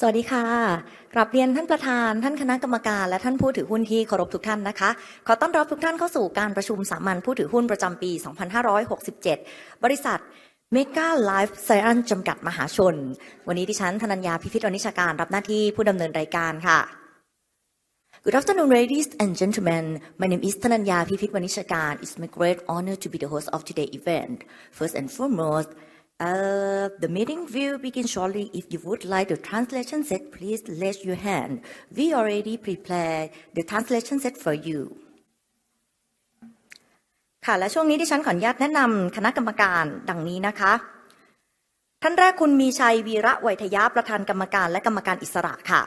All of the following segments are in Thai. สวัสดีค่ะกราบเรียนท่านประธานท่านคณะกรรมการและท่านผู้ถือหุ้นที่เคารพทุกท่านนะคะขอต้อนรับทุกท่านเข้าสู่การประชุมสามัญผู้ถือหุ้นประจำปี2567บริษัท Mega Lifesciences จำกัด(มหาชน)วันนี้ดิฉันธนัญญาพิพิธวณิชการรับหน้าที่ผู้ดำเนินรายการค่ะ Good afternoon, ladies and gentlemen. My name is Thananyā Pipitwanichakan. It's my great honor to be the host of today's event. First and foremost, the meeting will begin shortly. If you would like the translation set, please raise your hand. We already prepared the translation set for you. ค่ะและช่วงนี้ดิฉันขออนุญาตแนะนำคณะกรรมการดังนี้นะคะท่านแรกคุณมีชัยวีระไวยทยะประธานกรรมการและกรรมการอิสระค่ะ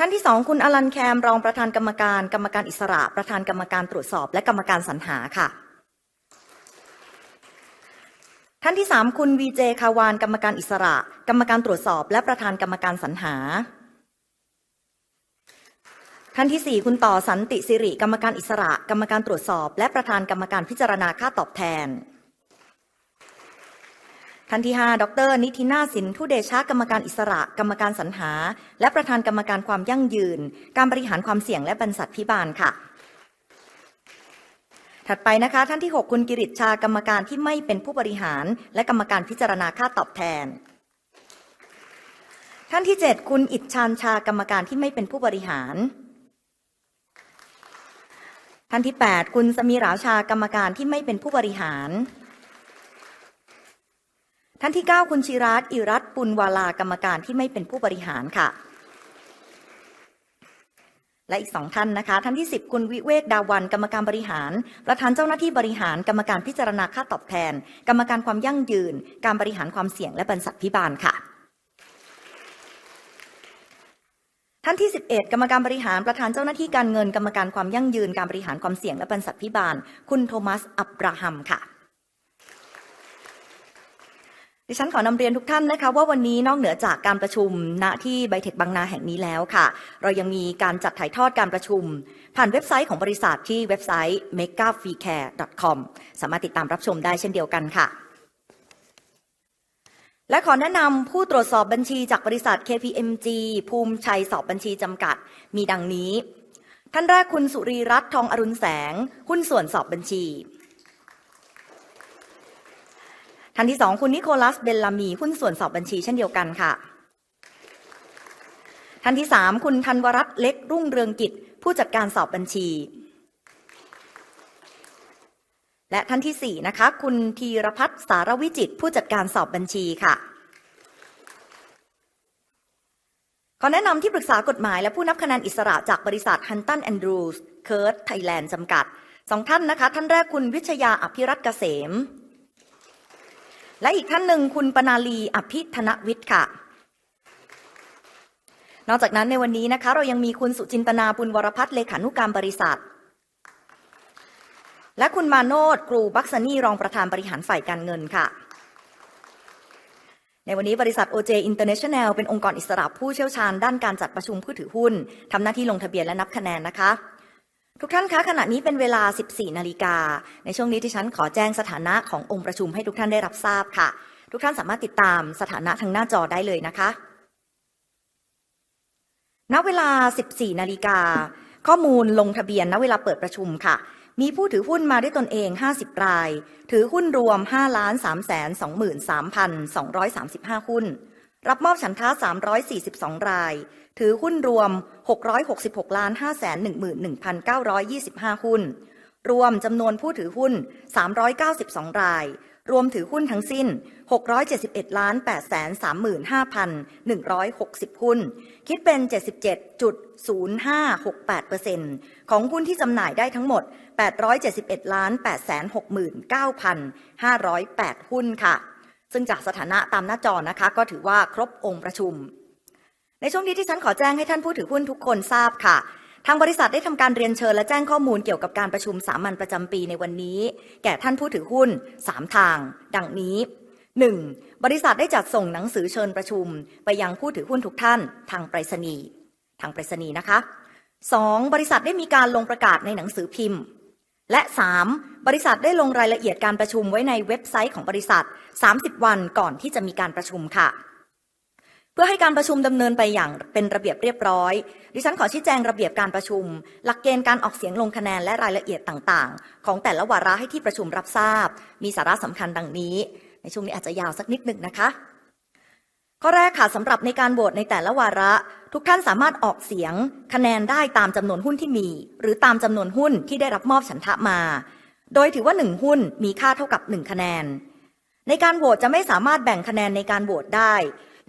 ท่านที่สองคุณอลันแคมรองประธานกรรมการกรรมการอิสระประธานกรรมการตรวจสอบและกรรมการสรรหาค่ะท่านที่สามคุณวีเจคาวานกรรมการอิสระกรรมการตรวจสอบและประธานกรรมการสรรหาท่านที่สี่คุณต่อสันติศิริกรรมการอิสระกรรมการตรวจสอบและประธานกรรมการพิจารณาค่าตอบแทนท่านที่ห้าด ร. นิธินาศสินธุเดชะกรรมการอิสระกรรมการสรรหาและประธานกรรมการความยั่งยืนการบริหารความเสี่ยงและบรรษัทภิบาลค่ะถัดไปนะคะท่านที่หกคุณกิริชชากรรมการที่ไม่เป็นผู้บริหารและกรรมการพิจารณาค่าตอบแทนท่านที่เจ็ดคุณอิฐชาญชากรรมการที่ไม่เป็นผู้บริหารท่านที่แปดคุณสมิราวชากรรมการที่ไม่เป็นผู้บริหารท่านที่เก้าคุณชิรัตน์อิรัตน์ปุณวาลากรรมการที่ไม่เป็นผู้บริหารค่ะและอีกสองท่านนะคะท่านที่สิบคุณวิเวกดาวัลย์กรรมการบริหารประธานเจ้าหน้าที่บริหารกรรมการพิจารณาค่าตอบแทนกรรมการความยั่งยืนการบริหารความเสี่ยงและบรรษัทภิบาลค่ะท่านที่สิบเอ็ดกรรมการบริหารประธานเจ้าหน้าที่การเงินกรรมการความยั่งยืนการบริหารความเสี่ยงและบรรษัทภิบาลคุณโทมัสอับราฮัมค่ะดิฉันขอนำเรียนทุกท่านนะคะว่าวันนี้นอกเหนือจากการประชุมณที่ไบเทคบางนาแห่งนี้แล้วค่ะเรายังมีการจัดถ่ายทอดการประชุมผ่านเว็บไซต์ของบริษัทที่เว็บไซต์ megafreecare.com สามารถติดตามรับชมได้เช่นเดียวกันค่ะและขอแนะนำผู้ตรวจสอบบัญชีจากบริษัท KPMG ภูมิชัยสอบบัญชีจำกัดมีดังนี้ท่านแรกคุณสุรีรัตน์ทองอรุณแสงหุ้นส่วนสอบบัญชีท่านที่สองคุณนิโคลัสเบลลามีหุ้นส่วนสอบบัญชีเช่นเดียวกันค่ะท่านที่สามคุณธันวรัตน์เล็กรุ่งเรืองกิจผู้จัดการสอบบัญชีและท่านที่สี่นะคะคุณธีรพัฒน์สารวิจิตรผู้จัดการสอบบัญชีค่ะขอแนะนำที่ปรึกษากฎหมายและผู้นับคะแนนอิสระจากบริษัทฮันตันแอนดรูว์เคิร์ทไทยแลนด์จำกัดสองท่านนะคะท่านแรกคุณวิชญาอภิรัตน์เกษมและอีกท่านหนึ่งคุณปนาลีอภิธนวิชญ์ค่ะนอกจากนั้นในวันนี้นะคะเรายังมีคุณสุจินตนาบุญวรพัฒน์เลขานุการบริษัทและคุณมาโนชกรูบั๊กซะนี่รองประธานบริหารฝ่ายการเงินค่ะในวันนี้บริษัท OJ International เป็นองค์กรอิสระผู้เชี่ยวชาญด้านการจัดประชุมผู้ถือหุ้นทำหน้าที่ลงทะเบียนและนับคะแนนนะคะทุกท่านคะขณะนี้เป็นเวลา 14:00 น. ในช่วงนี้ดิฉันขอแจ้งสถานะขององค์ประชุมให้ทุกท่านได้รับทราบค่ะทุกท่านสามารถติดตามสถานะทางหน้าจอได้เลยนะคะณเวลา 14:00 น. ข้อมูลลงทะเบียนณเวลาเปิดประชุมมีผู้ถือหุ้นมาด้วยตนเอง50รายถือหุ้นรวม 5,323,235 หุ้นรับมอบฉันทะ342รายถือหุ้นรวม 666,511,925 หุ้นรวมจำนวนผู้ถือหุ้น392รายรวมถือหุ้นทั้งสิ้น 671,835,160 หุ้นคิดเป็น 77.0568% ของหุ้นที่จำหน่ายได้ทั้งหมด 871,869,508 หุ้นซึ่งจากสถานะตามหน้าจอถือว่าครบองค์ประชุมในช่วงนี้ขอแจ้งให้ท่านผู้ถือหุ้นทุกคนทราบทางบริษัทได้ทำการเรียนเชิญและแจ้งข้อมูลเกี่ยวกับการประชุมสามัญประจำปีในวันนี้แก่ท่านผู้ถือหุ้นสามทางดังนี้หนึ่งบริษัทได้จัดส่งหนังสือเชิญประชุมไปยังผู้ถือหุ้นทุกท่านทางไปรษณีย์สองบริษัทได้มีการลงประกาศในหนังสือพิมพ์และสามบริษัทได้ลงรายละเอียดการประชุมไว้ในเว็บไซต์ของบริษัท30วันก่อนที่จะมีการประชุมเพื่อให้การประชุมดำเนินไปอย่างเป็นระเบียบเรียบร้อยขอชี้แจงระเบียบการประชุมหลักเกณฑ์การออกเสียงลงคะแนนและรายละเอียดต่างๆของแต่ละวาระให้ที่ประชุมรับทราบมีสาระสำคัญดังนี้ข้อแรกสำหรับในการโหวตในแต่ละวาระทุกท่านสามารถอ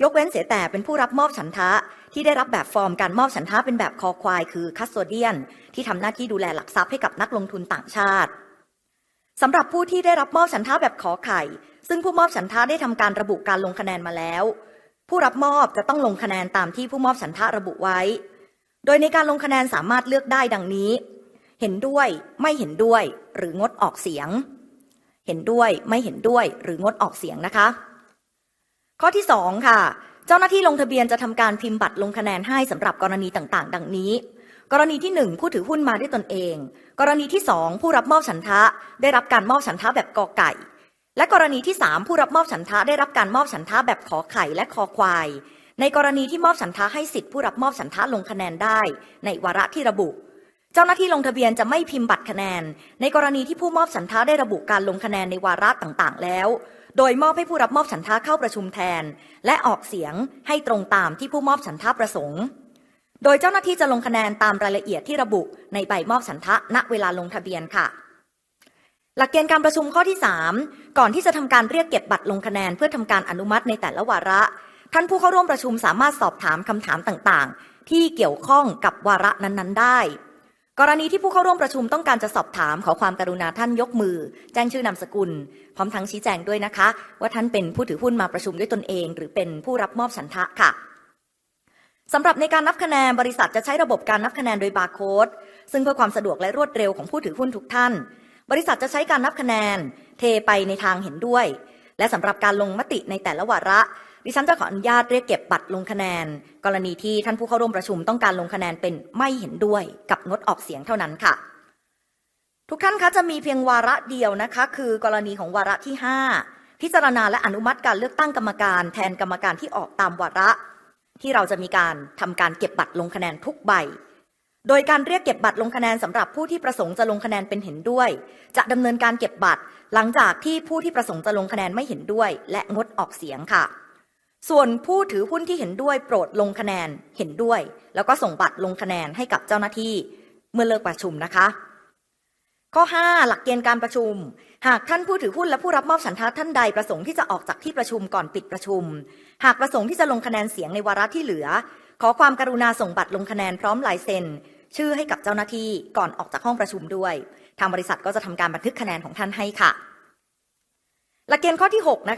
อกเสียงคะแนนได้ตามจำนวนหุ้นที่มีหรือตามจำนวนหุ้นที่ได้รับมอบฉันทะมาโดยถือว่า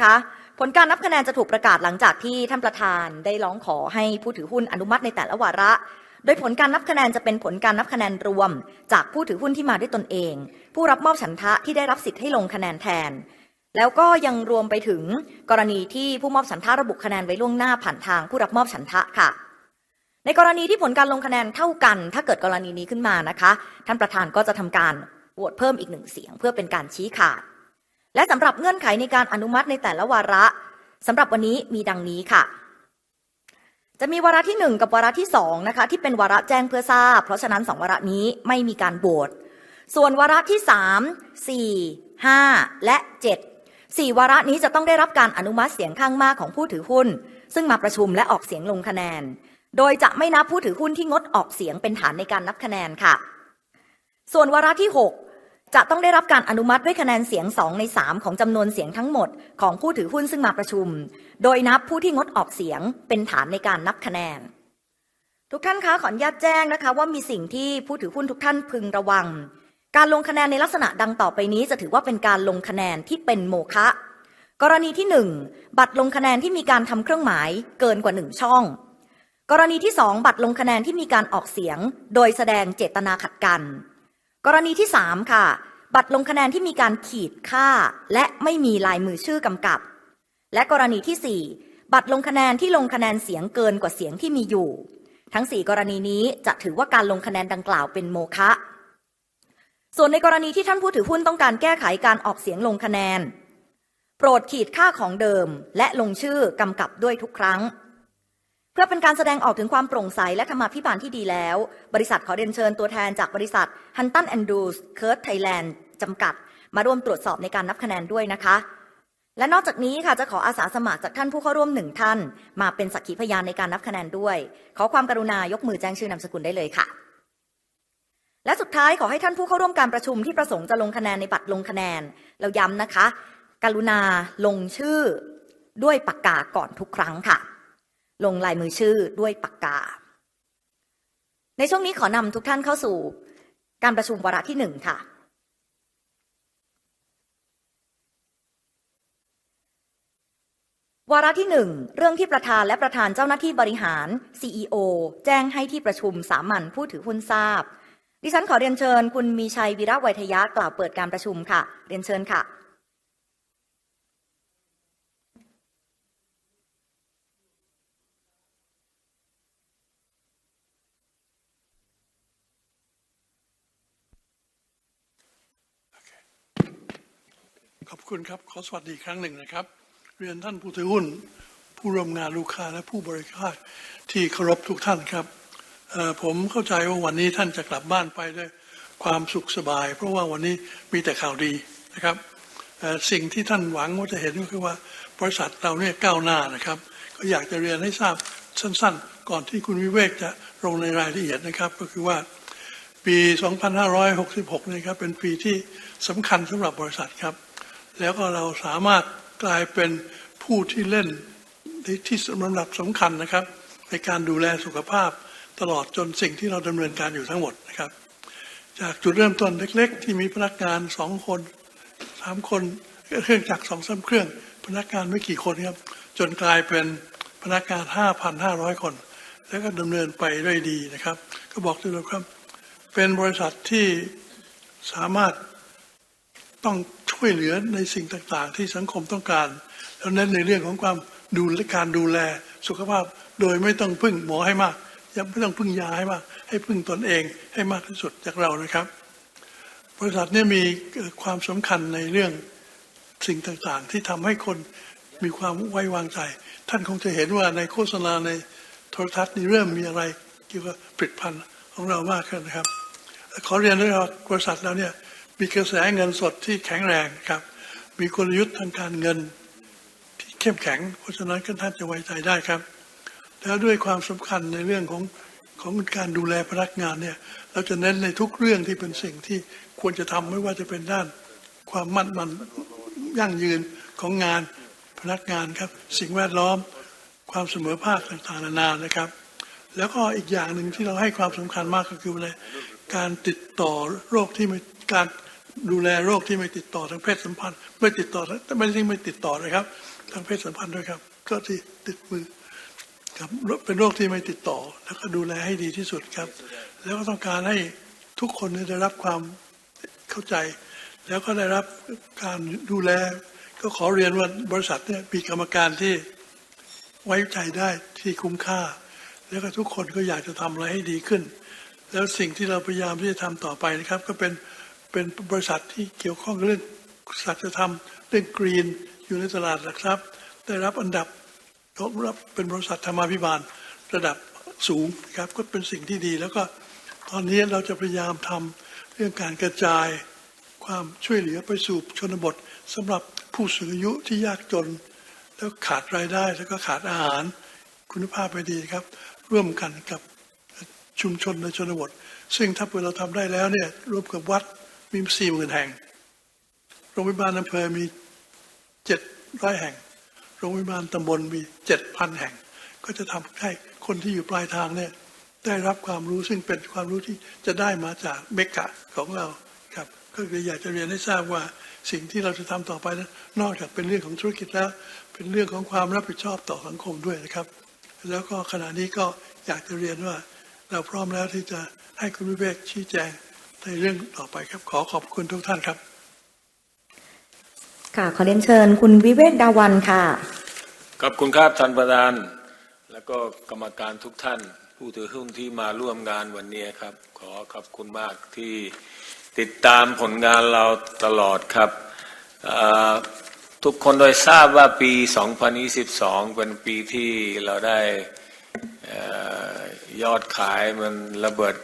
หันทะค่ะในกรณีที่ผลการลงคะแนนเท่ากันถ้าเกิดกรณีนี้ขึ้นมานะคะท่านประธานก็จะทำการโหวตเพิ่มอีกหนึ่งเสียงเพื่อเป็นการชี้ขาดและสำหรับเงื่อนไขในการอนุมัติในแต่ละวาระสำหรับวันนี้มีดังนี้ค่ะจะมีวาระที่หนึ่งกับวาระที่สองนะคะที่เป็นวาระแจ้งเพื่อทราบเพราะฉะนั้นสองวาระนี้ไม่มีการโหวตส่วนวาระที่สามสี่ห้าและเจ็ดสี่วาระนี้จะต้องได้รับการอนุมัติเสียงข้างมากของผู้ถือหุ้นซึ่งมาประชุมและออกเสียงลงคะแนนโดยจะไม่นับผู้ถือหุ้นที่งดออกเสียงเป็นฐานในการนับคะแนนค่ะส่วนวาระที่หกจะต้องได้รับการอนุมัติด้ว่อกำกับด้วยทุกครั้งเพื่อเป็นการแสดงออกถึงความโปร่งใสและธรรมาภิบาลที่ดีแล้วบริษัทขอเรียนเชิญตัวแทนจากบริษัทฮันตันแอนดรูว์เคิร์ทไทยแลนด์จำกัดมาร่วมตรวจสอบในการนับคะแนนด้วยนะคะและนอกจากนี้ค่ะจะขออาสาสมัครจากท่านผู้เข้าร่วมหนึ่งท่านมาเป็นสักขีพยานในการนับคะแนนด้วยขอความกรุณายกมือแจ้งชื่อนามสกุลได้เลยค่ะและสุดท้ายขอให้ท่านผู้เข้าร่วมการประชุมที่ประสงค์จะลงคะแนนในบัตรลงคะแนนเราย้ำนะคะกรุณาลงชื่อด้วยปากกาก่อนทุกครั้งค่ะลงลายมือชื่อด้วยปากกาในช่วงนี้ขอนำทุกท่านเข้าสู่การประชุมวาระที่หนึ่งค่ะวาระที่หนึ่งเรื่องที่ประธานและประธานเจ้าหน้าที่บริหารซีอีโอแจ้งให้ที่ประชุมสามัญผู้ถือหุ้นทราบดิฉันขอเรียนเชิญคุณมีชัยวิรวัยทยะกล่าวเปิดการประชุมค่ะเรียนเชิญค่ะขอบคุณครับขอสวัสดีอีกครั้งหนึ่งนะครับเรียนท่านผู้ถือหุ้นผู้ร่วมงานลูกค้าและผู้บริการที่เคารพทุกท่านครับผมเข้าใจว่าวันนี้ท่านจะกลับบ้านไปด้วยความสุขสบายเพราะว่าวันนี้มีแต่ข่าวดีนะครับสิ่งที่ท่านหวังว่าจะเห็นก็คือว่าบริษัทเราก้าวหน้านะครับก็อยากจะเรียนให้ทราบสั้นๆก่อนที่คุณวิเวกจะลงในรายละเอียดนะครับก็คือว่าปี2566เป็นปีที่สำคัญสำหรับบริษัทครับแล้วก็เราสามารถกลายเป็นผู้ที่เล่นที่สำคัญนะครับในการดูแลสุขภาพตลอดจนสิ่งที่เราดำเนินการอยู่ทั้งหมดนะครับจากจุดเริ่มต้นเล็กๆที่มีพนักงาน2คน3คนเครื่องจักร 2-3 เครื่องพนักงานไม่กี่คนครับจนกลายเป็นพนักงาน 5,500 คนแล้วก็ดำเนินไปด้วยดีนะครับก็บอกได้เลยครับเป็นบริษัทที่สามารถช่วยเหลือในสิ่งต่างๆที่สังคมต้องการแล้วเน้นในเรื่องของความดูแลสุขภาพโดยไม่ต้องพึ่งหมอให้มากยังไม่ต้องพึ่งยาให้มากให้พึ่งตนเองให้มากที่สุดจากเรานะครับบริษัทมีความสำคัญในเรื่องสิ่งต่างๆที่ทำให้คนมีความไว้วางใจท่านคงจะเห็นว่าในโฆษณาในโทรทัศน์นี่เริ่มมีอะไรเกี่ยวกับผลิตภัณฑ์ของเรามากขึ้นนะครับขอเรียนด้วยว่าบริษัทเรามีกระแสเงินสดที่แข็งแรงครับมีกลยุทธ์ทางการเงินที่เข้มแข็งเพราะฉะนั้นท่านจะไว้ใจได้ครับแล้วด้วยความสำคัญในเรื่องของการดูแลพนักงานเราจะเน้นในทุกเรื่องที่เป็นสิ่งที่ควรจะทำไม่ว่าจะเป็นด้านความมั่นคงยั่งยืนของงานพนักงานครับสิ่งแวดล้อมความเสมอภาคต่างๆนานาครับแล้วก็อีกอย่างหนึ่งที่เราให้ความสำคัญมากก็คือการดูแลโรคที่ไม่ติดต่อครับแล้วก็ต้องการให้ทุกคนได้รับความเข้าใจแล้วก็ได้รับการดูแลก็ขอเรียนว่าบริษัทมีกรรมการที่ไว้ใจได้ที่คุ้มค่าแล้วก็ทุกคนก็อยากจะทำอะไรให้ดีขึ้นแล้วสิ่งที่เราพยายามที่จะทำต่อไปนะครับก็เป็นบริษัทที่เกี่ยวข้องกับเรื่องสัจธรรมเรื่องกรีนอยู่ในตลาดหลักทรัพย์ได้รับอันดับเป็นบริษัทธรรมาภิบาลระดับสูงนะครับก็เป็นสิ่งที่ดีแล้วก็ตอนนี้เราจะพยายามทำเรื่องการกระจายความช่วยเหลือไปสู่ชนบทสำหรับผู้สูงอายุที่ยากจนแล้วขาดรายได้แล้วก็ขาดอาหารคุณภาพไม่ดีนะครับร่วมกันกับชุมชนในชนบทซึ่งถ้าเราทำได้แล้วร่วมกับวัดมี 40,000 แห่งโรงพยาบาลอำเภอมี700แห่งโรงพยาบาลตำบลมี 7,000 แห่งก็จะทำให้คนที่อยู่ปลายทางได้รับความรู้ซึ่งเป็นความรู้ที่จะได้มาจากเมกะของเรานะครับก็เลยอยากจะเรียนให้ทราบว่าสิ่งที่เราจะทำต่อไปนั้นนอกจากเป็นเรื่องของธุรกิจแล้วเป็นเรื่องของความรับผิดชอบต่อสังคมด้วยนะครับแล้วก็ขณะนี้ก็อยากจะเรียนว่าเราพร้อมแล้วที่จะให้คุณวิเวกชี้แจงในเรื่องต่อไปครับขอขอบคุณทุกท่านครับค่ะขอเรียนเชิญคุณวิเวกดาวัลย์ค่ะขอบคุณครับท่านประธานแล้วก็กรรมการทุกท่านผู้ถือหุ้นที่มาร่วมงานวันนี้ครับขอขอบคุณมากที่ติดตามผลงานเราตลอดครับทุกคนทราบว่าปี2022เป็นปีที่เราได้ยอดขายที่ระเบิด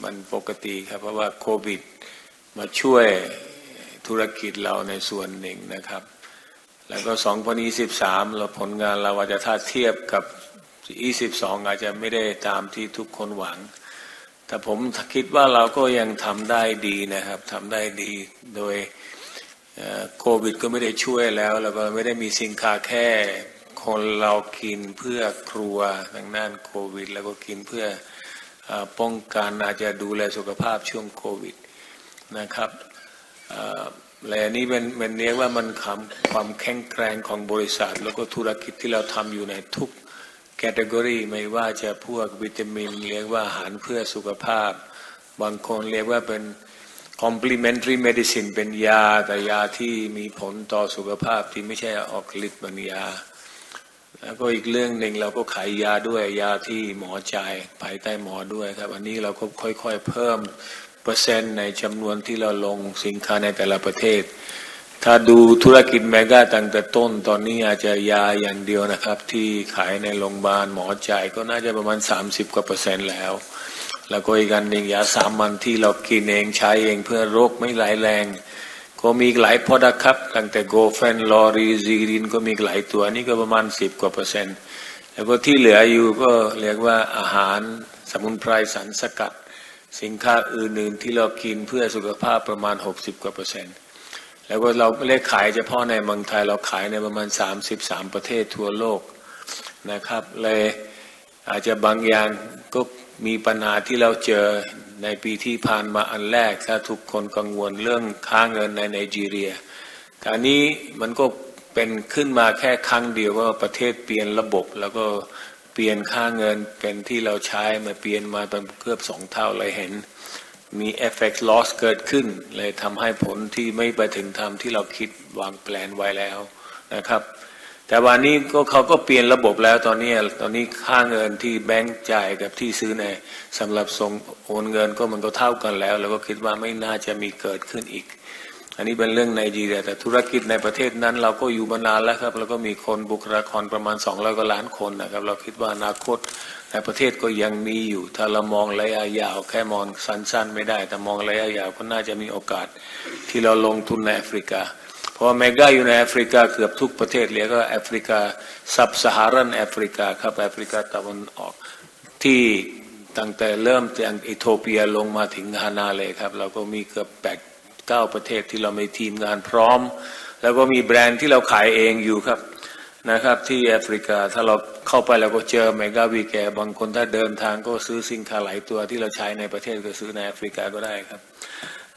กว่าปกติครับเพราะว่าโควิดมาช่วยธุรกิจเราในส่วนหนึ่งนะครับแล้วก็2023ผลงานเราอาจจะถ้าเทียบกับ2022อาจจะไม่ได้ตามที่ทุกคนหวังแต่ผมคิดว่าเราก็ยังทำได้ดีนะครับทำได้ดีโดยโควิดก็ไม่ได้ช่วยแล้วแล้วก็ไม่ได้มีซิงค์ที่คนเรากินเพื่อครัวทางด้านโควิดแล้วก็กินเพื่อป้องกันอาจจะดูแลสุขภาพช่วงโควิดนะครับและอันนี้มันเรียกว่าแสดงความแข็งแกร่งของบริษัทแล้วก็ธุรกิจที่เราทำอยู่ในทุก category ไม่ว่าจะพวกวิตามินเรียกว่าอาหารเพื่อสุขภาพบางคนเรียกว่าเป็น complementary medicine เป็นยาแต่ยาที่มีผลต่อสุขภาพที่ไม่ใช่ออกฤทธิ์เหมือนยาแล้วก็อีกเรื่องหนึ่งเราก็ขายยาด้วยยาที่หมอจ่ายภายใต้หมอด้วยครับวันนี้เราก็ค่อยๆเพิ่มเปอร์เซ็นต์ในจำนวนที่เราลงสินค้าในแต่ละประเทศถ้าดูธุรกิจเมกะตั้งแต่ต้นตอนนี้อาจจะยาอย่างเดียวนะครับที่ขายในโรงพยาบาลหมอจ่ายก็น่าจะประมาณ 30% แล้วแล้วก็อีกอันหนึ่งยาสามวันที่เรากินเองใช้เองเพื่อโรคไม่ร้ายแรงก็มีอีกหลาย product ครับตั้งแต่ Golden Laurel Zinc ก็มีอีกหลายตัวนี่ก็ประมาณ 10% แล้วก็ที่เหลืออยู่ก็เรียกว่าอาหารสมุนไพรสารสกัดสินค้าอื่นๆที่เรากินเพื่อสุขภาพประมาณ 60% แล้วก็เราไม่ได้ขายเฉพาะในเมืองไทยเราขายในประมาณ33ประเทศทั่วโลกนะครับเลยอาจจะบางอย่างก็มีปัญหาที่เราเจอในปีที่ผ่านมาอันแรกถ้าทุกคนกังวลเรื่องค่าเงินในไนจีเรียคราวนี้มันก็เป็นขึ้นมาแค่ครั้งเดียวว่าประเทศเปลี่ยนระบบแล้วก็เปลี่ยนค่าเงินที่เราใช้มาเปลี่ยนมาเป็นเกือบสองเท่าเลยเห็นมี effect loss เกิดขึ้นเลยทำให้ผลที่ไม่ไปถึงตามที่เราคิดวางแผนไว้แล้วนะครับแต่วันนี้ก็เขาก็เปลี่ยนระบบแล้วตอนนี้ค่าเงินที่แบงก์จ่ายกับที่ซื้อในสำหรับส่งโอนเงินก็เท่ากันแล้วเราก็คิดว่าไม่น่าจะมีเกิดขึ้นอีกอันนี้เป็นเรื่องไนจีเรียแต่ธุรกิจในประเทศนั้นเราก็อยู่มานานแล้วครับเราก็มีคนบุคลากรประมาณ200ล้านคนนะครับเราคิดว่าอนาคตในประเทศก็ยังมีอยู่ถ้าเรามองระยะยาวแค่มองสั้นๆไม่ได้ถ้ามองระยะยาวก็น่าจะมีโอกาสที่เราลงทุนในแอฟริกาเพราะว่าเมกะอยู่ในแอฟริกาเกือบทุกประเทศเรียกว่าแอฟริกาซับซาฮารันแอฟริกาครับแอฟริกาตะวันออกที่ตั้งแต่เริ่มจากเอธิโอเปียลงมาถึงกานาเลยครับเราก็มีเกือบ 8-9 ประเทศที่เรามีทีมงานพร้อมแล้วก็มีแบรนด์ที่เราขายเองอยู่ครับนะครับที่แอฟริกาถ้าเราเข้าไปเราก็เจอเมกะวีแกบางคนถ้าเดินทางก็ซื้อซิงค์หลายตัวที่เราใช้ในประเท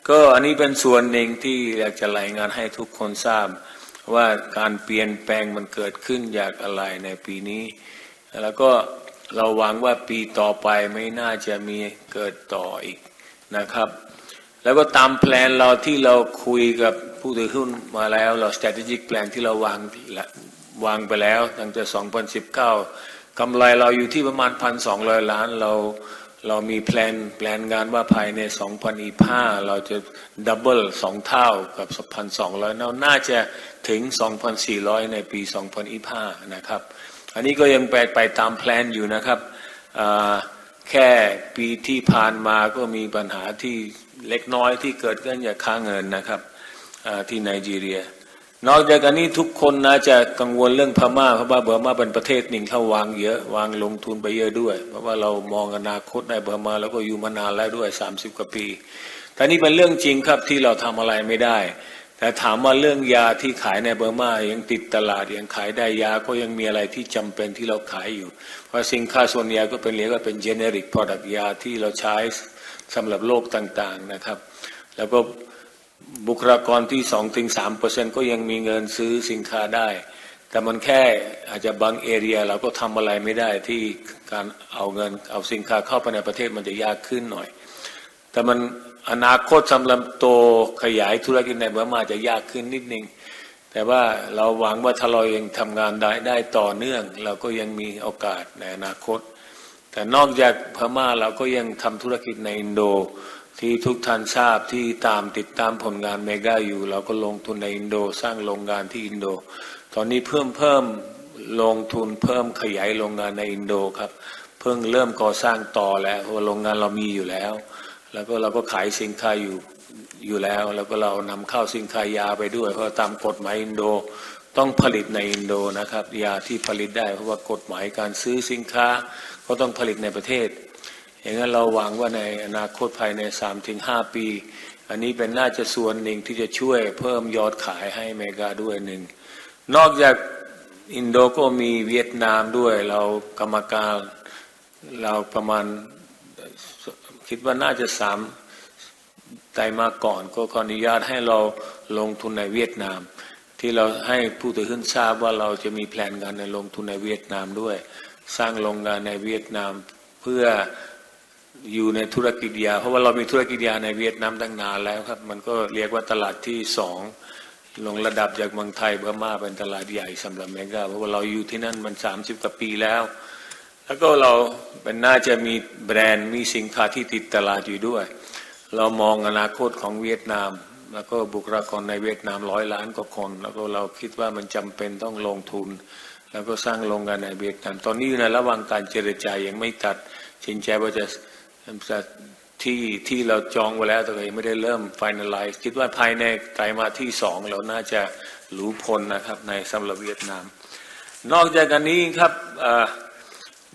ศก็ซื้อในแอฟริกาก็ได้ครับอันนี้เป็นส่วนหนึ่งที่อยากจะรายงานให้ทุกคนทราบว่าการเปลี่ยนแปลงมันเกิดขึ้นจากอะไรในปีนี้แล้วก็เราหวังว่าปีต่อไปไม่น่าจะมีเกิดต่ออีกนะครับแล้วก็ตามแผนเราที่เราคุยกับผู้ถือหุ้นมาแล้วเรา strategic plan ที่เราวางวางไปแล้วตั้งแต่2019กำไรเราอยู่ที่ประมาณ฿ 1,200 ล้านเรามีแผนว่าภายใน2025เราจะ double สองเท่ากับ฿ 1,200 ล้านเราน่าจะถึง฿ 2,400 ล้านในปี2025นะครับอันนี้ก็ยังไปตามแผนอยู่นะครับแค่ปีที่ผ่านมาก็มีปัญหาที่เล็กน้อยที่เกิดขึ้นจากค่าเงินนะครับที่ไนจีเรียนอกจากอันนี้ทุกคนน่าจะกังวลเรื่องพม่าเพราะว่าพม่าเป็นประเทศหนึ่งเขาวางเยอะวางลงทุนไปเยอะด้วยเพราะว่าเรามองอนาคตได้พม่าเราก็อยู่มานานแล้วด้วย30กว่าปีแต่นี่เป็นเรื่องจริงครับที่เราทำอะไรไม่ได้แต่ถามว่าเรื่องยาที่ขายในพม่ายังติดตลาดยังขายได้ยาก็ยังมีอะไรที่จำเป็นที่เราขายอยู่เพราะซิงค์ส่วนใหญ่ก็เป็นเรียกว่าเป็น generic product ยาที่เราใช้สำหรับโรคต่างๆนะครับแล้วก็บุคลากรที่ 2-3% ก็ยังมีเงินซื้อซิงค์ได้แต่มันแค่อาจจะบาง area เราก็ทำอะไรไม่ได้ที่การเอาเงินเอาสินค้าเข้าไปในประเทศมันจะยากขึ้นหน่อยแต่มันอนาคตสำหรับโตขยายธุรกิจในพม่าจะยากขึ้นนิดนึงแต่ว่าเราหวังว่าถ้าเรายังทำงานได้ต่อเนื่องเราก็ยังมีโอกาสในอนาคตแต่นอกจากพม่าเราก็ยังทำธุรกิจในอินโดนีเซียที่ทุกท่านทราบที่ตามติดตามผลงานเมกะอยู่เราก็ลงทุนในอินโดนีเซียสร้างโรงงานที่อินโดนีเซียตอนนี้เพิ่มลงทุนเพิ่มขยายโรงงานในอินโดนีเซียครับเพิ่งเริ่มก่อสร้างต่อแล้วเพราะว่าโรงงานเรามีอยู่แล้วแล้วก็เราก็ขายซิงค์อยู่แล้วแล้วก็เรานำเข้าซิงค์ยาไปด้วยเพราะตามกฎหมายอินโดนีเซียต้องผลิตในอินโดนีเซียนะครับยาที่ผลิตได้เพราะว่ากฎหมายการซื้อสินค้าก็ต้องผลิตในประเทศอย่างงั้นเราหวังว่าในอนาคตภายใน 3-5 ปีอันนี้เป็นน่าจะส่วนหนึ่งที่จะช่วยเพิ่มยอดขายให้เมกะด้วยนอกจากอินโดนีเซียก็มีเวียดนามด้วยเรากรรมการเราประมาณคิดว่าน่าจะสามแต่มาก่อนก็ขออนุญาตให้เราลงทุนในเวียดนามที่เราให้ผู้ถือหุ้นทราบว่าเราจะมีแผนงานในลงทุนในเวียดนามด้วยสร้างโรงงานในเวียดนามเพื่ออยู่ในธุรกิจยาเพราะว่าเรามีธุรกิจยาในเวียดนามตั้งนานแล้วครับมันก็เรียกว่าตลาดที่สองรองลงมาจากเมืองไทยพม่าเป็นตลาดใหญ่สำหรับเมกะเพราะว่าเราอยู่ที่นั่นมา30กว่าปีแล้วแล้วก็เราเป็นน่าจะมีแบรนด์มีซิงค์ที่ติดตลาดอยู่ด้วยเรามองอนาคตของเวียดนามแล้วก็บุคลากรในเวียดนาม100ล้านกว่าคนแล้วก็เราคิดว่ามันจำเป็นต้องลงทุนแล้วก็สร้างโรงงานในเวียดนามตอนนี้อยู่ในระหว่างการเจรจายังไม่ตัดสินใจว่าจะที่ที่เราจองไว้แล้วแต่ก็ยังไม่ได้เริ่ม finalize คิดว่าภายในไตรมาสที่สองเราน่าจะรู้ผลนะครับสำหรับเวียดนามนอกจากอันนี้ครับ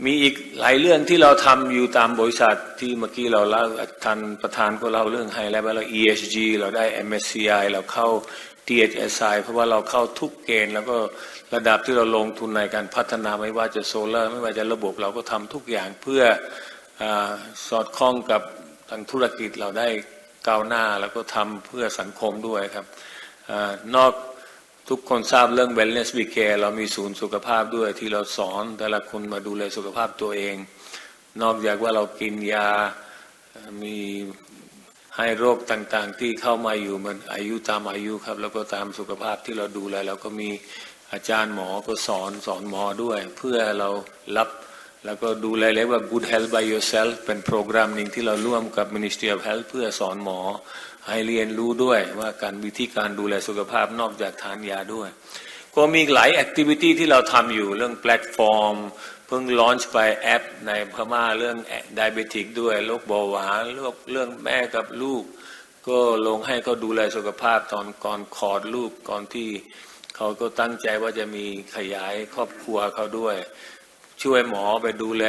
มีอีกหลายเรื่องที่เราทำอยู่ตามบริษัทที่เมื่อกี้เราเล่าท่านประธานก็เล่าเรื่องไฮไลท์ไว้แล้ว ESG เราได้ MSCI เราเข้า THSI เพราะว่าเราเข้าทุกเกณฑ์แล้วก็ระดับที่เราลงทุนในการพัฒนาไม่ว่าจะโซลาร์ไม่ว่าจะระบบเราก็ทำทุกอย่างเพื่อสอดคล้องกับทางธุรกิจเราได้ก้าวหน้าแล้วก็ทำเพื่อสังคมด้วยครับนอกทุกคนทราบเรื่อง Wellness We Care เรามีศูนย์สุขภาพด้วยที่เราสอนแต่ละคนมาดูแลสุขภาพตัวเองนอกจากว่าเรากินยามีให้โรคต่างๆที่เข้ามาอยู่ตามอายุครับแล้วก็ตามสุขภาพที่เราดูแลเราก็มีอาจารย์หมอก็สอนสอนหมอด้วยเพื่อเรารับแล้วก็ดูแลเรียกว่า Good Health by Yourself เป็นโปรแกรมนึงที่เราร่วมกับ Ministry of Health เพื่อสอนหมอให้เรียนรู้ด้วยว่าการวิธีการดูแลสุขภาพนอกจากทานยาด้วยก็มีอีกหลาย activity ที่เราทำอยู่เรื่องแพลตฟอร์มเพิ่ง launch ไปแอปในพม่าเรื่อง diabetic ด้วยโรคเบาหวานโรคเรื่องแม่กับลูกก็ลงให้เขาดูแลสุขภาพตอนก่อนคลอดลูกก่อนที่เขาก็ตั้งใจว่าจะมีขยายครอบครัวเขาด้วยช่วยหมอไปดูแล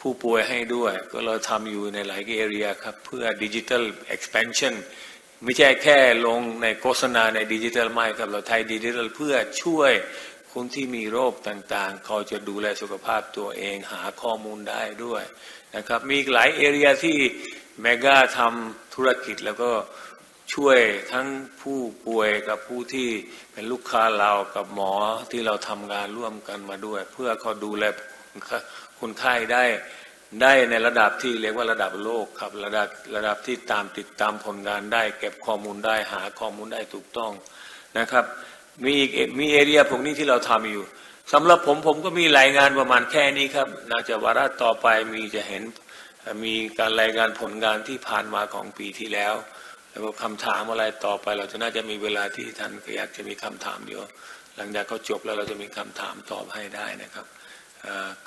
ผู้ป่วยให้ด้วยเราทำอยู่ในหลายๆ area ครับเพื่อ Digital Expansion ไม่ใช่แค่ลงในโฆษณาในดิจิทัลไม่ครับเราใช้ดิจิทัลเพื่อช่วยคนที่มีโรคต่างๆเขาจะดูแลสุขภาพตัวเองหาข้อมูลได้ด้วยนะครับมีอีกหลาย area ที่เมกะทำธุรกิจแล้วก็ช่วยทั้งผู้ป่วยกับผู้ที่เป็นลูกค้าเรากับหมอที่เราทำงานร่วมกันมาด้วยเพื่อเขาดูแลคนไข้ได้ในระดับที่เรียกว่าระดับโลกครับระดับที่ตามติดตามผลงานได้เก็บข้อมูลได้หาข้อมูลได้ถูกต้องนะครับมีอีก area พวกนี้ที่เราทำอยู่สำหรับผมผมก็มีรายงานประมาณแค่นี้ครับน่าจะวาระต่อไปมีจะเห็นมีการรายงานผลงานที่ผ่านมาของปีที่แล้วแล้วก็คำถามอะไรต่อไปเราจะน่าจะมีเวลาที่ท่านก็อยากจะมีคำถามอยู่หลังจากเขาจบแล้วเราจะมีคำถามตอบให้ได้นะครับ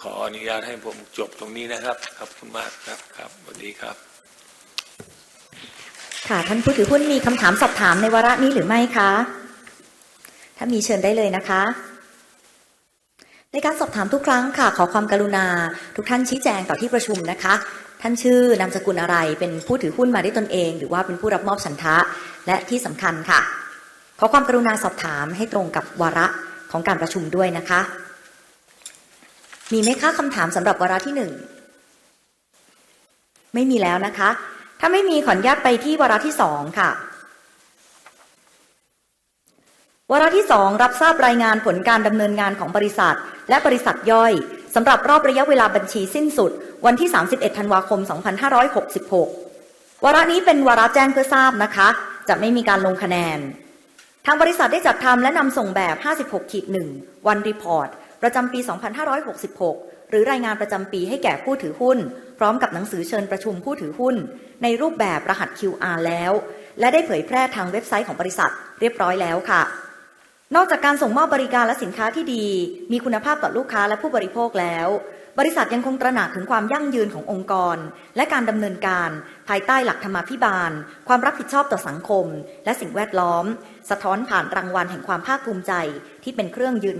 ขออนุญาตให้ผมจบตรงนี้นะครับขอบคุณมากครับสวัสดีครับค่ะท่านผู้ถือหุ้นมีคำถามสอบถามในวาระนี้หรือไม่คะถ้ามีเชิญได้เลยนะคะในการสอบถามทุกครั้งค่ะขอความกรุณาทุกท่านชี้แจงต่อที่ประชุมนะคะท่านชื่อนามสกุลอะไรเป็นผู้ถือหุ้นมาด้วยตนเองหรือว่าเป็นผู้รับมอบฉันทะและที่สำคัญค่ะขอความกรุณาสอบถามให้ตรงกับวาระของการประชุมด้วยนะคะมีไหมคะคำถามสำหรับวาระที่หนึ่งไม่มีแล้วนะคะถ้าไม่มีขออนุญาตไปที่วาระที่สองค่ะวาระที่สองรับทราบรายงานผลการดำเนินงานของบริษัทและบริษัทย่อยสำหรับรอบระยะเวลาบัญชีสิ้นสุดวันที่31ธันวาคม2566วาระนี้เป็นวาระแจ้งเพื่อทราบนะคะจะไม่มีการลงคะแนนทางบริษัทได้จัดทำและนำส่งแบบ 56-1 One Report ประจำปี2566หรือรายงานประจำปีให้แก่ผู้ถือหุ้นพร้อมกับหนังสือเชิญประชุมผู้ถือหุ้นในรูปแบบรหัส QR แล้วและได้เผยแพร่ทางเว็บไซต์ของบริษัทเรียบร้อยแล้วค่ะนอกจากการส่งมอบบริการและสินค้าที่ดีมีคุณภาพต่อลูกค้าและผู้บริโภคแล้วบริษัทยังคงตระหนักถึงความยั่งยืนขององค์กรและการดำเนินการภายใต้หลักธรรมาภิบาลความรับผิดชอบต่อสังคมและสิ่งแวดล้อมสะท้อนผ่านรางวัลแห่งความภาคภูมิใจที่เป็นเครื่องยื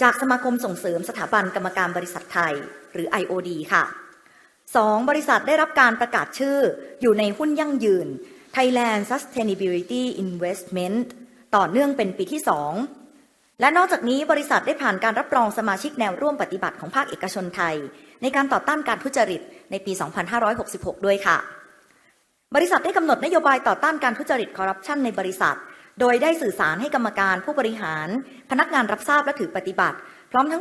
นยันความสำเร็จดังนี้หนึ่งบริษัทได้รับการจัดอันดับบริษัทจดทะเบียนที่มีการกำกับดูแลกิจการในเกณฑ์ดีเลิศหรือว่า5ดาว Excellent CG Scoring จากสมาคมส่งเสริมสถาบันกรรมการบริษัทไทยหรือ IOD ค่ะสองบริษัทได้รับการประกาศชื่ออยู่ในหุ้นยั่งยืน Thailand Sustainability Investment ต่อเนื่องเป็นปีที่สองและนอกจากนี้บริษัทได้ผ่านการรับรองสมาชิกแนวร่วมปฏิบัติของภาคเอกชนไทยในการต่อต้านการทุจริตในปี2566ด้วยค่ะบริษัทได้กำหนดนโยบายต่อต้านการทุจริตคอร์รัปชันในบริษัทโดยได้สื่อสารให้กรรมการผู้บริหารพนักงานรับทราบและถือปฏิบัติพร้อมทั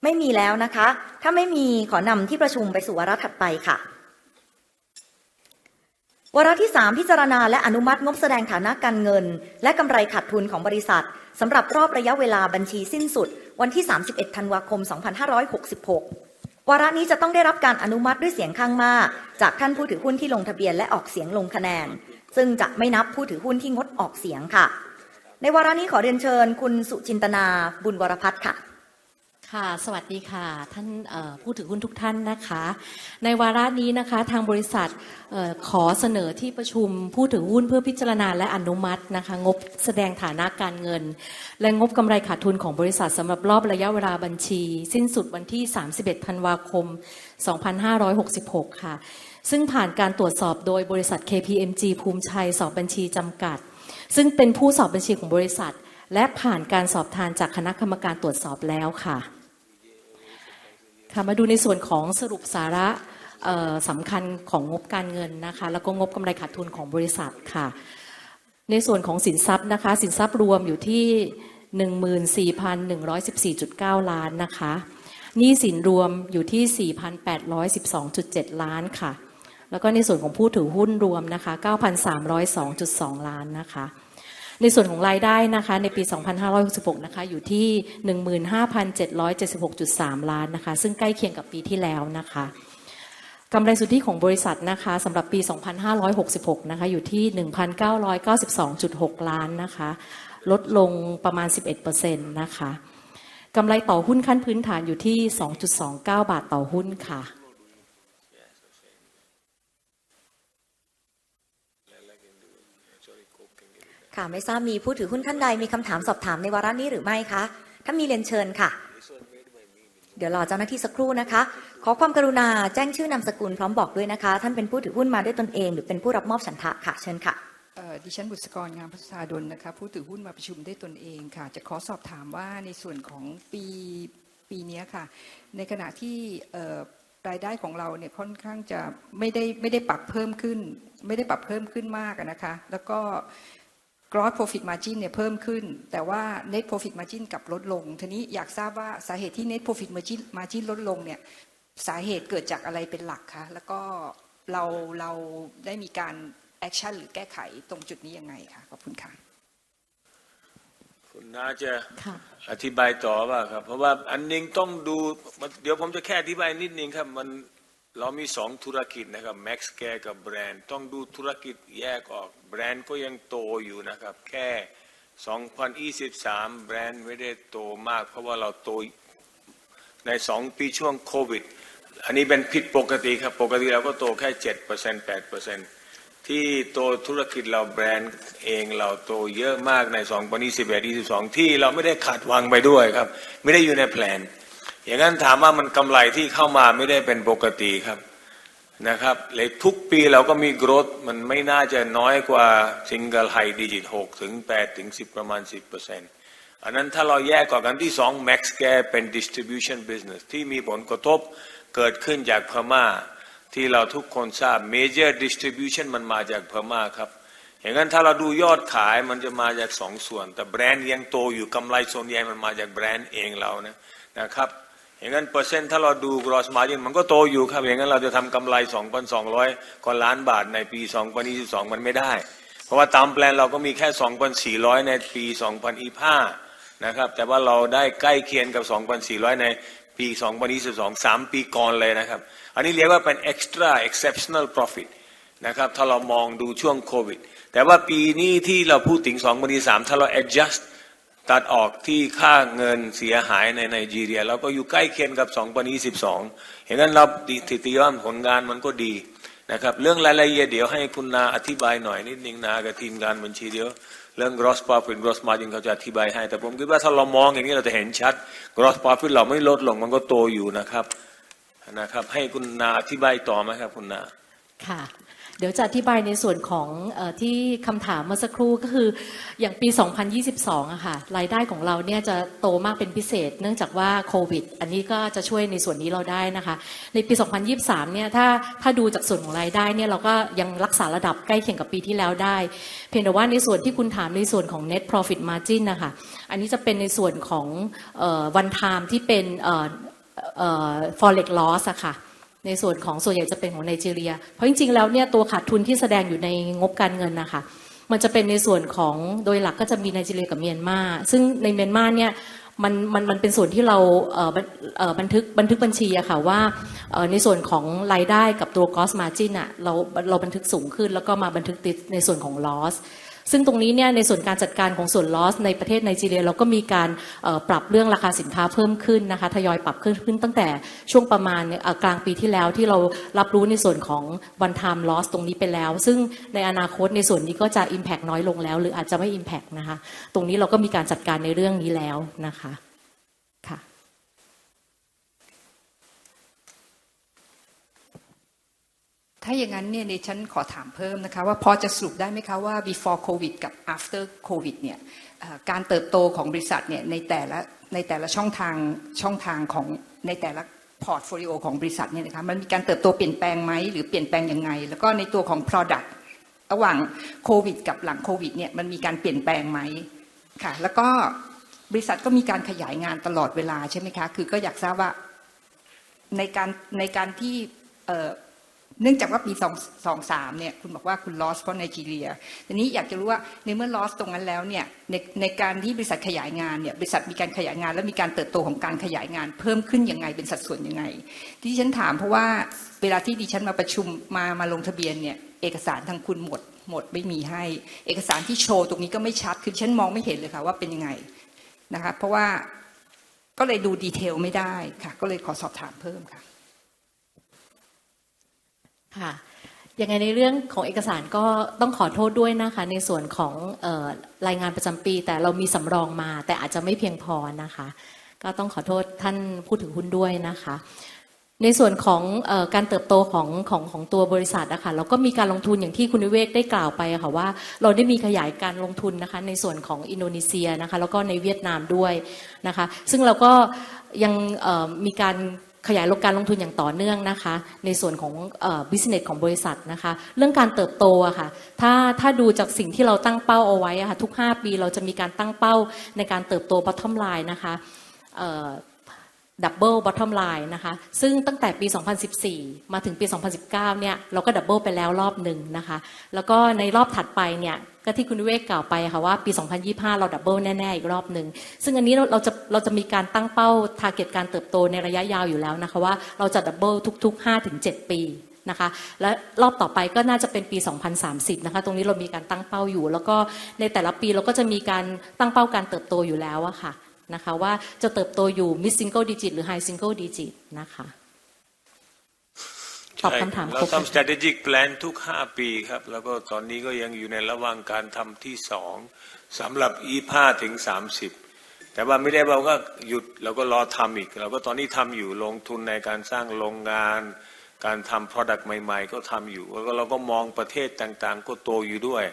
้งเปิดเผยผ่านทางเว็บไซต์ของบริษัทและรายงานประจำปีรวมทั้งกำหนดแนวทางในการประพฤติปฏิบัติที่เหมาะสมของกรรมการผู้บริหารพนักงานไว้ในจรรยาบรรณบริษัทด้วยไม่ทราบว่ามีท่านผู้ถือหุ้นท่านใดมีคำถามสอบถามหรือไม่คะถ้ามีเชิญได้เลยค่ะมีไหมคะสำหรับวาระที่สองไม่มีแล้วนะคะถ้าไม่มีขอนำที่ประชุมไปสู่วาระถัดไปค่ะวาระที่สามพิจารณาและอนุมัติงบแสดงฐานะการเงินและกำไรขาดทุนของบริษัทสำหรับรอบระยะเวลาบัญชีสิ้นสุดวันที่31ธันวาคม2566วาระนี้จะต้องได้รับการอนุมัติด้วยเสียงข้างมากจากท่านผู้ถือหุ้นที่ลงทะเบียนและออกเสียงลงคะแนนซึ่งจะไม่นับผู้ถือหุ้นที่งดออกเสียงค่ะในวาระนี้ขอเรียนเชิญคุณสุจินตนาบุญวรพัฒน์ค่ะค่ะสวัสดีค่ะท่านผู้ถือหุ้นทุกท่านนะคะในวาระนี้นะคะทางบริษัทขอเสนอที่ประชุมผู้ถือหุ้นเพื่อพิจารณาและอนุมัตินะคะงบแสดงฐานะการเงินและงบกำไรขาดทุนของบริษัทสำหรับรอบระยะเวลาบัญชีสิ้นสุดวันที่31ธันวาคม2566ค่ะซึ่งผ่านการตรวจสอบโดยบริษัท KPMG ภูมิชัยสอบบัญชีจำกัดซึ่งเป็นผู้สอบบัญชีของบริษัทและผ่านการสอบทานจากคณะกรรมการตรวจสอบแล้วค่ะมาดูในส่วนของสรุปสาระสำคัญของงบการเงินนะคะและงบกำไรขาดทุนของบริษัทค่ะในส่วนของสินทรัพย์นะคะสินทรัพย์รวมอยู่ที่฿ 14,114.9 ล้านนะคะหนี้สินรวมอยู่ที่฿ 4,812.7 ล้านค่ะและในส่วนของผู้ถือหุ้นรวมนะคะ฿ 9,302.2 ล้านนะคะในส่วนของรายได้นะคะในปี2566นะคะอยู่ที่฿ 15,776.3 ล้านนะคะซึ่งใกล้เคียงกับปีที่แล้วนะคะกำไรสุทธิของบริษัทนะคะสำหรับปี2566นะคะอยู่ที่฿ 1,992.6 ล้านนะคะลดลงประมาณ 11% นะคะกำไรต่อหุ้นขั้นพื้นฐานอยู่ที่฿ 2.29 ต่อหุ้นค่ะไม่ทราบมีผู้ถือหุ้นท่านใดมีคำถามสอบถามในวาระนี้หรือไม่คะถ้ามีเรียนเชิญค่ะรอเจ้าหน้าที่สักครู่นะคะขอความกรุณาแจ้งชื่อนามสกุลพร้อมบอกด้วยนะคะท่านเป็นผู้ถือหุ้นมาด้วยตนเองหรือเป็นผู้รับมอบฉันทะค่ะเชิญค่ะดิฉันบุษกรงานพสุธาดลนะคะผู้ถือหุ้นมาประชุมด้วยตนเองค่ะจะขอสอบถามว่าในส่วนของปีนี้ค่ะในขณะที่รายได้ของเราค่อนข้างจะไม่ได้ปรับเพิ่มขึ้นมากนะคะแล้วก็ Gross Profit Margin เพิ่มขึ้นแต่ว่า Net Profit Margin กลับลดลงทีนี้อยากทราบว่าสาเหตุที่ Net Profit Margin ลดลงสาเหตุเกิดจากอะไรเป็นหลักค่ะแล้วก็เราได้มีการ Action หรือแก้ไขตรงจุดนี้ยังไงค่ะขอบคุณค่ะคุณน้าจะค่ะอธิบายต่อเปล่าครับเพราะว่าอันหนึ่งต้องดูเดี๋ยวผมจะแค่อธิบายนิดหนึ่งครับมันเรามีสองธุรกิจนะครับ Max Care กับแบรนด์ต้องดูธุรกิจแยกออกแบรนด์ก็ยังโตอยู่นะครับแค่2023แบรนด์ไม่ได้โตมากเพราะว่าเราโตในสองปีช่วงโควิดอันนี้เป็นผิดปกติครับปกติเราก็โตแค่ 7% 8% ที่โตธุรกิจเราแบรนด์เองเราโตเยอะมากใน2021 2022ที่เราไม่ได้คาดหวังไปด้วยครับไม่ได้อยู่ในแพลนอย่างงั้นถามว่ามันกำไรที่เข้ามาไม่ได้เป็นปกติครับนะครับและทุกปีเราก็มี Growth มันไม่น่าจะน้อยกว่า Single High Digit หกถึงแปดถึงสิบประมาณ 10% อันนั้นถ้าเราแยกออกกันที่สอง Max Care เป็น Distribution Business ที่มีผลกระทบเกิดขึ้นจากพม่าที่เราทุกคนทราบ Major Distribution มันมาจากพม่าครับอย่างงั้นถ้าเราดูยอดขายมันจะมาจากสองส่วนแต่แบรนด์ยังโตอยู่กำไรส่วนใหญ่มันมาจากแบรนด์เองเราน่ะนะครับอย่างงั้นเปอร์เซ็นต์ถ้าเราดู Gross Margin มันก็โตอยู่ครับอย่างงั้นเราจะทำกำไร 2,200 กว่าล้านบาทในปี2022มันไม่ได้เพราะว่าตามแพลนเราก็มีแค่ 2,400 ในปี2025นะครับแต่ว่าเราได้ใกล้เคียงกับ 2,400 ในปี2022สามปีก่อนเลยนะครับอันนี้เรียกว่าเป็น Extra Exceptional Profit นะครับถ้าเรามองดูช่วงโควิดแต่ว่าปีนี้ที่เราพูดถึง2023ถ้าเรา Adjust ตัดออกที่ค่าเงินเสียหายในไนจีเรียเราก็อยู่ใกล้เคียงกับ2022อย่างงั้นเราสถิติว่าผลงานมันก็ดีนะครับเรื่องรายละเอียดเดี๋ยวให้คุณนาอธิบายหน่อยนิดหนึ่งนากับทีมงานบัญชีเดี๋ยวเรื่อง Gross Profit Gross Margin เขาจะอธิบายให้แต่ผมคิดว่าถ้าเรามองอย่างนี้เราจะเห็นชัด Gross Profit เราไม่ลดลงมันก็โตอยู่นะครับนะครับให้คุณนาอธิบายต่อไหมครับคุณนาค่ะเดี๋ยวจะอธิบายในส่วนของที่คำถามเมื่อสักครู่ก็คืออย่างปี2022ค่ะรายได้ของเราจะโตมากเป็นพิเศษเนื่องจากว่าโควิดอันนี้ก็จะช่วยในส่วนนี้เราได้นะคะในปี2023ถ้าดูจากส่วนของรายได้เราก็ยังรักษาระดับใกล้เคียงกับปีที่แล้วได้เพียงแต่ว่าในส่วนที่คุณถามในส่วนของ Net Profit Margin ค่ะอันนี้จะเป็นในส่วนของ One Time ที่เป็น Forex Loss ค่ะในส่วนของส่วนใหญ่จะเป็นของไนจีเรียเพราะจริงๆแล้วตัวขาดทุนที่แสดงอยู่ในงบการเงินค่ะมันจะเป็นในส่วนของโดยหลักก็จะมีไนจีเรียกับเมียนมาซึ่งในเมียนมามันเป็นส่วนที่เราบันทึกบัญชีค่ะว่าในส่วนของรายได้กับตัว Gross Margin เราบันทึกสูงขึ้นแล้วก็มาบันทึกในส่วนของ Loss ซึ่งตรงนี้ในส่วนการจัดการของส่วน Loss ในประเทศไนจีเรียเราก็มีการปรับเรื่องราคาสินค้าเพิ่มขึ้นนะคะทยอยปรับขึ้นตั้งแต่ช่วงประมาณกลางปีที่แล้วที่เรารับรู้ในส่วนของ One Time Loss ตรงนี้ไปแล้วซึ่งในอนาคตในส่วนนี้ก็จะ Impact น้อยลงแล้วหรืออาจจะไม่ Impact นะคะตรงนี้เราก็มีการจัดการในเรื่องนี้แล้วนะคะค่ะถ้าอย่างงั้นดิฉันขอถามเพิ่มนะคะว่าพอจะสรุปได้ไหมคะว่า Before COVID กับ After COVID การเติบโตของบริษัทในแต่ละช่องทางของแต่ละ Portfolio ของบริษัทนะคะมันมีการเติบโตเปลี่ยนแปลงไหมหรือเปลี่ยนแปลงยังไงแล้วก็ในตัวของ Product ระหว่าง COVID กับหลัง COVID มันมีการเปลี่ยนแปลงไหมคะแล้วก็บริษัทก็มีการขยายงานตลอดเวลาใช่ไหมคะคืออยากทราบว่าในการที่เนื่องจากว่าปี2023คุณบอกว่าคุณ Loss เพราะไนจีเรียทีนี้อยากจะรู้ว่าในเมื่อ Loss ตรงนั้นแล้วในการที่บริษัทขยายงานบริษัทมีการขยายงานแล้วมีการเติบโตของการขยายงานเพิ่มขึ้นยังไงเป็นสัดส่วนยังไงดิฉันถามเพราะว่าเวลาที่ดิฉันมาประชุมมาลงทะเบียนเอกสารทางคุณหมดไม่มีให้เอกสารที่โชว์ตรงนี้ก็ไม่ชัดคือดิฉันมองไม่เห็นเลยคะว่าเป็นยังไงนะคะเพราะว่าก็เลยดู Detail ไม่ได้คะก็เลยขอสอบถามเพิ่มคะค่ะยังไงในเรื่องของเอกสารก็ต้องขอโทษด้วยนะคะในส่วนของรายงานประจำปีแต่เรามีสำรองมาแต่อาจจะไม่เพียงพอนะคะก็ต้องขอโทษท่านผู้ถือหุ้นด้วยนะคะในส่วนของการเติบโตของตัวบริษัทค่ะเราก็มีการลงทุนอย่างที่คุณวิเวกได้กล่าวไปค่ะว่าเราได้มีขยายการลงทุนนะคะในส่วนของอินโดนีเซียนะคะแล้วก็ในเวียดนามด้วยนะคะซึ่งเราก็ยังมีการขยายการลงทุนอย่างต่อเนื่องนะคะในส่วนของ Business ของบริษัทนะคะเรื่องการเติบโตค่ะถ้าดูจากสิ่งที่เราตั้งเป้าเอาไว้ค่ะทุกห้าปีเราจะมีการตั้งเป้าในการเติบโต Bottom Line นะคะ Double Bottom Line นะคะซึ่งตั้งแต่ปี2014มาถึงปี2019นี้เราก็ Double ไปแล้วรอบหนึ่งนะคะแล้วก็ในรอบถัดไปนี้ก็ที่คุณวิเวกกล่าวไปค่ะว่าปี2025เรา Double แน่นอนอีกรอบหนึ่งซึ่งอันนี้เราจะมีการตั้งเป้า Target การเติบโตในระยะยาวอยู่แล้วนะคะว่าเราจะ Double ทุกห้าถึงเจ็ดปีนะคะและรอบต่อไปก็น่าจะเป็นปี2030นะคะตรงนี้เรามีการตั้งเป้าอยู่แล้วก็ในแต่ละปีเราก็จะมีการตั้งเป้าการเติบโตอยู่แล้วค่ะว่าจะเติบโตอยู่ Mid Single Digit หรือ High Single Digit นะคะตอบคำถามครบครับเราทำ Strategic Plan ทุกห้าปีครับแล้วก็ตอนนี้ก็ยังอยู่ในระหว่างการทำที่สองสำหรับ2030แต่ว่าไม่ได้ว่าเราก็หยุดเราก็รอทำอีกเราก็ตอนนี้ทำอยู่ลงทุนในการสร้างโรงงานการทำ Product ใหม่ๆก็ทำอยู่แล้วก็เราก็มองประเทศต่างๆก็โตอยู่ด้วย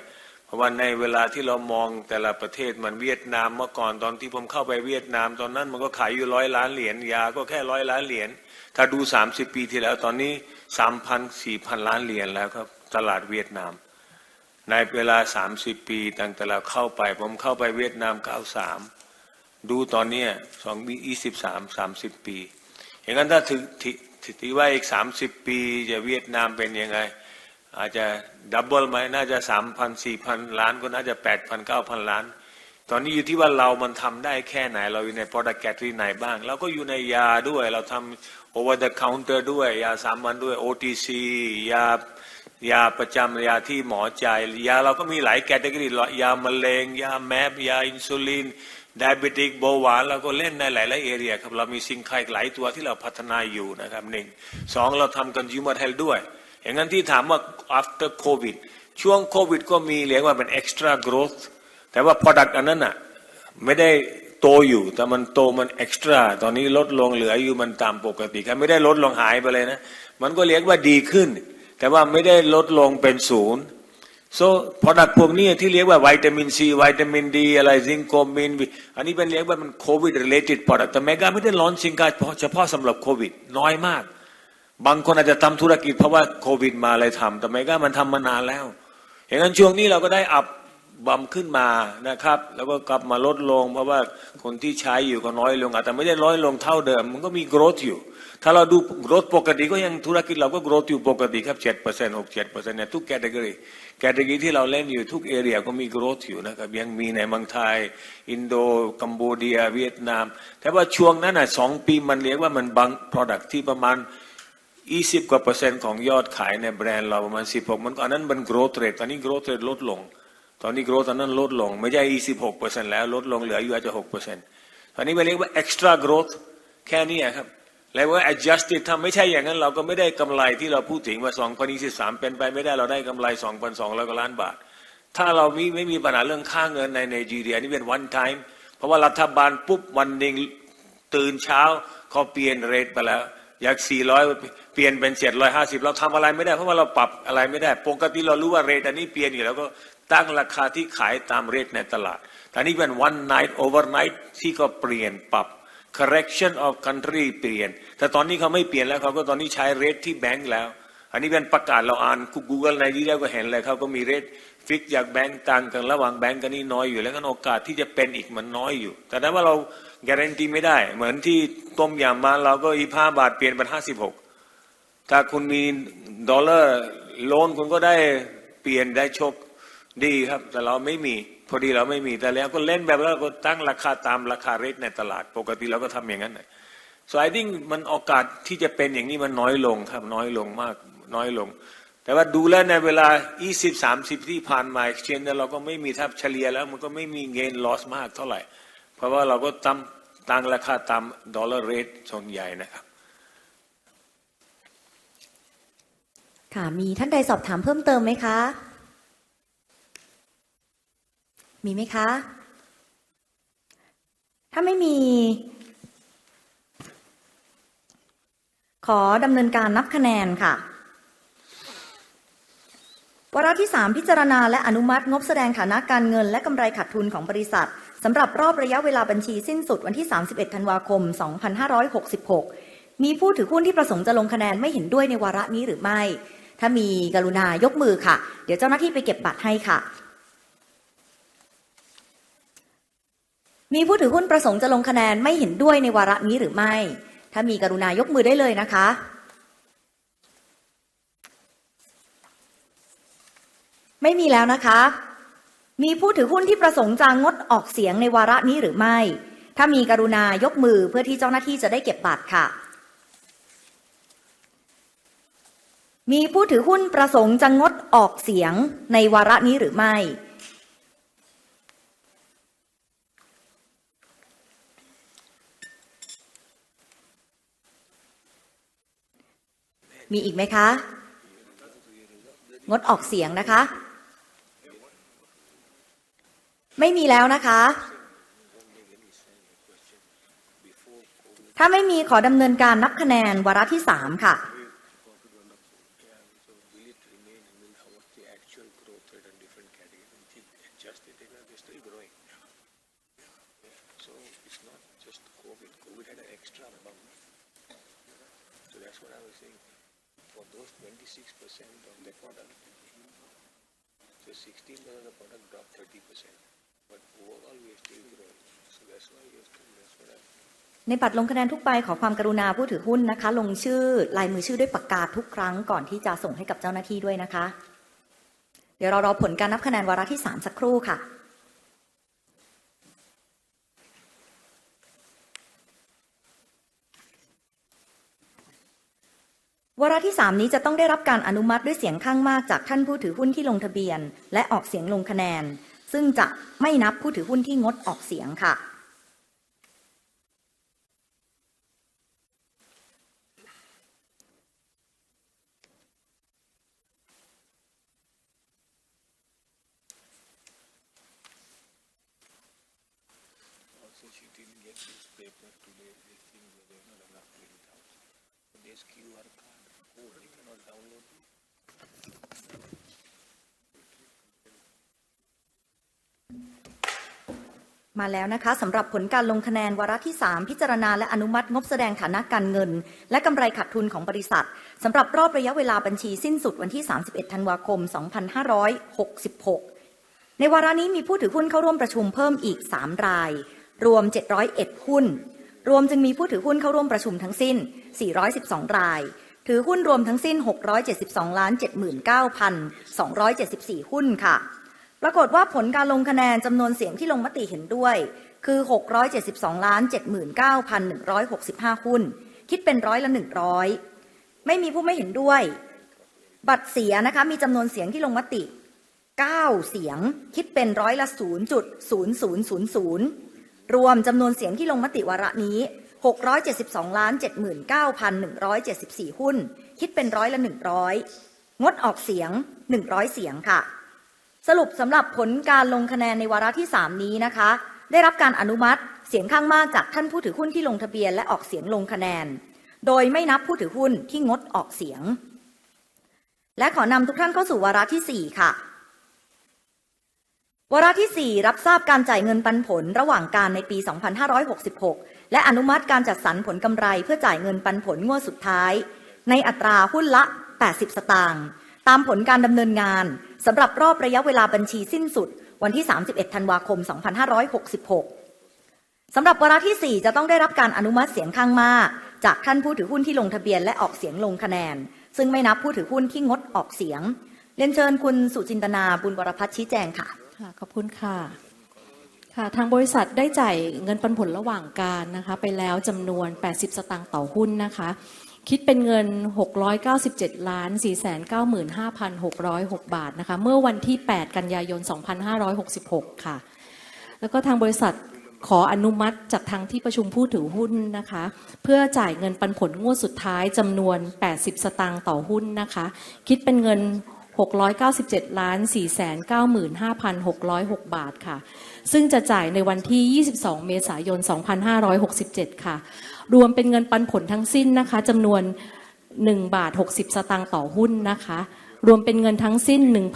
เพราะว่าในเวลาที่เรามองแต่ละประเทศเวียดนามเมื่อก่อนตอนที่ผมเข้าไปเวียดนามตอนนั้นมันก็ขายอยู่ $100 million ตลาดก็แค่ $100 million ถ้าดูสามสิบปีที่แล้วตอนนี้ $3-4 billion แล้วครับตลาดเวียดนามในเวลาสามสิบปีตั้งแต่เราเข้าไปผมเข้าไปเวียดนาม1993ดูตอนนี้2023สามสิบปีถ้าถือว่าอีกสามสิบปีจะเวียดนามเป็นยังไงอาจจะ double ไหมน่าจะ $3-4 billion ก็น่าจะ $8-9 billion ตอนนี้อยู่ที่ว่าเรามันทำได้แค่ไหนเราอยู่ใน Product Category ไหนบ้างเราก็อยู่ในยาด้วยเราทำ Over the Counter ด้วยยาสามัญด้วย OTC ยาประจำยาที่หมอจ่ายเราก็มีหลาย Category หรอกยามะเร็งยา MAP ยาอินซูลิน Diabetic เบาหวานเราก็เล่นในหลายๆ Area ครับเรามี Sync หลายตัวที่เราพัฒนาอยู่นะครับเราทำ Consumer Health ด้วยที่ถามว่า After Covid ช่วง Covid ก็มีเรียกว่าเป็น Extra Growth แต่ว่า Product อันนั้นไม่ได้โตอยู่แต่มันโตมัน Extra ตอนนี้ลดลงเหลืออยู่มันตามปกติครับไม่ได้ลดลงหายไปเลยมันก็เรียกว่าดีขึ้นแต่ว่าไม่ได้ลดลงเป็นศูนย์ Product พวกนี้ที่เรียกว่า Vitamin C Vitamin D Zinc, Chromium อันนี้เป็นเรียกว่า Covid Related Product แต่ Mega ไม่ได้ Launch Sync เพราะเฉพาะสำหรับ Covid น้อยมากบางคนอาจจะทำธุรกิจเพราะว่า Covid มาเลยทำแต่ Mega มันทำมานานแล้วช่วงนี้เราก็ได้ Bump ขึ้นมานะครับแล้วก็กลับมาลดลงเพราะว่าคนที่ใช้อยู่ก็น้อยลงอาจจะไม่ได้น้อยลงเท่าเดิมมันก็มี Growth อยู่ถ้าเราดู Growth ปกติก็ยังธุรกิจเราก็ Growth อยู่ปกติครับ 7% 6-7% ทุก Category ที่เราเล่นอยู่ทุก Area ก็มี Growth อยู่นะครับยังมีในเมืองไทยอินโดกัมพูชาเวียดนามแต่ว่าช่วงนั้นสองปีมันเรียกว่า Product ที่ประมาณ 20% ของยอดขายในแบรนด์เราประมาณ 16% มัน Growth Rate ตอนนี้ Growth Rate ลดลงตอนนี้ Growth อันนั้นลดลงไม่ใช่ 26% แล้วลดลงเหลืออยู่อาจจะ 6% ตอนนี้มันเรียกว่า Extra Growth แค่นี้ครับเรียกว่า Adjusted ถ้าไม่ใช่เราก็ไม่ได้กำไรที่เราพูดถึงว่า2023เป็นไปไม่ได้เราได้กำไร฿ 2.2 billion ถ้าเราไม่มีปัญหาเรื่องค่าเงินในไนจีเรียอันนี้เป็น One Time เพราะว่ารัฐบาลวันหนึ่งตื่นเช้าก็เปลี่ยน Rate ไปแล้วจาก400เปลี่ยนเป็น750เราทำอะไรไม่ได้เพราะว่าเราปรับอะไรไม่ได้ปกติเรารู้ว่า Rate อันนี้เปลี่ยนอยู่แล้วก็ตั้งราคาที่ขายตาม Rate ในตลาดแต่นี่เป็น One Night Overnight ที่ก็เปลี่ยนปรับ Correction of Country เปลี่ยนแต่ตอนนี้เขาไม่เปลี่ยนแล้วเขาก็ตอนนี้ใช้ Rate ที่แบงก์แล้วอันนี้เป็นประกาศเราอ่าน Google ในที่แล้วก็เห็นเลยเขาก็มี Rate Fix จากแบงก์ต่างกันระหว่างแบงก์กันนี้น้อยอยู่แล้วก็โอกาสที่จะเป็นอีกมันน้อยอยู่แต่เรา Guarantee ไม่ได้เหมือนต้มยำกุ้งมาเราก็40บาทเปลี่ยนเป็น56ถ้าคุณมี Dollar Loan คุณก็ได้เปลี่ยนได้โชคดีครับแต่เราไม่มีพอดีเราไม่มีแต่เราก็เล่นแบบเราก็ตั้งราคาตามราคา Rate ในตลาดปกติเราก็ทำอย่างนั้นแหละ I think มันโอกาสที่จะเป็นอย่างนี้มันน้อยลงครับน้อยลงมากแต่ว่าดูแล้วในเวลา 20-30 ปีที่ผ่านมา Exchange เราก็ไม่มีถ้าเฉลี่ยแล้วมันก็ไม่มี Gain Loss มากเท่าไหร่เพราะว่าเราก็ตั้งราคาตาม Dollar Rate ส่วนใหญ่นะครับค่ะมีท่านใดสอบถามเพิ่มเติมไหมคะมีไหมคะถ้าไม่มีขอดำเนินการนับคะแนนค่ะวาระที่สามพิจารณาและอนุมัติงบแสดงฐานะการเงินและกำไรขาดทุนของบริษัทสำหรับรอบระยะเวลาบัญชีสิ้นสุดวันที่31ธันวาคม2566มีผู้ถือหุ้นที่ประสงค์จะลงคะแนนไม่เห็นด้วยในวาระนี้หรือไม่ถ้ามีกรุณายกมือค่ะเดี๋ยวเจ้าหน้าที่ไปเก็บบัตรให้ค่ะมีผู้ถือหุ้นประสงค์จะลงคะแนนไม่เห็นด้วยในวาระนี้หรือไม่ถ้ามีกรุณายกมือได้เลยนะคะไม่มีแล้วนะคะมีผู้ถือหุ้นที่ประสงค์จะงดออกเสียงในวาระนี้หรือไม่ถ้ามีกรุณายกมือเพื่อที่เจ้าหน้าที่จะได้เก็บบัตรค่ะมีผู้ถือหุ้นประสงค์จะงดออกเสียงในวาระนี้หรือไม่มีอีกไหมคะงดออกเสียงนะคะไม่มีแล้วนะคะถ้าไม่มีขอดำเนินการนับคะแนนวาระที่สามค่ะในบัตรลงคะแนนทั่วไปขอความกรุณาผู้ถือหุ้นนะคะลงชื่อลายมือชื่อด้วยปากกาทุกครั้งก่อนที่จะส่งให้กับเจ้าหน้าที่ด้วยนะคะเดี๋ยวเรารอผลการนับคะแนนวาระที่สามสักครู่ค่ะวาระที่สามนี้จะต้องได้รับการอนุมัติด้วยเสียงข้างมากจากท่านผู้ถือหุ้นที่ลงทะเบียนและออกเสียงลงคะแนนซึ่งจะไม่นับผู้ถือหุ้นที่งดออกเสียงค่ะมาแล้วนะคะสำหรับผลการลงคะแนนวาระที่สามพิจารณาและอนุมัติงบแสดงฐานะการเงินและกำไรขาดทุนของบริษัทสำหรับรอบระยะเวลาบัญชีสิ้นสุดวันที่31ธันวาคม2566ในวาระนี้มีผู้ถือหุ้นเข้าร่วมประชุมเพิ่มอีก3รายรวม701หุ้นรวมจึงมีผู้ถือหุ้นเข้าร่วมประชุมทั้งสิ้น412รายถือหุ้นรวมทั้งสิ้น 672,079,274 หุ้นค่ะปรากฏว่าผลการลงคะแนนจำนวนเสียงที่ลงมติเห็นด้วยคือ 672,079,165 หุ้นคิดเป็น 100% ไม่มีผู้ไม่เห็นด้วยบัตรเสียนะคะมีจำนวนเสียงที่ลงมติ9เสียงคิดเป็น 0.0000% รวมจำนวนเสียงที่ลงมติวาระนี้ 672,079,174 หุ้นคิดเป็น 100% งดออกเสียง100เสียงค่ะสรุปสำหรับผลการลงคะแนนในวาระที่สามนี้นะคะได้รับการอนุมัติเสียงข้างมากจากท่านผู้ถือหุ้นที่ลงทะเบียนและออกเสียงลงคะแนนโดยไม่นับผู้ถือหุ้นที่งดออกเสียงขอนำทุกท่านเข้าสู่วาระที่สี่ค่ะวาระที่สี่รับทราบการจ่ายเงินปันผลระหว่างการในปี2566และอนุมัติการจัดสรรผลกำไรเพื่อจ่ายเงินปันผลงวดสุดท้ายในอัตราหุ้นละ80สตางค์ตามผลการดำเนินงานสำหรับรอบระยะเวลาบัญชีสิ้นสุดวันที่31ธันวาคม2566สำหรับวาระที่สี่จะต้องได้รับการอนุมัติเสียงข้างมากจากท่านผู้ถือหุ้นที่ลงทะเบียนและออกเสียงลงคะแนนซึ่งไม่นับผู้ถือหุ้นที่งดออกเสียงเรียนเชิญคุณสุจินตนาบุญวรพัฒน์ชี้แจงค่ะค่ะขอบคุณค่ะทางบริษัทได้จ่ายเงินปันผลระหว่างการนะคะไปแล้วจำนวน80สตางค์ต่อหุ้นนะคะคิดเป็นเงิน฿ 697,495,606 นะคะเมื่อวันที่8กันยายน2566ค่ะทางบริษัทขออนุมัติจากทางที่ประชุมผู้ถือหุ้นนะคะเพื่อจ่ายเงินปันผลงวดสุดท้ายจำนวน80สตางค์ต่อหุ้นนะคะคิดเป็นเงิน฿ 697,495,606 ค่ะซึ่งจะจ่ายในวันที่22เมษายน2567ค่ะรวมเป็นเงินปันผลทั้งสิ้นนะคะจำนวน฿ 1.60 ต่อหุ้นนะคะรวมเป็นเงินทั้งสิ้น฿ 1,394,991,212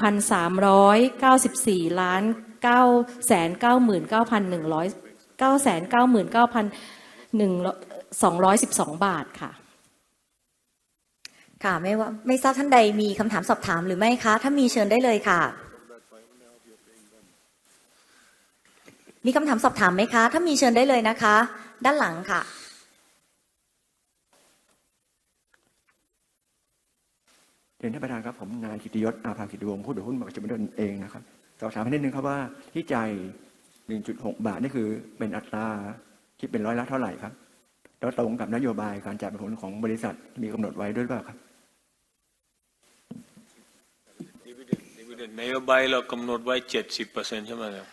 ค่ะไม่ทราบท่านใดมีคำถามสอบถามหรือไม่คะถ้ามีเชิญได้เลยค่ะมีคำถามสอบถามไหมคะถ้ามีเชิญได้เลยนะคะด้านหลังค่ะเรียนท่านประธานครับผมนายกิตติยศอาภากิตติวงศ์ผู้ถือหุ้นประชาชนด้วยตนเองนะครับสอบถามให้นิดหนึ่งครับว่าที่จ่าย 1.6 บาทนี่คือเป็นอัตราคิดเป็น%เท่าไหร่ครับแล้วตรงกับนโยบายการจ่ายปันผลของบริษัทมีกำหนดไว้ด้วยหรือเปล่าครับดิวิเดนต์นโยบายเรากำหนดไว้ 70% ใช่ไหมครับ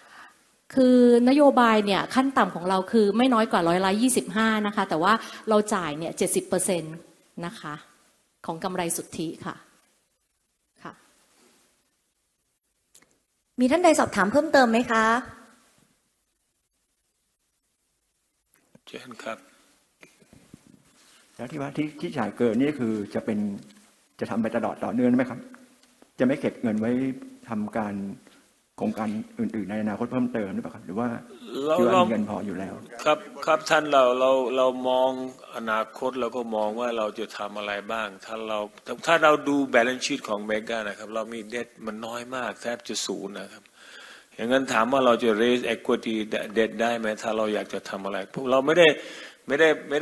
คือนโยบายนี้ขั้นต่ำของเราคือไม่น้อยกว่า 25% แต่ว่าเราจ่ายนี้ 70% ของกำไรสุทธิมีท่านใดสอบถามเพิ่มเติมไหมเชิญครับแล้วที่ว่าที่จ่ายเกินนี่คือจะเป็นจะทำไปตลอดต่อเนื่องได้ไหมครับจะไม่เก็บเงินไว้ทำการโครงการอื่นๆในอนาคตเพิ่มเติมหรือเปล่าครับหรือว่าจะมีเงินพออยู่แล้วครับครับท่านเราเรามองอนาคตเราก็มองว่าเราจะทำอะไรบ้างถ้าเราดู Balance Sheet ของ Mega นะครับเรามี Debt มันน้อยมากแทบจะศูนย์นะครับอย่างงั้นถามว่าเราจะ Raise Equity Debt ได้ไหมถ้าเราอยากจะทำอะไรพวกเราไม่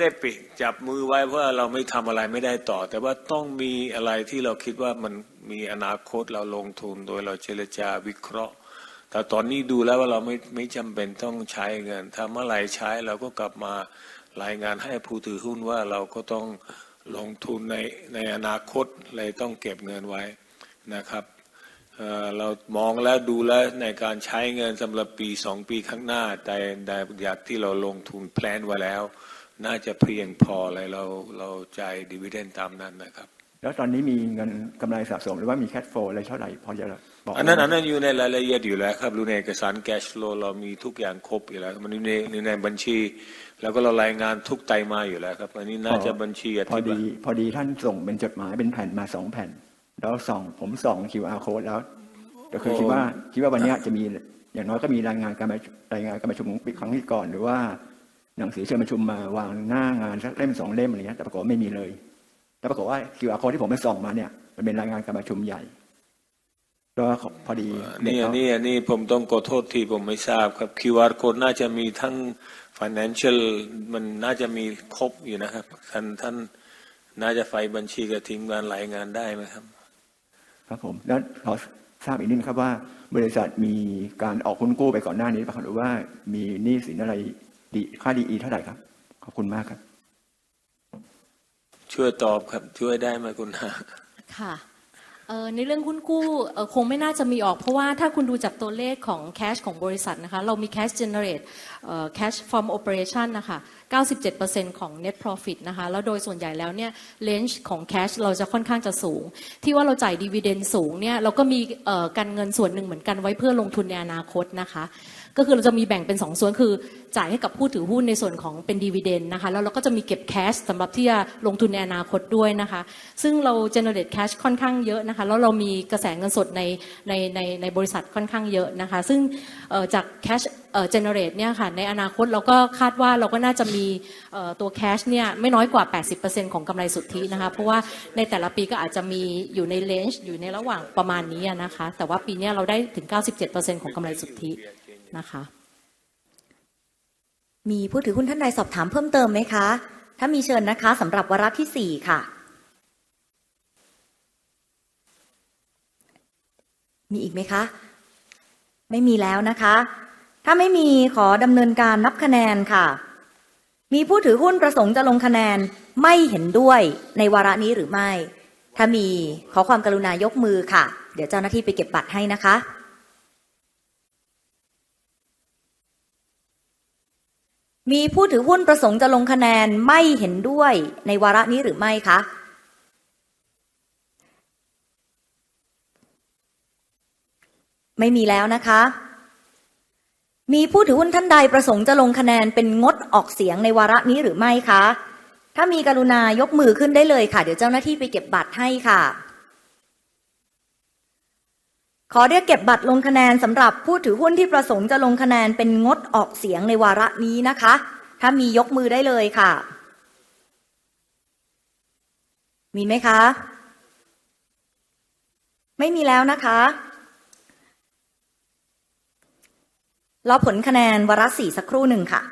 ได้ปิดจับมือไว้เพราะว่าเราไม่ทำอะไรไม่ได้ต่อแต่ว่าต้องมีอะไรที่เราคิดว่ามันมีอนาคตเราลงทุนโดยเราเจรจาวิเคราะห์แต่ตอนนี้ดูแล้วว่าเราไม่จำเป็นต้องใช้เงินถ้าเมื่อไหร่ใช้เราก็กลับมารายงานให้ผู้ถือหุ้นว่าเราก็ต้องลงทุนในอนาคตเลยต้องเก็บเงินไว้นะครับเรามองแล้วดูแล้วในการใช้เงินสำหรับปีสองปีข้างหน้าแต่จากที่เราลงทุนแพลนไว้แล้วน่าจะเพียงพอเลยเราจ่าย Dividend ตามนั้นนะครับแล้วตอนนี้มีเงินกำไรสะสมหรือว่ามี Cash Flow อะไรเท่าไหร่พอจะบอกได้ไหมอันนั้นอยู่ในรายละเอียดอยู่แล้วครับอยู่ในเอกสาร Cash Flow เรามีทุกอย่างครบอยู่แล้วมันอยู่ในบัญชีแล้วก็เรารายงานทุกไตรมาสอยู่แล้วครับอันนี้น่าจะบัญชีอธิบายพอดีท่านส่งเป็นจดหมายเป็นแผ่นมาสองแผ่นแล้วผมส่อง QR Code แล้วแต่คือคิดว่าวันนี้จะมีอย่างน้อยก็มีรายงานการประชุมรายงานการประชุมครั้งที่ก่อนหรือว่าหนังสือเชิญประชุมมาวางหน้างานสักเล่มสองเล่มแต่ปรากฏว่าไม่มีเลยแล้วปรากฏว่า QR Code ที่ผมไปส่องมานั่นมันเป็นรายงานการประชุมใหญ่แต่ว่าพอดีนี่ผมต้องขอโทษที่ผมไม่ทราบครับ QR Code น่าจะมีทั้ง Financial มันน่าจะมีครบอยู่นะครับท่านน่าจะไฟล์บัญชีก็ส่งงานรายงานได้ไหมครับครับผมแล้วขอทราบอีกนิดหนึ่งครับว่าบริษัทมีการออกหุ้นกู้ไปก่อนหน้านี้หรือเปล่าครับหรือว่ามีหนี้สินอะไรดีบีที่เท่าไหร่ครับขอบคุณมากครับช่วยตอบครับช่วยได้ไหมคุณฮาค่ะในเรื่องหุ้นกู้คงไม่น่าจะมีออกเพราะว่าถ้าคุณดูจากตัวเลขของ Cash ของบริษัทนะคะเรามี Cash Generate Cash from Operation นะคะ 97% ของ Net Profit นะคะแล้วโดยส่วนใหญ่แล้ว Range ของ Cash เราจะค่อนข้างจะสูงที่ว่าเราจ่าย Dividend สูงเราก็มีการเงินส่วนหนึ่งเหมือนกันไว้เพื่อลงทุนในอนาคตนะคะก็คือเราจะมีแบ่งเป็นสองส่วนก็คือจ่ายให้กับผู้ถือหุ้นในส่วนของเป็น Dividend นะคะแล้วเราก็จะมีเก็บ Cash สำหรับที่จะลงทุนในอนาคตด้วยนะคะซึ่งเรา Generate Cash ค่อนข้างเยอะนะคะแล้วเรามีกระแสเงินสดในบริษัทค่อนข้างเยอะนะคะซึ่งจาก Cash Generate ในอนาคตเราก็คาดว่าเราก็น่าจะมีตัว Cash ไม่น้อยกว่า 80% ของกำไรสุทธินะคะเพราะว่าในแต่ละปีก็อาจจะมีอยู่ใน Range อยู่ในระหว่างประมาณนี้นะคะแต่ว่าปีนี้เราได้ถึง 97% ของกำไรสุทธินะคะมีผู้ถือหุ้นท่านใดสอบถามเพิ่มเติมไหมคะถ้ามีเชิญนะคะสำหรับวาระที่สี่ค่ะมีอีกไหมคะไม่มีแล้วนะคะถ้าไม่มีขอดำเนินการนับคะแนนค่ะมีผู้ถือหุ้นประสงค์จะลงคะแนนไม่เห็นด้วยในวาระนี้หรือไม่ถ้ามีขอความกรุณายกมือค่ะเดี๋ยวเจ้าหน้าที่ไปเก็บบัตรให้นะคะมีผู้ถือหุ้นประสงค์จะลงคะแนนไม่เห็นด้วยในวาระนี้หรือไม่คะไม่มีแล้วนะคะมีผู้ถือหุ้นท่านใดประสงค์จะลงคะแนนเป็นงดออกเสียงในวาระนี้หรือไม่คะถ้ามีกรุณายกมือขึ้นได้เลยค่ะเดี๋ยวเจ้าหน้าที่ไปเก็บบัตรให้ค่ะขอเรียกเก็บบัตรลงคะแนนสำหรับผู้ถือหุ้นที่ประสงค์จะลงคะแนนเป็นงดออกเสียงในวาระนี้นะคะถ้ามียกมือได้เลยค่ะมีไหมคะไม่มีแล้วนะคะรอผลคะแนนวาระสี่สักครู่หนึ่งค่ะ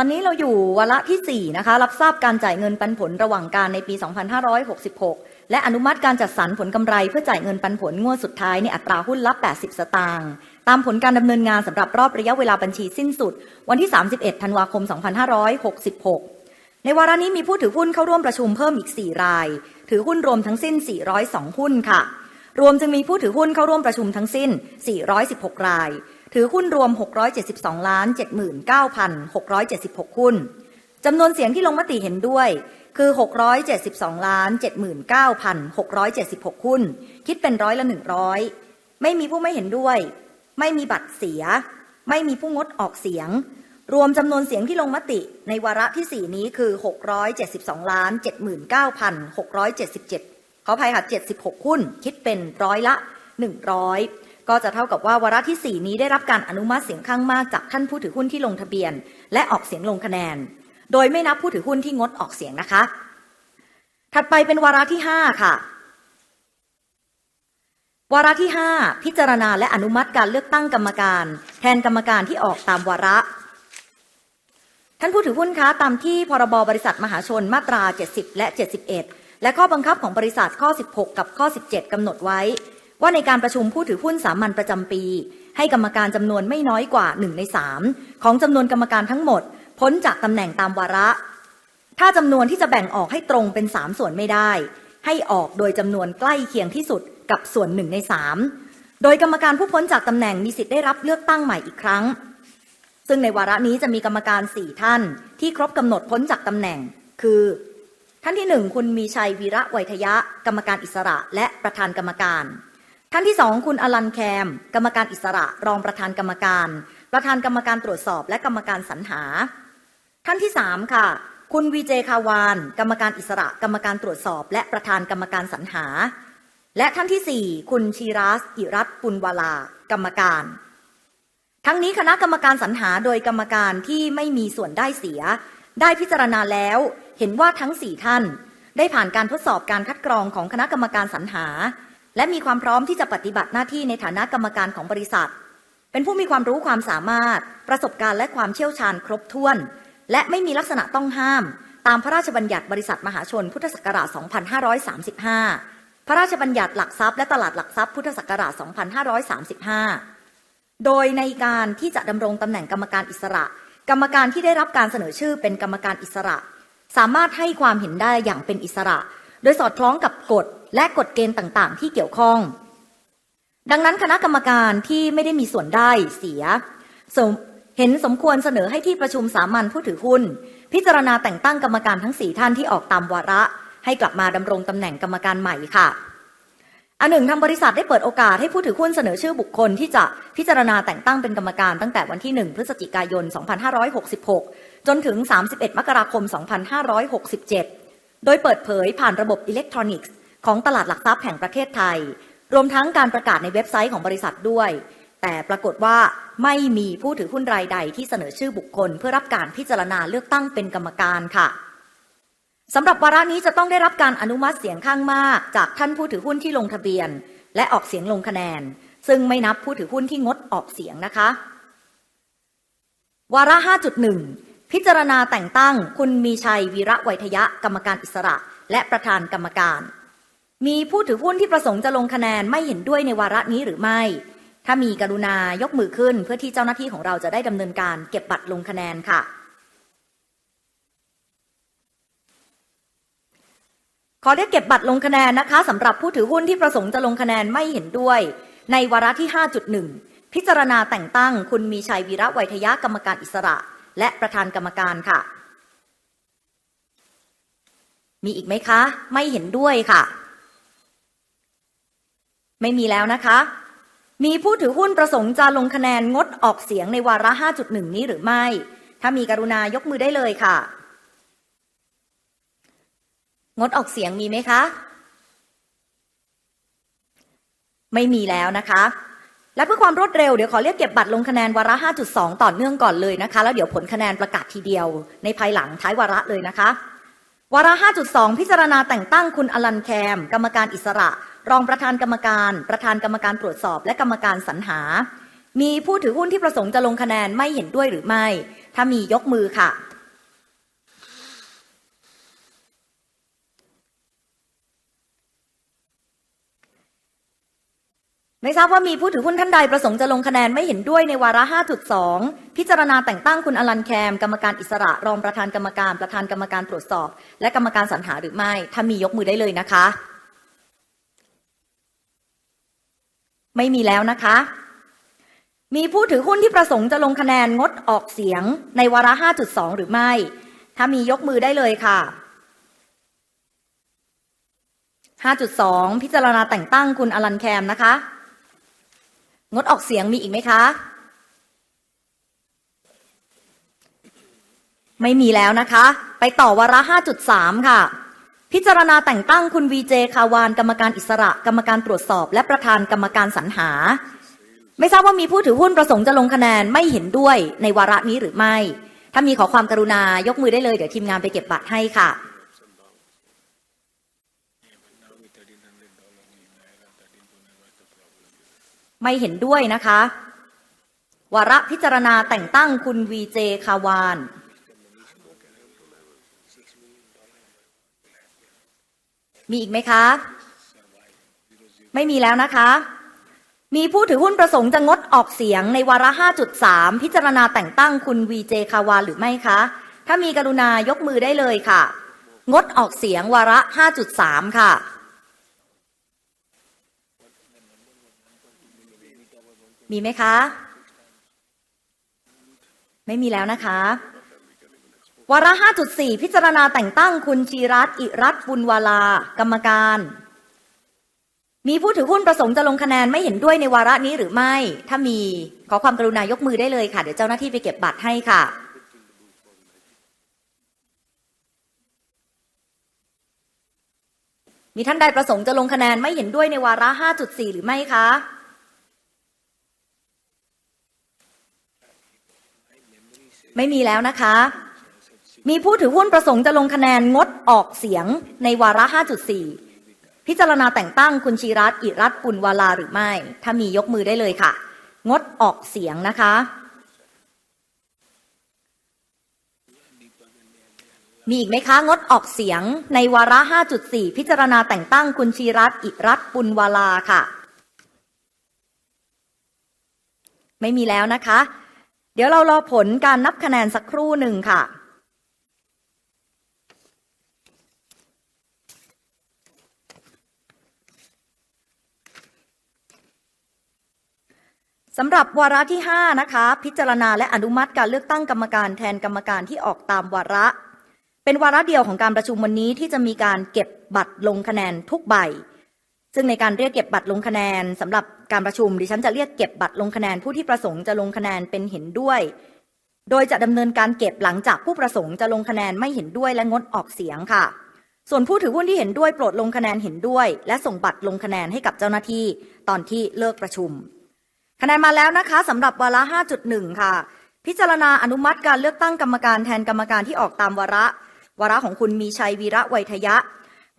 ตอนนี้เราอยู่วาระที่สี่นะคะรับทราบการจ่ายเงินปันผลระหว่างการในปี2566และอนุมัติการจัดสรรผลกำไรเพื่อจ่ายเงินปันผลงวดสุดท้ายในอัตราหุ้นละ80สตางค์ตามผลการดำเนินงานสำหรับรอบระยะเวลาบัญชีสิ้นสุดวันที่31ธันวาคม2566ในวาระนี้มีผู้ถือหุ้นเข้าร่วมประชุมเพิ่มอีก4ราย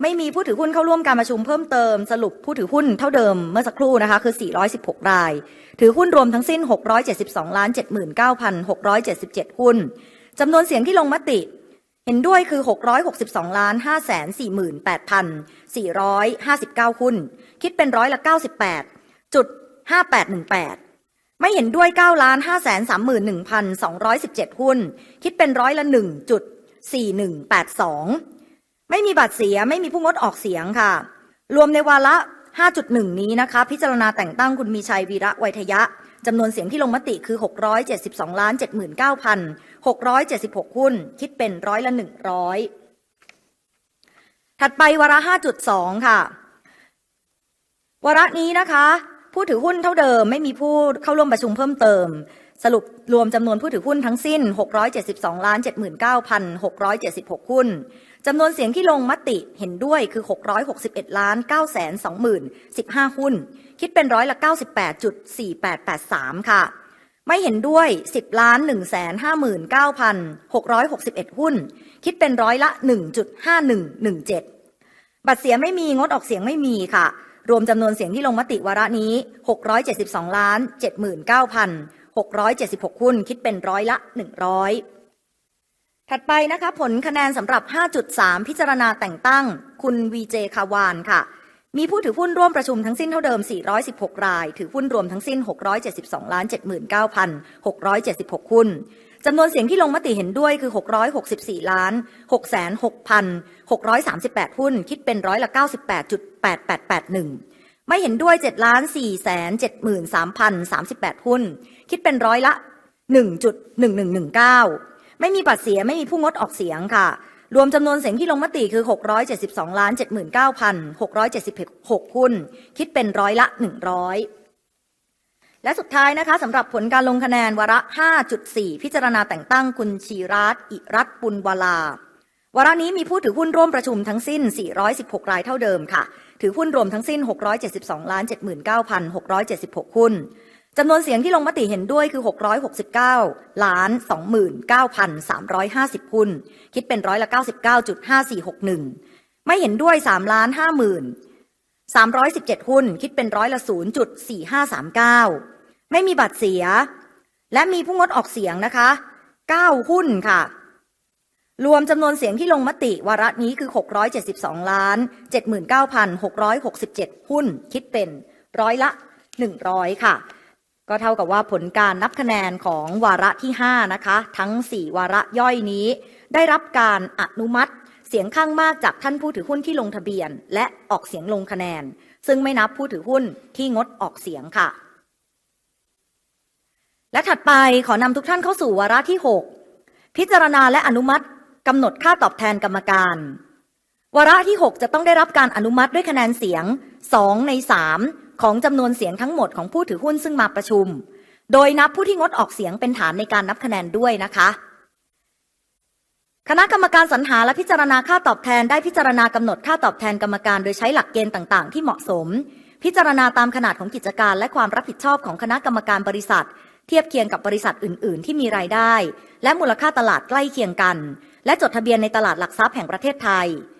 ถือหุ้นรวมทั้งสิ้น402หุ้นค่ะรวมจึงมีผู้ถือหุ้นเข้าร่วมประชุมทั้งสิ้น416รายถือหุ้นรวม 672,079,676 หุ้นจำนวนเสียงที่ลงมติเห็นด้วยคือ 672,079,676 หุ้นคิดเป็น 100% ไ้งสิ้น 672,079,676 หุ้นจำนวนเสียงที่ลงมติเห็นด้วยคือ 661,920,015 หุ้นคิดเป็น 98.4883% ไม่เห็นด้วย 10,159,661 หุ้นคิดเป็น 1.5117% บัตรเสียไม่มีงดออกเสียงไม่มีรวมจำนวนเสียงที่ลงมติวาระนี้ 672,079,676 หุ้นคิดเป็น 100% ถัดไปผลคะแนนสำหรับ 5.3 พิจารณาแต่งตั้งคุณวีเจคาวานมีผู้ถือหุ้นร่วมประชุมทั้งสิ้นเท่าเดิม416รายถือหุ้นรวมทั้งสิ้น 672,079,676 หุ้นจำนวนเสียงที่ลงมติเห็นด้วยคือ 664,606,638 หุ้นคิดเป็น 98.8881% ไม่เห็นด้วย 7,473,038 หุ้นคิดเป็น 1.1119% ไม่มีบัตรเสียไม่มีผู้งดออกเสียงรวมจำนวนเสียงที่ลงมติคือ 672,079,676 หุ้นคิดเป็น 100% สุดท้ายสำหรับผลการลงคะแนนวาระ 5.4 พิจารณาแต่งตั้งคุณชีรัตน์อิรัตน์ปุณวลาวาระนี้มีผู้ถือหุ้นร่วมประชุมทั้งสิ้น416รายเท่าเดิมถือหุ้นรวมทั้งสิ้น 672,079,676 หุ้นจำนวนเสียงที่ลงมติเห็นด้วยคือ 669,029,350 หุ้นคิดเป็น 99.5461% ไม่เห็นด้วย 3,050,317 หุ้นคิดเป็น 0.4539% ไม่มีบัตรเสียและมีผู้งดออกเสียง9หุ้นรวมจำนวนเสียงที่ลงมติวาระนี้คือ 672,079,667 หุ้นคิดเป็น 100% เท่ากับว่าผลการนับคะแนนของวาระที่5ทั้งสี่วาระย่อยนี้ได้รับการอนุมัติเสียงข้างมากจากท่านผู้ถือหุ้นที่ลงทะเบียนและออกเสียงลงคะแนนซึ่งไม่นับผู้ถือหุ้นที่งดออกเสียงถัดไปขอนำทุกท่านเข้าสู่วาระที่6พิจารณาและอนุมัติกำหนดค่าตอบแทนกรรมการวาระที่6จะต้องได้รับการอนุมัติด้วยคะแนนเสียงสองในสามของจำนวนเสียงทั้งหมดของผู้ถือหุ้นซึ่งมาประชุมโดยนับผู้ที่งดออกเสียงเป็นฐานในการนับคะแนนด้วยคณะกรรมการสรรหาและพิจารณาค่าตอบแทนได้พิจารณากำหนดค่าตอบแทนกรรมการโดยใช้หลักเกณฑ์ต่างๆที่เหมาะสมพิจารณาตามขนาดของกิจการและความรับผิดชอบของคณะกรรมการบริษัทเทียบเคียงกับบริษัทอื่นๆที่มีรายได้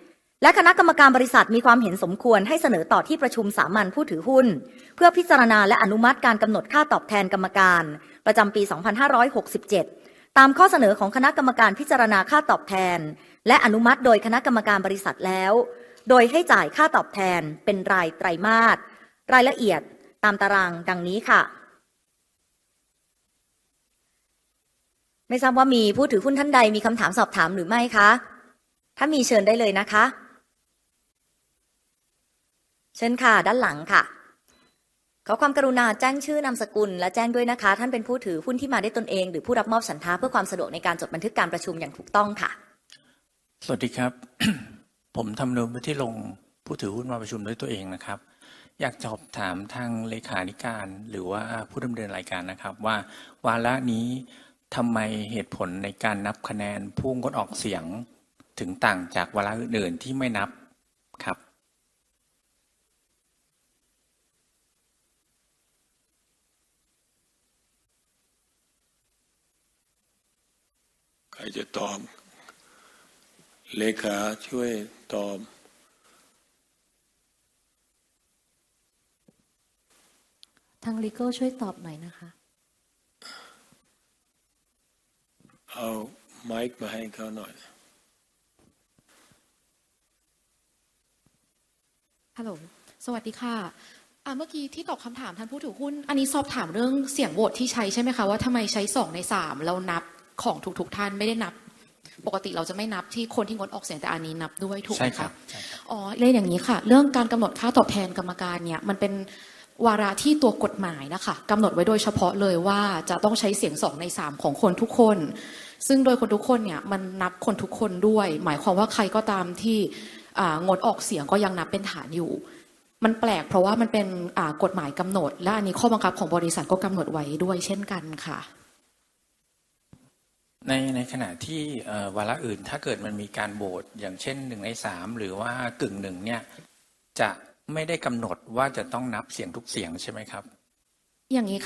และมูลค่าตลาดใกล้เคียงกันและจดทะเบียนในตลาดหลักทรัพย์แห่งประเทศไทยและคณะกรรมการบริษัทมีความเห็นสมควรให้เสนอต่อที่ประชุมสามัญผู้ถือหุ้นเพื่อพิจารณาและอนุมัติการกำหนดค่าตอบแทนกรรมการประจำปี2567ตามข้อเสนอของคณะกรรมการพิจารณาค่าตอบแทนและอนุมัติโดยคณะกรรมการบริษัทแล้วโดยให้จ่ายค่าตอบแทนเป็นรายไตรมาสรายละเอียดตามตารางดังนี้ไม่ทราบว่ามีผู้ถือหุ้นท่านใดมีคำถามสอบถามหรือไม่ถ้ามีเชิญได้เลยเชิญด้านหลังขอความกรุณาแจ้งชื่อนามสกุลและแจ้งด้วยว่าท่านเป็นผู้ถือหุ้นที่มาด้วยตนเองหรือผู้รับมอบสิทธิเพื่อความสะดวกในการจดบันทึกการประชุมอย่างถูกต้องสวัสดีครับผมธำนูญวุฒิรงค์ผู้ถือหุ้นมาประชุมด้วยตัวเองครับอยากสอบถามทางเลขานุการหรือว่าผู้ดำเนินรายการครับว่าวาระนี้ทำไมเหตุผลในการนับคะแนนผู้งดออกเสียงถึงต่างจากวาระอื่นๆที่ไม่นับครับใครจะตอบเลขาช่วยตอบทางลีกัลช่วยตอบหน่อยเอาไมค์มาให้เขาหน่อยสวัสดีเมื่อกี้ที่ตอบคำถามท่านผู้ถือหุ้นนี้สอบถามเรื่องเสียงโหวตที่ใช้ใช่ไหมว่าทำไมใช้สองในสามแล้วนับของทุกๆท่านไม่ได้นับปกติเราจะไม่นับที่คนที่งดออกเสียงแต่นี้นับด้วยถูกไหมใช่ครับเรียนอย่างนี้เรื่องการกำหนดค่าตอบแทนกรรมการนี่มันเป็นวาระที่ตัวกฎหมายกำหนดไว้โดยเฉพาะเลยว่าจะต้องใช้เสียงสองในสามของคนทุกคนซึ่งโดยคนทุกคนนี่มันนับคนทุกคนด้วยหมายความว่าใครก็ตามที่งดออกเสียงก็ยังนับเป็นฐานอยู่มันแปลกเพราะว่ามันเป็นกฎหมายกำหนดและนี้ข้อบังคับของบริษัทก็กำหนดไว้ด้วยเช่นกันในขณะที่วาระอื่นถ้าเกิดมันมีการโหวตอย่างเช่นหนึ่งในสามหรือว่ากึ่งหนึ่งนี่จะไม่ได้กำหนดว่าจะต้องนับเสียงทุกเสียงใช่ไหมครับอย่างนี้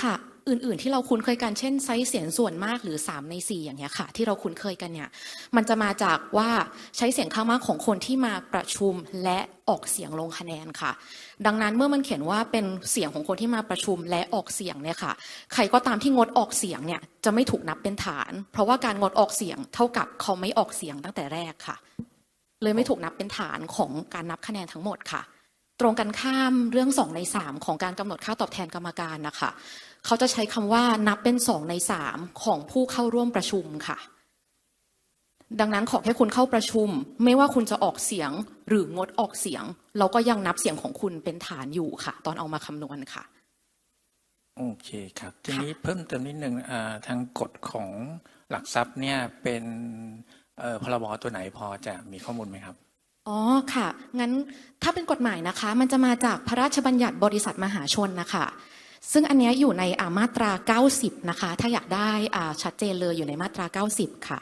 อื่นๆที่เราคุ้นเคยกันเช่นเสียงส่วนมากหรือสามในสี่อย่างนี้ที่เราคุ้นเคยกันนี่มันจะมาจากว่าใช้เสียงข้างมากของคนที่มาประชุมและออกเสียงลงคะแนนดังนั้นเมื่อมันเขียนว่าเป็นเสียงของคนที่มาประชุมและออกเสียงนี่ใครก็ตามที่งดออกเสียงนี่จะไม่ถูกนับเป็นฐานเพราะว่าการงดออกเสียงเท่ากับเขาไม่ออกเสียงตั้งแต่แรกเลยไม่ถูกนับเป็นฐานของการนับคะแนนทั้งหมดตรงกันข้ามเรื่องสองในสามของการกำหนดค่าตอบแทนกรรมการนี่เขาจะใช้คำว่านับเป็นสองในสามของผู้เข้าร่วมประชุมดังนั้นขอแค่คุณเข้าประชุมไม่ว่าคุณจะออกเสียงหรืองดออกเสียงเราก็ยังนับเสียงของคุณเป็นฐานอยู่ตอนเอามาคำนวณโอเคครับทีนี้เพิ่มเติมนิดนึงทางกฎของหลักทรัพย์นี่เป็นพร บ. ตัวไหนพอจะมีข้อมูลไหมครับอ๋อค่ะงั้นถ้าเป็นกฎหมายนะคะมันจะมาจากพระราชบัญญัติบริษัทมหาชนน่ะค่ะซึ่งอันนี้อยู่ในมาตราเก้าสิบนะคะถ้าอยากได้ชัดเจนเลยอยู่ในมาตราเก้าสิบค่ะ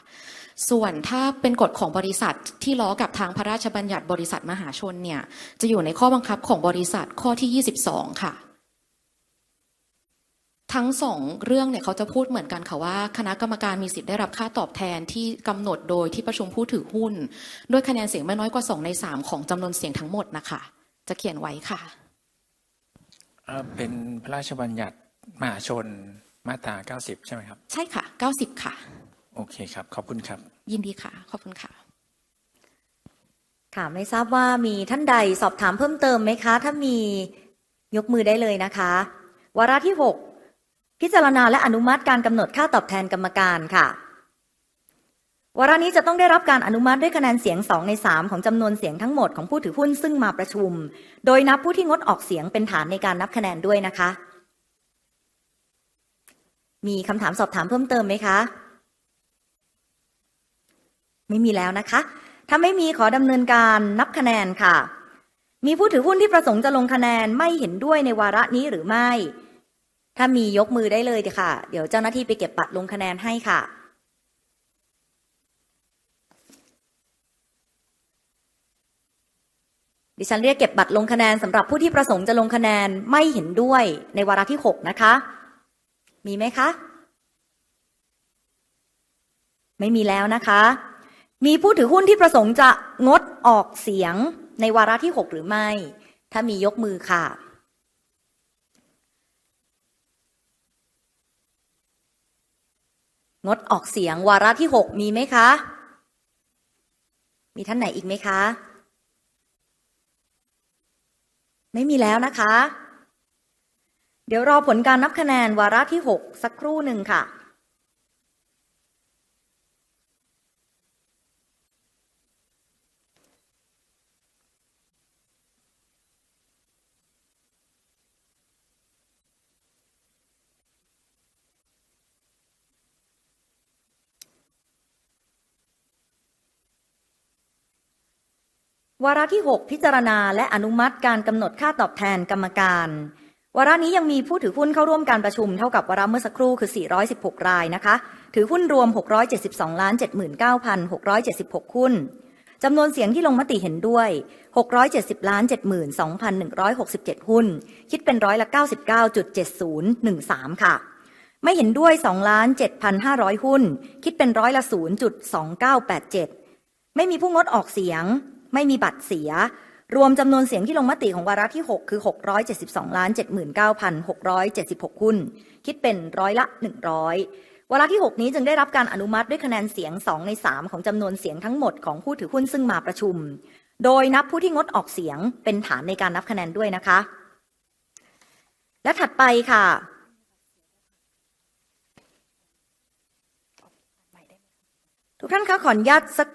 ส่วนถ้าเป็นกฎของบริษัทที่ล้อกับทางพระราชบัญญัติบริษัทมหาชนเนี่ยจะอยู่ในข้อบังคับของบริษัทข้อที่ยี่สิบสองค่ะทั้งสองเรื่องเนี่ยเขาจะพูดเหมือนกันค่ะว่าคณะกรรมการมีสิทธิ์ได้รับค่าตอบแทนที่กำหนดโดยที่ประชุมผู้ถือหุ้นด้วยคะแนนเสียงไม่น้อยกว่าสองในสามของจำนวนเสียงทั้งหมดน่ะค่ะจะเขียนไว้ค่ะเป็นพระราชบัญญัติมหาชนมาตราเก้าสิบใช่ไหมครับใช่ค่ะเก้าสิบค่ะโอเคครับขอบคุณครับยินดีค่ะขอบคุณค่ะไม่ทราบว่ามีท่านใดสอบถามเพิ่มเติมไหมคะถ้ามียกมือได้เลยนะคะวาระที่หกพิจารณาและอนุมัติการกำหนดค่าตอบแทนกรรมการค่ะวาระนี้จะต้องได้รับการอนุมัติด้วยคะแนนเสียงสองในสามของจำนวนเสียงทั้งหมดของผู้ถือหุ้นซึ่งมาประชุมโดยนับผู้ที่งดออกเสียงเป็นฐานในการนับคะแนนด้วยนะคะมีคำถามสอบถามเพิ่มเติมไหมคะไม่มีแล้วนะคะถ้าไม่มีขอดำเนินการนับคะแนนค่ะมีผู้ถือหุ้นที่ประสงค์จะลงคะแนนไม่เห็นด้วยในวาระนี้หรือไม่ถ้ามียกมือได้เลยค่ะเดี๋ยวเจ้าหน้าที่ไปเก็บบัตรลงคะแนนให้ค่ะดิฉันเรียกเก็บบัตรลงคะแนนสำหรับผู้ที่ประสงค์จะลงคะแนนไม่เห็นด้วยในวาระที่หกนะคะมีไหมคะไม่มีแล้วนะคะมีผู้ถือหุ้นที่ประสงค์จะงดออกเสียงในวาระที่หกหรือไม่ถ้ามียกมือค่ะงดออกเสียงวาระที่หกมีไหมคะมีท่านไหนอีกไหมคะไม่มีแล้วนะคะเดี๋ยวรอผลการนับคะแนนวาระที่หกสักครู่หนึ่งค่ะวาระที่หกพิจารณาและอนุมัติการกำหนดค่าตอบแทนกรรมการวาระนี้ยังมีผู้ถือหุ้นเข้าร่วมการประชุมเท่ากับวาระเมื่อสักครู่คือสี่ร้อยสิบหกรายนะคะถือหุ้นรวมหกร้อยเจ็ดสิบสองล้านเจ็ดหมื่นเก้าพันหกร้อยเจ็ดสิบหกหุ้นจำนวนเสียงที่ลงมติเห็นด้วยหกร้อยเจ็ดสิบล้านเจ็ดหมื่นสองพันหนึ่งร้อยหกสิบเจ็ดหุ้นคิดเป็น 99.7013% ไม่เห็นด้วยสองล้านเจ็ดพันห้าร้อยหุ้นคิดเป็น 0.2987% ไม่มีผู้งดออกเสียงไม่มีบัตรเสียรวมจำนวนเสียงที่ลงมติของวาระที่หกคือหกร้อยเจ็ดสิ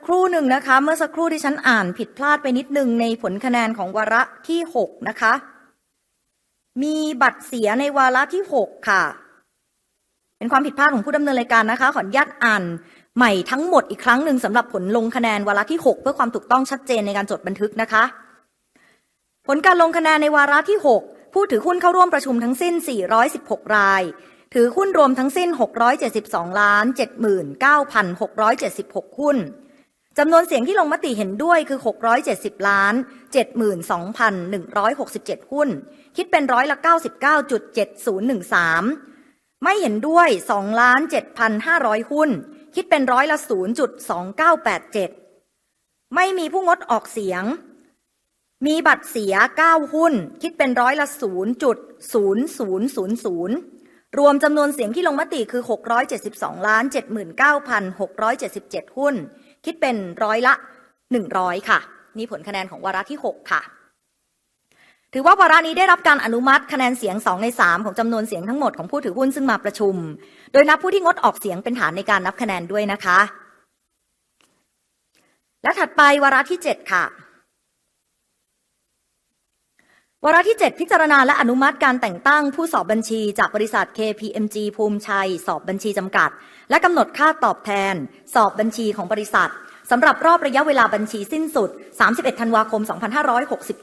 บสองล้านเจ็ดหมื่นเก้าพันหกร้อยเจ็ดสิบหวาระที่เจ็ดพิจารณาและอนุมัติการแต่งตั้งผู้สอบบัญชีจากบริษัทเคพีเอ็มจีภูมิชัยสอบบัญชีจำกัดและกำหนดค่าตอบแทนสอบบัญชีของบริษัทสำหรับรอบระยะเวลาบัญชีสิ้นสุด31ธันวาคม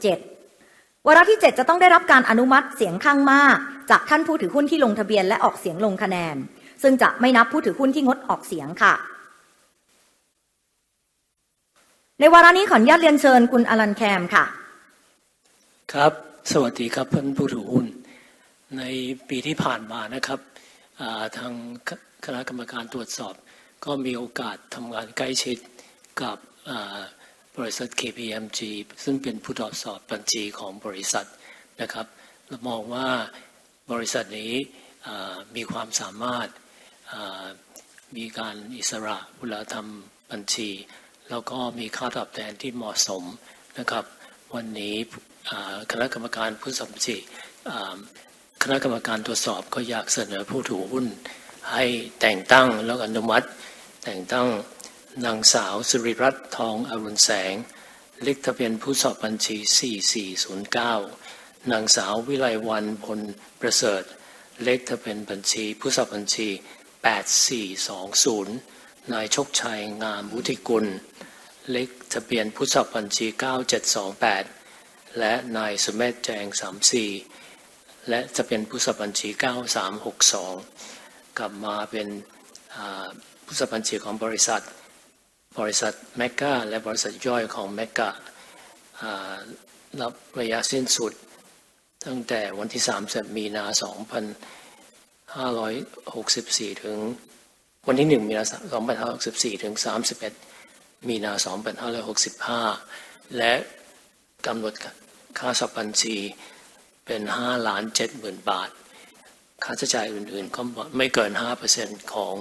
2567วาระที่เจ็ดจะต้องได้รับการอนุมัติเสียงข้างมากจากท่านผู้ถือหุ้นที่ลงทะเบียนและออกเสียงลงคะแนนซึ่งจะไม่นับผู้ถือหุ้นที่งดออกเสียงค่ะในวาระนี้ขออนุญาตเรียนเชิญคุณอรัญแคมค่ะครับสวัสดีครับท่านผู้ถือหุ้นในปีที่ผ่านมานะครับทางคณะกรรมการตรวจสอบก็มีโอกาสทำงานใกล้ชิดกับบริษัทเคพีเอ็มจีซึ่งเป็นผู้ตรวจสอบบัญชีของบริษัทนะครับเรามองว่าบริษัทนี้มีความสามารถมีการอิสระบุคลาธรรมบัญชีแล้วก็มีค่าตอบแทนที่เหมาะสมนะครับวันนี้คณะกรรมการผู้สอบบัญชีคณะกรรมการตรวจสอบก็อยากเสนอผู้ถือหุ้นให้แต่งตั้งและอนุมัติแต่งตั้งนางสาวศิริรัตน์ทองอรุณแสงเลขทะเบียนผู้สอบบัญชี4409นางสาววิไลวรรณพลประเสริฐเลขทะเบียนบัญชีผู้สอบบัญชี8420นายชกชัยงามวุฒิกุลเลขทะเบียนผู้สอบบัญชี9728และนายสุเมธแจงสามสี่และทะเบียนผู้สอบบัญชี9362กลับมาเป็นผู้สอบบัญชีของบริษัทบริษัทเมกก้าและบริษัทย่อยของเมกก้ารับระยะสิ้นสุดตั้งแต่วันที่31มีนาคม2564ถึงวันที่1มีนาคม2564ถึง31มีนาคม2565และกำหนดค่าสอบบัญชีเป็น฿ 5.7 ล้านค่าใช้จ่ายอื่นๆก็ไม่เกิน 5% ของ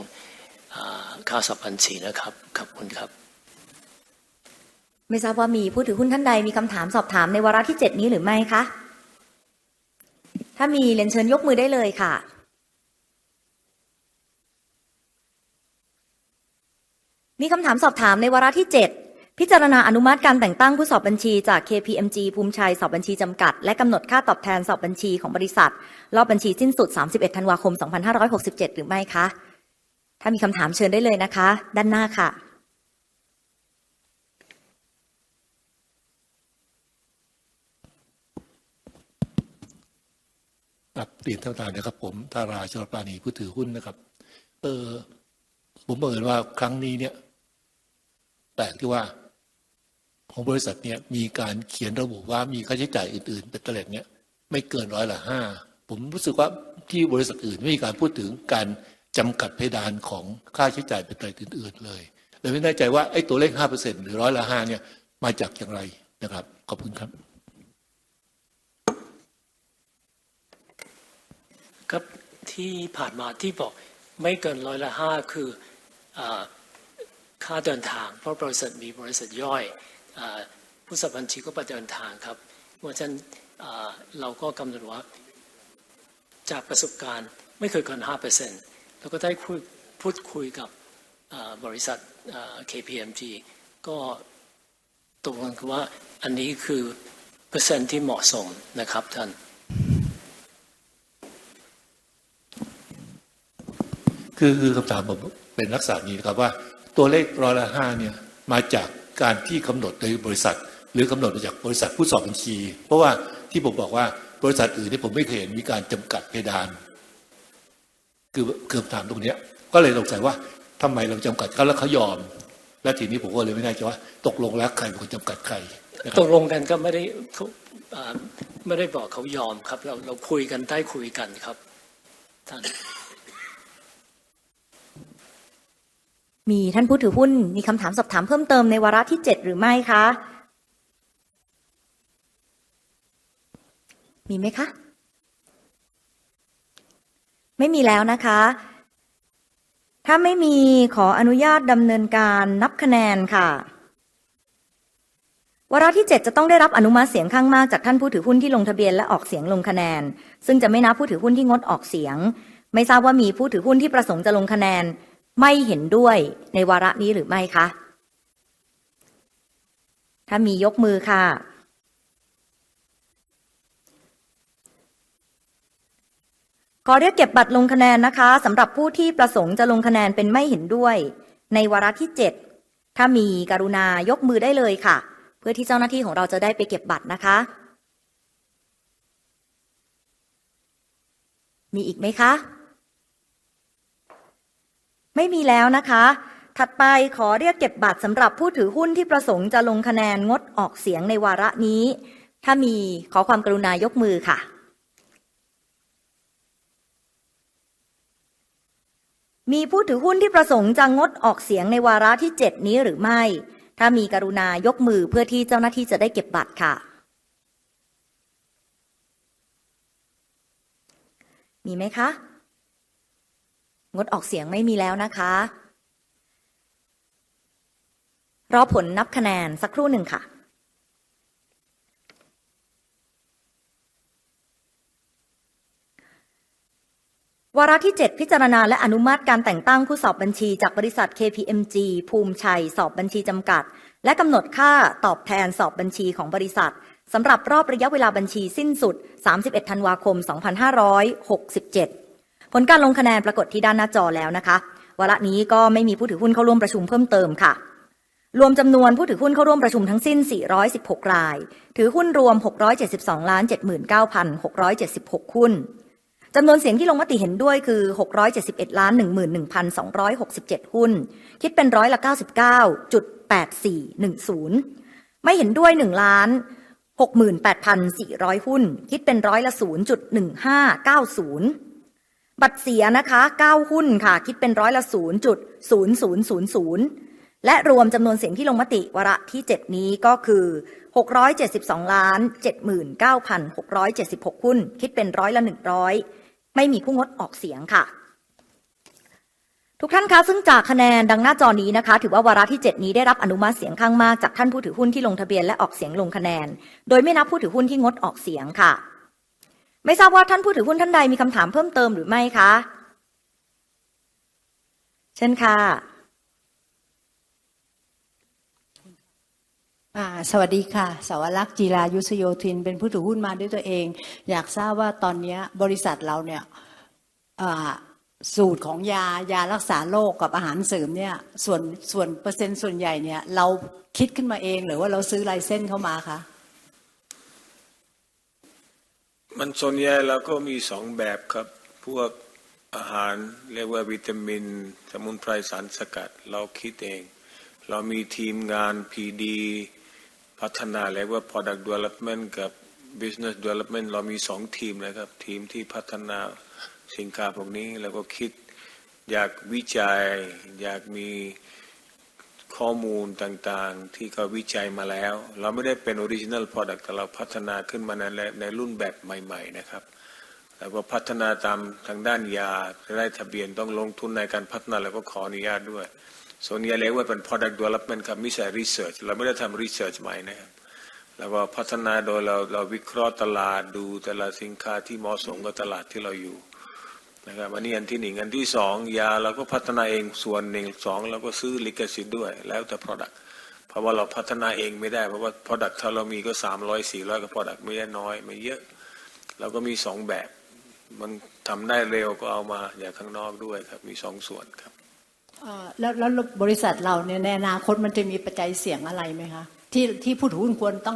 ค่าสอบบัญชีนะครับขอบคุณครับไม่ทราบว่ามีผู้ถือหุ้นท่านใดมีคำถามสอบถามในวาระที่เจ็ดนี้หรือไม่คะถ้ามีเรียนเชิญยกมือได้เลยค่ะมีคำถามสอบถามในวาระที่เจ็ดพิจารณาอนุมัติการแต่งตั้งผู้สอบบัญชีจากเคพีเอ็มจีภูมิชัยสอบบัญชีจำกัดและกำหนดค่าตอบแทนสอบบัญชีของบริษัทรอบบัญชีสิ้นสุด31ธันวาคม2567หรือไม่คะถ้ามีคำถามเชิญได้เลยนะคะด้านหน้าค่ะธาราชลปราณีผู้ถือหุ้นนะครับผมบังเอิญว่าครั้งนี้เนี่ยแปลกที่ว่าของบริษัทเนี่ยมีการเขียนระบุว่ามีค่าใช้จ่ายอื่นๆเป็นเตล็ดเนี่ยไม่เกิน 5% ผมรู้สึกว่าที่บริษัทอื่นไม่มีการพูดถึงการจำกัดเพดานของค่าใช้จ่ายเป็นเตล็ดอื่นๆเลยเลยไม่แน่ใจว่าไอ้ตัวเลข 5% หรือ 5% เนี่ยมาจากอย่างไรนะครับขอบคุณครับครับที่ผ่านมาที่บอกไม่เกิน 5% คือค่าเดินทางเพราะบริษัทมีบริษัทย่อยผู้สอบบัญชีก็ไปเดินทางครับเพราะฉะนั้นเราก็กำหนดว่าจากประสบการณ์ไม่เกิน 5% แล้วก็ได้พูดคุยกับบริษัทเคพีเอ็มจีก็ตกลงกันว่าอันนี้คือเปอร์เซ็นต์ที่เหมาะสมนะครับท่านคือคำถามผมเป็นลักษณะอย่างนี้นะครับว่าตัวเลข 5% เนี่ยมาจากการที่กำหนดโดยบริษัทหรือกำหนดมาจากบริษัทผู้สอบบัญชีเพราะว่าที่ผมบอกว่าบริษัทอื่นเนี่ยผมไม่เคยเห็นมีการจำกัดเพดานคือคำถามตรงเนี้ยก็เลยสงสัยว่าทำไมเราจำกัดเขาแล้วเขายอมแล้วทีนี้ผมก็เลยไม่แน่ใจว่าตกลงแล้วใครเป็นคนจำกัดใครนะครับตกลงกันก็ไม่ได้บอกเขายอมครับเราคุยกันได้คุยกันครับท่านมีท่านผู้ถือหุ้นมีคำถามสอบถามเพิ่มเติมในวาระที่เจ็ดหรือไม่คะมีไหมคะไม่มีแล้วนะคะถ้าไม่มีขออนุญาตดำเนินการนับคะแนนค่ะวาระที่เจ็ดจะต้องได้รับอนุมัติเสียงข้างมากจากท่านผู้ถือหุ้นที่ลงทะเบียนและออกเสียงลงคะแนนซึ่งจะไม่นับผู้ถือหุ้นที่งดออกเสียงไม่ทราบว่ามีผู้ถือหุ้นที่ประสงค์จะลงคะแนนไม่เห็นด้วยในวาระนี้หรือไม่คะถ้ามียกมือค่ะขอเรียกเก็บบัตรลงคะแนนนะคะสำหรับผู้ที่ประสงค์จะลงคะแนนเป็นไม่เห็นด้วยในวาระที่เจ็ดถ้ามีกรุณายกมือได้เลยค่ะเพื่อที่เจ้าหน้าที่ของเราจะได้ไปเก็บบัตรนะคะมีอีกไหมคะไม่มีแล้วนะคะถัดไปขอเรียกเก็บบัตรสำหรับผู้ถือหุ้นที่ประสงค์จะลงคะแนนงดออกเสียงในวาระนี้ถ้ามีขอความกรุณายกมือค่ะมีผู้ถือหุ้นที่ประสงค์จะงดออกเสียงในวาระที่เจ็ดนี้หรือไม่ถ้ามีกรุณายกมือเพื่อที่เจ้าหน้าที่จะได้เก็บบัตรค่ะมีไหมคะงดออกเสียงไม่มีแล้วนะคะรอผลนับคะแนนสักครู่หนึ่งค่ะวาระที่เจ็ดพิจารณาและอนุมัติการแต่งตั้งผู้สอบบัญชีจากบริษัทเคพีเอ็มจีภูมิชัยสอบบัญชีจำกัดและกำหนดค่าตอบแทนสอบบัญชีของบริษัทสำหรับรอบระยะเวลาบัญชีสิ้นสุด31ธันวาคม2567ผลการลงคะแนนปรากฏที่ด้านหน้าจอแล้วนะคะวาระนี้ก็ไม่มีผู้ถือหุ้นเข้าร่วมประชุมเพิ่มเติมค่ะรวมจำนวนผู้ถือหุ้นเข้าร่วมประชุมทั้งสิ้นสี่ร้อยสิบหกรายถือหุ้นรวมหกร้อยเจ็ดสิบสองล้านเจ็ดหมื่นเก้าพันหกร้อยเจ็ดสิบหกหุ้นจำนวนเสียงที่ลงมติเห็นด้วยคือหกร้อยเจ็ดสิบเอ็ดล้านหนึ่งหมื่นหนึ่งพันสองร้อยหกสิบเจ็ดหุ้นคิดเป็น 99.8410% ไม่เห็นด้วยหนึ่งล้านหกหมื่นแปดพันสี่ร้อยหุ้นคิดเป็น 0.1590% บัตรเสียนะคะเก้าหุ้นค่ะคิดเป็น 0.0000% และรวมจำนวนเสียงที่ลงมติวาระที่เจ็ดนี้ก็คือหกร้อยเจ็ดสิบสองล้านเจ็ดหมื่นเก้าพันหกร้อยเจ็ดสิบหกหุ้นคิดเป็น 100% ไม่มีผู้งดออกเสียงค่ะทุกท่านคะซึ่งจากคะแนนดังหน้าจอนี้นะคะถือว่าวาระที่เจ็ดนี้ได้รับอนุมัติเสียงข้างมากจากท่านผู้ถือหุ้นที่ลงทะเบียนและออกเสียงลงคะแนนโดยไม่นับผู้ถือหุ้นที่งดออกเสียงค่ะไม่ทราบว่าท่านผู้ถือหุ้นท่านใดมีคำถามเพิ่มเติมหรือไม่คะเชิญค่ะสวัสดีค่ะเสาวลักษณ์จีรายุสโยธินเป็นผู้ถือหุ้นมาด้วยตัวเองอยากทราบว่าตอนเนี้ยบริษัทเราเนี่ยสูตรของยายารักษาโรคกับอาหารเสริมเนี่ยส่วนเปอร์เซ็นต์ส่วนใหญ่เนี่ยเราคิดขึ้นมาเองหรือว่าเราซื้อไลเซนส์เข้ามาคะมันส่วนใหญ่เราก็มีสองแบบครับพวกอาหารเรียกว่าวิตามินสมุนไพรสารสกัดเราคิดเองเรามีทีมงานพีดีพัฒนาเรียกว่า Product Development กับ Business Development เรามีสองทีมนะครับทีมที่พัฒนาสินค้าพวกนี้แล้วก็คิดอยากวิจัยอยากมีข้อมูลต่างๆที่เขาวิจัยมาแล้วเราไม่ได้เป็น Original Product แต่เราพัฒนาขึ้นมาในรุ่นแบบใหม่ๆนะครับแล้วก็พัฒนาตามทางด้านยาจะได้ทะเบียนต้องลงทุนในการพัฒนาเราก็ขออนุญาตด้วยส่วนใหญ่เรียกว่าเป็น Product Development ครับไม่ใช่ Research เราไม่ได้ทำ Research ใหม่นะครับแล้วก็พัฒนาโดยเราเราวิเคราะห์ตลาดดูแต่ละสินค้าที่เหมาะสมกับตลาดที่เราอยู่นะครับอันนี้อันที่หนึ่งอันที่สองยาเราก็พัฒนาเองส่วนหนึ่งสองเราก็ซื้อลิขสิทธิ์ด้วยแล้วแต่ Product เพราะว่าเราพัฒนาเองไม่ได้เพราะว่า Product ถ้าเรามีก็สามร้อยสี่ร้อยก็ Product ไม่ได้น้อยไม่เยอะเราก็มีสองแบบมันทำได้เร็วก็เอามาจากข้างนอกด้วยครับมีสองส่วนครับแล้วบริษัทเราเนี่ยในอนาคตมันจะมีปัจจัยเสี่ยงอะไรไหมคะที่ผู้ถือหุ้นควรต้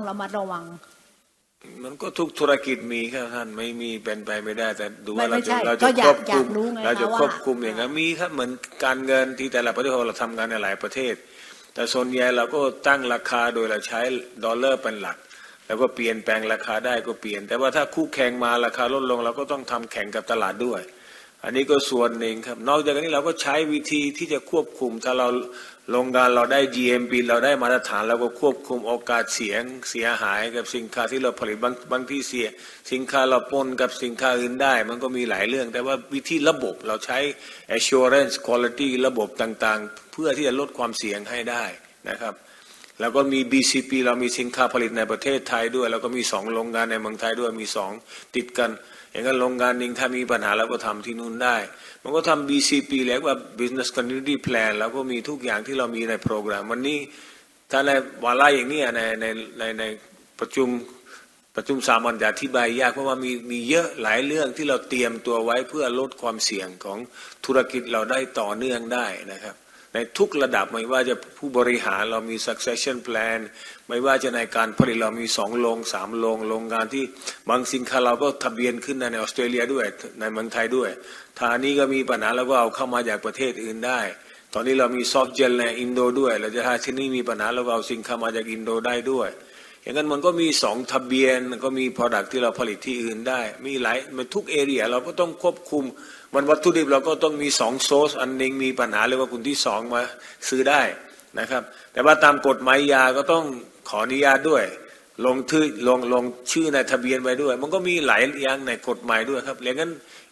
อด้วยมีสองติดกันอย่างงั้นโรงงานหนึ่งถ้ามีปัญหาเราก็ทำที่นู่นได้มันก็ทำ BCP เรียกว่า Business Continuity Plan เราก็มีทุกอย่างที่เรามีในโปรแกรมวันนี้ถ้าในวาระอย่างเงี้ยในประชุมประชุมสามัญจะอธิบายยากเพราะว่ามีเยอะหลายเรื่องที่เราเตรียมตัวไว้เพื่อลดความเสี่ยงของธุรกิจเราได้ต่อเนื่องได้นะครับในทุกระดับไม่ว่าจะผู้บริหารเรามี Succession Plan ไม่ว่าจะในการผลิตเรามีสองโรงสามโรงโรงงานที่บางสินค้าเราก็ทะเบียนขึ้นมาในออสเตรเลียด้วยในเมืองไทยด้วยถ้าอันนี้ก็มีปัญหาเราก็เอาเข้ามาจากประเทศอื่นได้ตอนนี้เรามี Soft Gel ในอินโดด้วยเราจะถ้าที่นี่มีปัญหาเราก็เอาสินค้ามาจากอินโดได้ด้วยอย่างงั้นมันก็มีสองทะเบียนก็มี Product ที่เราผลิตที่อื่นได้มีหลายในทุกเอเรียเราก็ต้องควบคุมมันวัตถุดิบเราก็ต้องมีสอง Source อันนึงมีปัญหาเรียกว่ากลุ่มที่สองมาซื้อได้นะครับแต่ว่าตามกฎหมายยาก็ต้องขออนุญาตด้วยลงชื่อลงชื่อในทะเบียนไว้ด้วยมันก็มีหลายอย่างในกฎหมายด้วยครับอย่างงั้น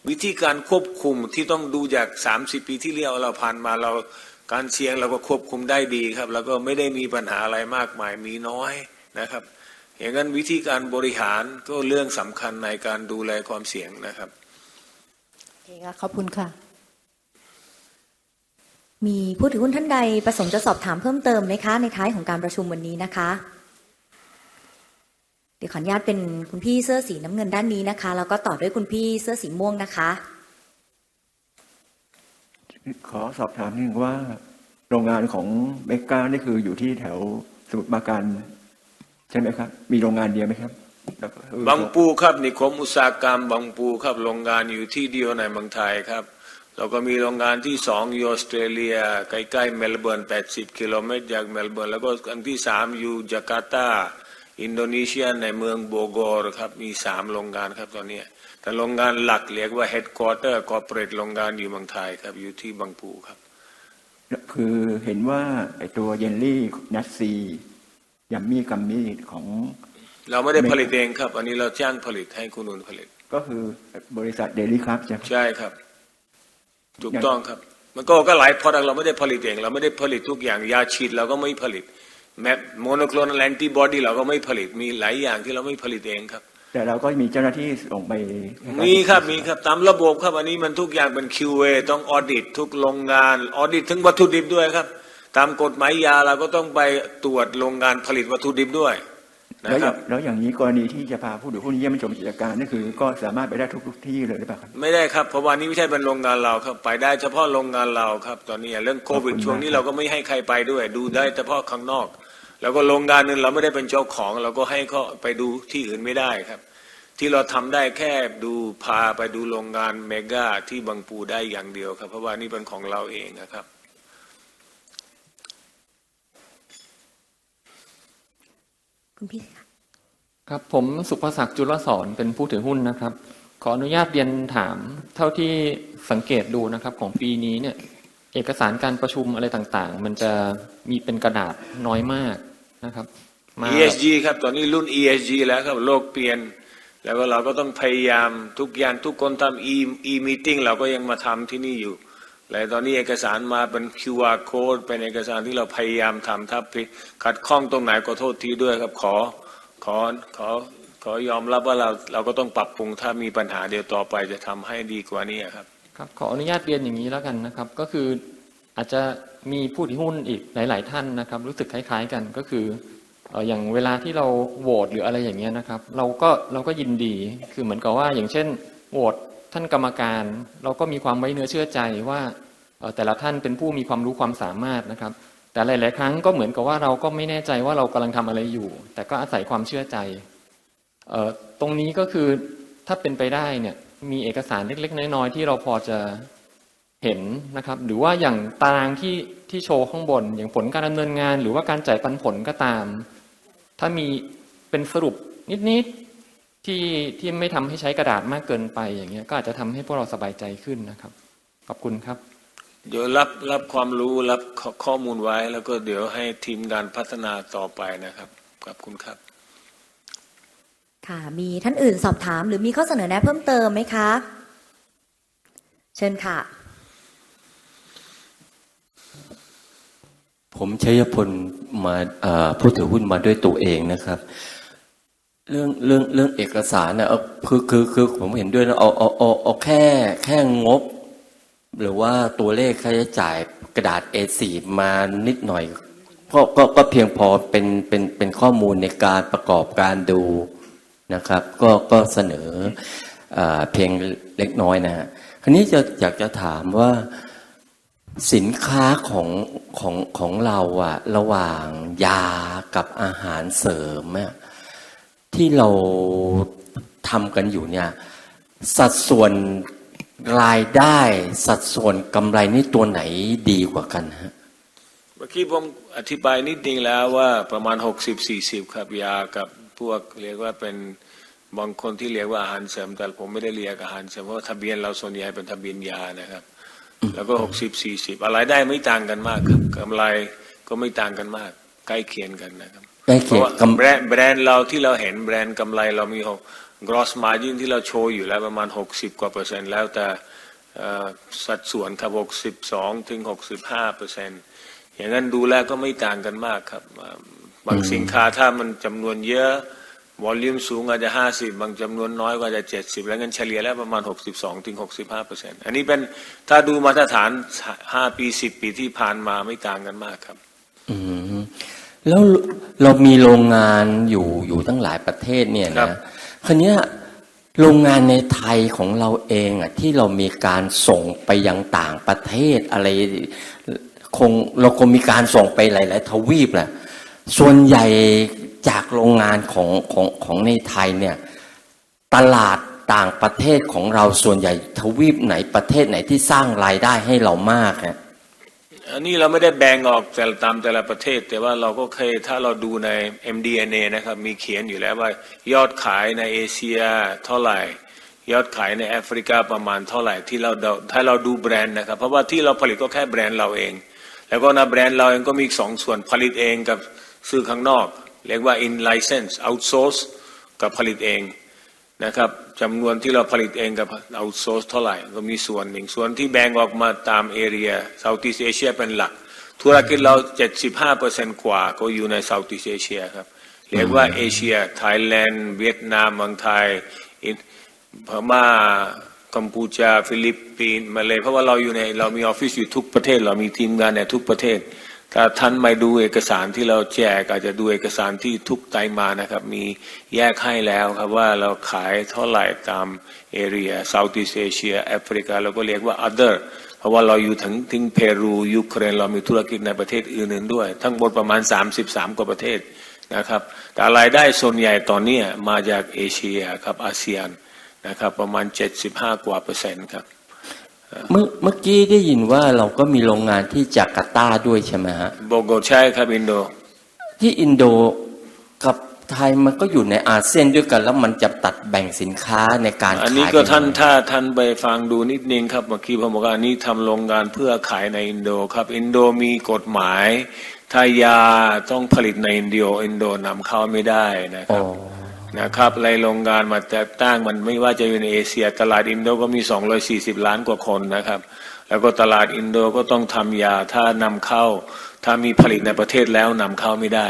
วิธีการควบคุมที่ต้องดูจากสามสิบปีที่แล้วเราผ่านมาเราการเสี่ยงเราก็ควบคุมได้ดีครับแล้วก็ไม่ได้มีปัญหาอะไรมากมายมีน้อยนะครับอย่างงั้นวิธีการบริหารก็เรื่องสำคัญในการดูแลความเสี่ยงนะครับโอเคค่ะขอบคุณค่ะมีผู้ถือหุ้นท่านใดประสงค์จะสอบถามเพิ่มเติมไหมคะในท้ายของการประชุมวันนี้นะคะเดี๋ยวขออนุญาตเป็นคุณพี่เสื้อสีน้ำเงินด้านนี้นะคะแล้วก็ต่อด้วยคุณพี่เสื้อสีม่วงนะคะขอสอบถามนิดหนึ่งว่าโรงงานของเมกก้านี่คืออยู่ที่แถวสมุทรปราการใช่ไหมครับมีโรงงานเดียวไหมครับบังปูครับนิคมอุตสาหกรรมบังปูครับโรงงานอยู่ที่เดียวในเมืองไทยครับแล้วก็มีโรงงานที่สองอยู่ออสเตรเลียใกล้ๆเมลเบิร์นแปดสิบกิโลเมตรจากเมลเบิร์นแล้วก็อันที่สามอยู่จากาตาร์อินโดนีเซียในเมืองโบโกครับมีสามโรงงานครับตอนเนี้ยแต่โรงงานหลักเรียกว่า Headquarter Corporate โรงงานอยู่เมืองไทยครับอยู่ที่บังปูครับคือเห็นว่าไอ้ตัวเยลลี่นัทซียัมมี่กัมมี่ของเราไม่ได้ผลิตเองครับอันนี้เราจ้างผลิตให้คุณนุ่นผลิตก็คือบริษัทเดลี่ครับใช่ไหมใช่ครับถูกต้องครับมันก็หลายพอร์ตอ่ะเราไม่ได้ผลิตเองเราไม่ได้ผลิตทุกอย่างยาฉีดเราก็ไม่ผลิตแม้โมโนคลอนแอนติบอดี้เราก็ไม่ผลิตมีหลายอย่างที่เราไม่ผลิตเองครับแต่เราก็มีเจ้าหน้าที่ส่งไปมีครับมีครับตามระบบครับอันนี้มันทุกอย่างเป็น QA ต้องออดิตทุกโรงงานออดิตถึงวัตถุดิบด้วยครับตามกฎหมายยาเราก็ต้องไปตรวจโรงงานผลิตวัตถุดิบด้วยนะครับแล้วอย่างงี้กรณีที่จะพาผู้ถือหุ้นเยี่ยมชมกิจการก็คือก็สามารถไปได้ทุกๆที่เลยหรือเปล่าครับไม่ได้ครับเพราะว่าอันนี้ไม่ใช่เป็นโรงงานเราครับไปได้เฉพาะโรงงานเราครับตอนเนี้ยเรื่องโควิดช่วงนี้เราก็ไม่ให้ใครไปด้วยดูได้เฉพาะข้างนอกแล้วก็โรงงานนึงเราไม่ได้เป็นเจ้าของเราก็ให้เขาไปดูที่อื่นไม่ได้ครับที่เราทำได้แค่ดูพาไปดูโรงงานเมกก้าที่บังปูได้อย่างเดียวครับเพราะว่านี่เป็นของเราเองนะครับคุณพี่คะครับผมศุภศักดิ์จุลศรเป็นผู้ถือหุ้นนะครับขออนุญาตเรียนถามเท่าที่สังเกตดูนะครับของปีนี้เนี่ยเอกสารการประชุมอะไรต่างๆมันจะมีเป็นกระดาษน้อยมากนะครับมา ESG ครับตอนนี้รุ่น ESG แล้วครับโลกเปลี่ยนแล้วก็เราก็ต้องพยายามทุกอย่างทุกคนทำอีอีมีตติ้งเราก็ยังมาทำที่นี่อยู่แล้วตอนนี้เอกสารมาเป็นคิวอาร์โค้ดเป็นเอกสารที่เราพยายามทำครับขัดข้องตรงไหนขอโทษทีด้วยครับขอยอมรับว่าเราก็ต้องปรับปรุงถ้ามีปัญหาเดี๋ยวต่อไปจะทำให้ดีกว่าเนี้ยครับครับขออนุญาตเรียนอย่างงี้แล้วกันนะครับก็คืออาจจะมีผู้ถือหุ้นอีกหลายท่านนะครับรู้สึกคล้ายกันก็คืออย่างเวลาที่เราโหวตหรืออะไรอย่างเงี้ยนะครับเราก็ยินดีคือเหมือนกับว่าอย่างเช่นโหวตท่านกรรมการเราก็มีความไว้เนื้อเชื่อใจว่าแต่ละท่านเป็นผู้มีความรู้ความสามารถนะครับแต่หลายครั้งก็เหมือนกับว่าเราก็ไม่แน่ใจว่าเรากำลังทำอะไรอยู่แต่ก็อาศัยความเชื่อใจตรงนี้ก็คือถ้าเป็นไปได้เนี่ยมีเอกสารเล็กน้อยที่เราพอจะเห็นนะครับหรือว่าอย่างตารางที่โชว์ข้างบนอย่างผลการดำเนินงานหรือว่าการจ่ายปันผลก็ตามถ้ามีเป็นสรุปนิดที่ไม่ทำให้ใช้กระดาษมากเกินไปอย่างเงี้ยก็อาจจะทำให้พวกเราสบายใจขึ้นนะครับขอบคุณครับเดี๋ยวรับความรู้รับข้อมูลไว้แล้วก็เดี๋ยวให้ทีมงานพัฒนาต่อไปนะครับขอบคุณครับมีท่านอื่นสอบถามหรือมีข้อเสนอแนะเพิ่มเติมไหมคะเชิญค่ะผมชัยพลมาผู้ถือหุ้นมาด้วยตัวเองนะครับเรื่องเอกสารน่ะคือผมเห็นด้วยนะเอาแค่งบหรือว่าตัวเลขค่าใช้จ่ายกระดาษเอสี่มานิดหน่อยก็เพียงพอเป็นข้อมูลในการประกอบการดูนะครับก็เสนอเพียงเล็กน้อยนะฮะคราวนี้จะอยากจะถามว่าสินค้าของเราอ่ะระหว่างยากับอาหารเสริมอ่ะที่เราทำกันอยู่เนี่ยสัดส่วนรายได้สัดส่วนกำไรนี่ตัวไหนดีกว่ากันฮะเมื่อกี้ผมอธิบายนิดนึงแล้วว่าประมาณหกสิบสี่สิบครับยากับพวกเรียกว่าเป็นบางคนที่เรียกว่าอาหารเสริมแต่ผมไม่ได้เรียกอาหารเสริมเพราะว่าทะเบียนเราส่วนใหญ่เป็นทะเบียนยานะครับรายได้ไม่ต่างกันมากครับกำไรก็ไม่ต่างกันมากใกล้เคียงกันนะครับใกล้เคียงกันแบรนด์กำไรเรามีหก Gross Margin ที่เราโชว์อยู่แล้วประมาณหกสิบกว่าเปอร์เซ็นต์แล้วแต่สัดส่วนครับหกสิบสองถึงหกสิบห้าเปอร์เซ็นต์อย่างงั้นดูแล้วก็ไม่ต่างกันมากครับบางสินค้าถ้ามันจำนวนเยอะวอลลุ่มสูงอาจจะห้าสิบบางจำนวนน้อยก็อาจจะเจ็ดสิบแล้วงั้นเฉลี่ยแล้วประมาณหกสิบสองถึงหกสิบห้าเปอร์เซ็นต์อันนี้เป็นถ้าดูมาตรฐานห้าปีสิบปีที่ผ่านมาไม่ต่างกันมากครับแล้วเรามีโรงงานอยู่ตั้งหลายประเทศเนี่ยนะคราวเนี้ยโรงงานในไทยของเราเองอ่ะที่เรามีการส่งไปยังต่างประเทศอะไรคงเราคงมีการส่งไปหลายทวีปล่ะส่วนใหญ่จากโรงงานของในไทยเนี่ยตลาดต่างประเทศของเราส่วนใหญ่ทวีปไหนประเทศไหนที่สร้างรายได้ให้เรามากฮะอันนี้เราไม่ได้แบ่งออกแต่ละตามแต่ละประเทศแต่ว่าเราก็เคยถ้าเราดูในเอ็มดีเอ็นเอนะครับมีเขียนอยู่แล้วว่ายอดขายในเอเชียเท่าไหร่ยอดขายในแอฟริกาประมาณเท่าไหร่ที่เราเดาถ้าเราดูแบรนด์นะครับเพราะว่าที่เราผลิตก็แค่แบรนด์เราเองแล้วก็ในแบรนด์เราเองก็มีอีกสองส่วนผลิตเองกับซื้อข้างนอกเรียกว่า In License Outsource กับผลิตเองนะครับจำนวนที่เราผลิตเองกับ Outsource เท่าไหร่ก็มีส่วนหนึ่งส่วนที่แบ่งออกมาตามเอเรีย Southeast Asia เป็นหลักธุรกิจเราเจ็ดสิบห้าเปอร์เซ็นต์กว่าก็อยู่ใน Southeast Asia ครับเรียกว่าเอเชียไทยแลนด์เวียดนามเมืองไทยอินพม่ากัมพูชาฟิลิปปินส์มาเลย์เพราะว่าเราอยู่ในเรามีออฟฟิศอยู่ทุกประเทศเรามีทีมงานในทุกประเทศถ้าท่านไม่ดูเอกสารที่เราแจกอาจจะดูเอกสารที่ทุกไตรมาสนะครับมีแยกให้แล้วครับว่าเราขายเท่าไหร่ตามเอเรีย Southeast Asia แอฟริกาเราก็เรียกว่า Other เพราะว่าเราอยู่ถึงเปรูยูเครนเรามีธุรกิจในประเทศอื่นด้วยทั้งหมดประมาณสามสิบสามกว่าประเทศนะครับแต่รายได้ส่วนใหญ่ตอนเนี้ยมาจากเอเชียครับอาเซียนนะครับประมาณเจ็ดสิบห้ากว่าเปอร์เซ็นต์ครับเมื่อกี้ได้ยินว่าเราก็มีโรงงานที่จากาตาร์ด้วยใช่ไหมฮะโบโกใช่ครับอินโดที่อินโดกับไทยมันก็อยู่ในอาเซียนด้วยกันแล้วมันจะตัดแบ่งสินค้าในการขายอันนี้ก็ท่านถ้าท่านไปฟังดูนิดนึงครับเมื่อกี้ผมบอกว่าอันนี้ทำโรงงานเพื่อขายในอินโดครับอินโดมีกฎหมายถ้ายาต้องผลิตในอินโดอินโดนำเข้าไม่ได้นะครับอ๋อนะครับในโรงงานมาจัดตั้งมันไม่ว่าจะอยู่ในเอเชียตลาดอินโดก็มีสองร้อยสี่สิบล้านกว่าคนนะครับแล้วก็ตลาดอินโดก็ต้องทำยาถ้านำเข้าถ้ามีผลิตในประเทศแล้วนำเข้าไม่ได้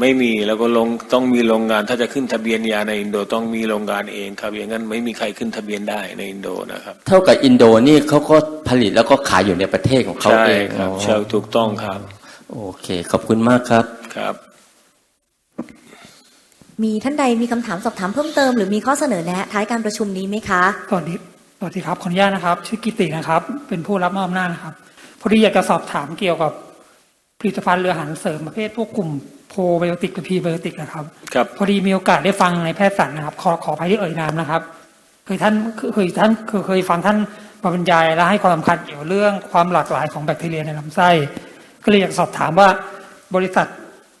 ไม่มีแล้วก็ลงต้องมีโรงงานถ้าจะขึ้นทะเบียนยาในอินโดต้องมีโรงงานเองครับอย่างงั้นไม่มีใครขึ้นทะเบียนได้ในอินโดนะครับเท่ากับอินโดนี่เขาก็ผลิตแล้วก็ขายอยู่ในประเทศของเขาเองใช่ครับใช่ถูกต้องครับโอเคขอบคุณมากครับครับมีท่านใดมีคำถามสอบถามเพิ่มเติมหรือมีข้อเสนอแนะท้ายการประชุมนี้ไหมคะสวัสดีครับขออนุญาตนะครับชื่อกิตตินะครับเป็นผู้รับมอบอำนาจนะครับพอดีอยากจะสอบถามเกี่ยวกับผลิตภัณฑ์หรืออาหารเสริมประเภทพวกกลุ่มโพรไบโอติกกับพรีไบโอติกอะครับครับพอดีมีโอกาสได้ฟังในแพทย์สรรค์นะครับขอขออภัยที่เอ่ยน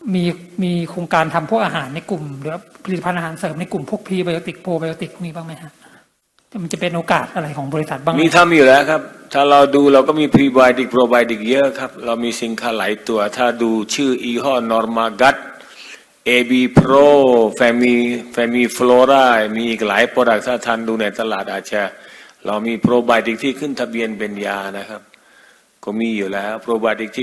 ามนะครับเคยท่านเคยฟังท่านมาบรรยายและให้ความสำคัญเกี่ยวกับเรื่องความหลากหลายของแบคทีเรียในลำไส้ก็เลยอยากสอบถามว่าบริษัทมีโครงการทำพวกอาหารในกลุ่มหรือผลิตภัณฑ์อาหารเสริมในกลุ่มพวกพรีไบโอติกโพรไบโอติกพวกนี้บ้างไหมฮะแต่มันจะเป็นโอกาสอะไรของบริษัทบ้างไหมมีทำอยู่แล้วครับถ้าเราดูเราก็มีพรีไบโอติกโพรไบโอติกเยอะครับเรามีสินค้าหลายตัวถ้าดูชื่อยี่ห้อนอร์มาร์กัสเอบีโปรแฟมิลีแฟมิลีโฟลอร่ามีอีกหลายโปรดักต์ถ้าท่านดูในตลาดอาจจะเ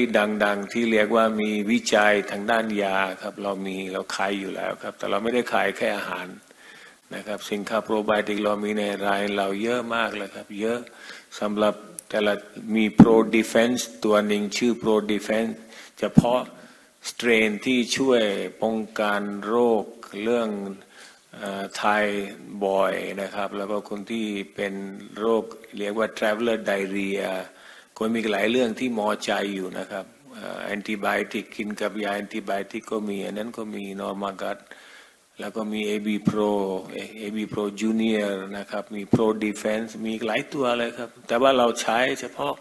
รามีโพรไบโอติกที่ขึ้นทะเบียนเป็นยานะครับก็มีอยู่แล้วโพรไบโอติกที่ดังๆที่เรียกว่ามีวิจัยทางด้านยาครับเรามีเราขายอยู่แล้วครับแต่เราไม่ได้ขายแค่อาหารนะครับสินค้าโพรไบโอติกเรามีในไลน์เราเยอะมากเลยครับเยอะสำหรับแต่ละมีโปรดิฟเฟนซ์ตัวนึงชื่อโปรดิฟเฟนซ์เฉพาะสเตรนที่ช่วยป้องกันโรคเรื่องไทบอยด์นะครับแล้วก็คนที่เป็นโรคเรียกว่า Traveler Diarrhea ก็มีอีกหลายเรื่องที่หมอใจอยู่นะครับแอนติไบโอติกกินกับยาแอนติไบโอติกก็มีอันนั้นก็มีนอร์มาร์กัสแล้วก็มีเอบีโปรเอบีโปรจูเนียร์นะครับมีโปรดิฟเฟนซ์มีอีกหลายตัวเลยครับแต่ว่าเราใช้เฉพาะ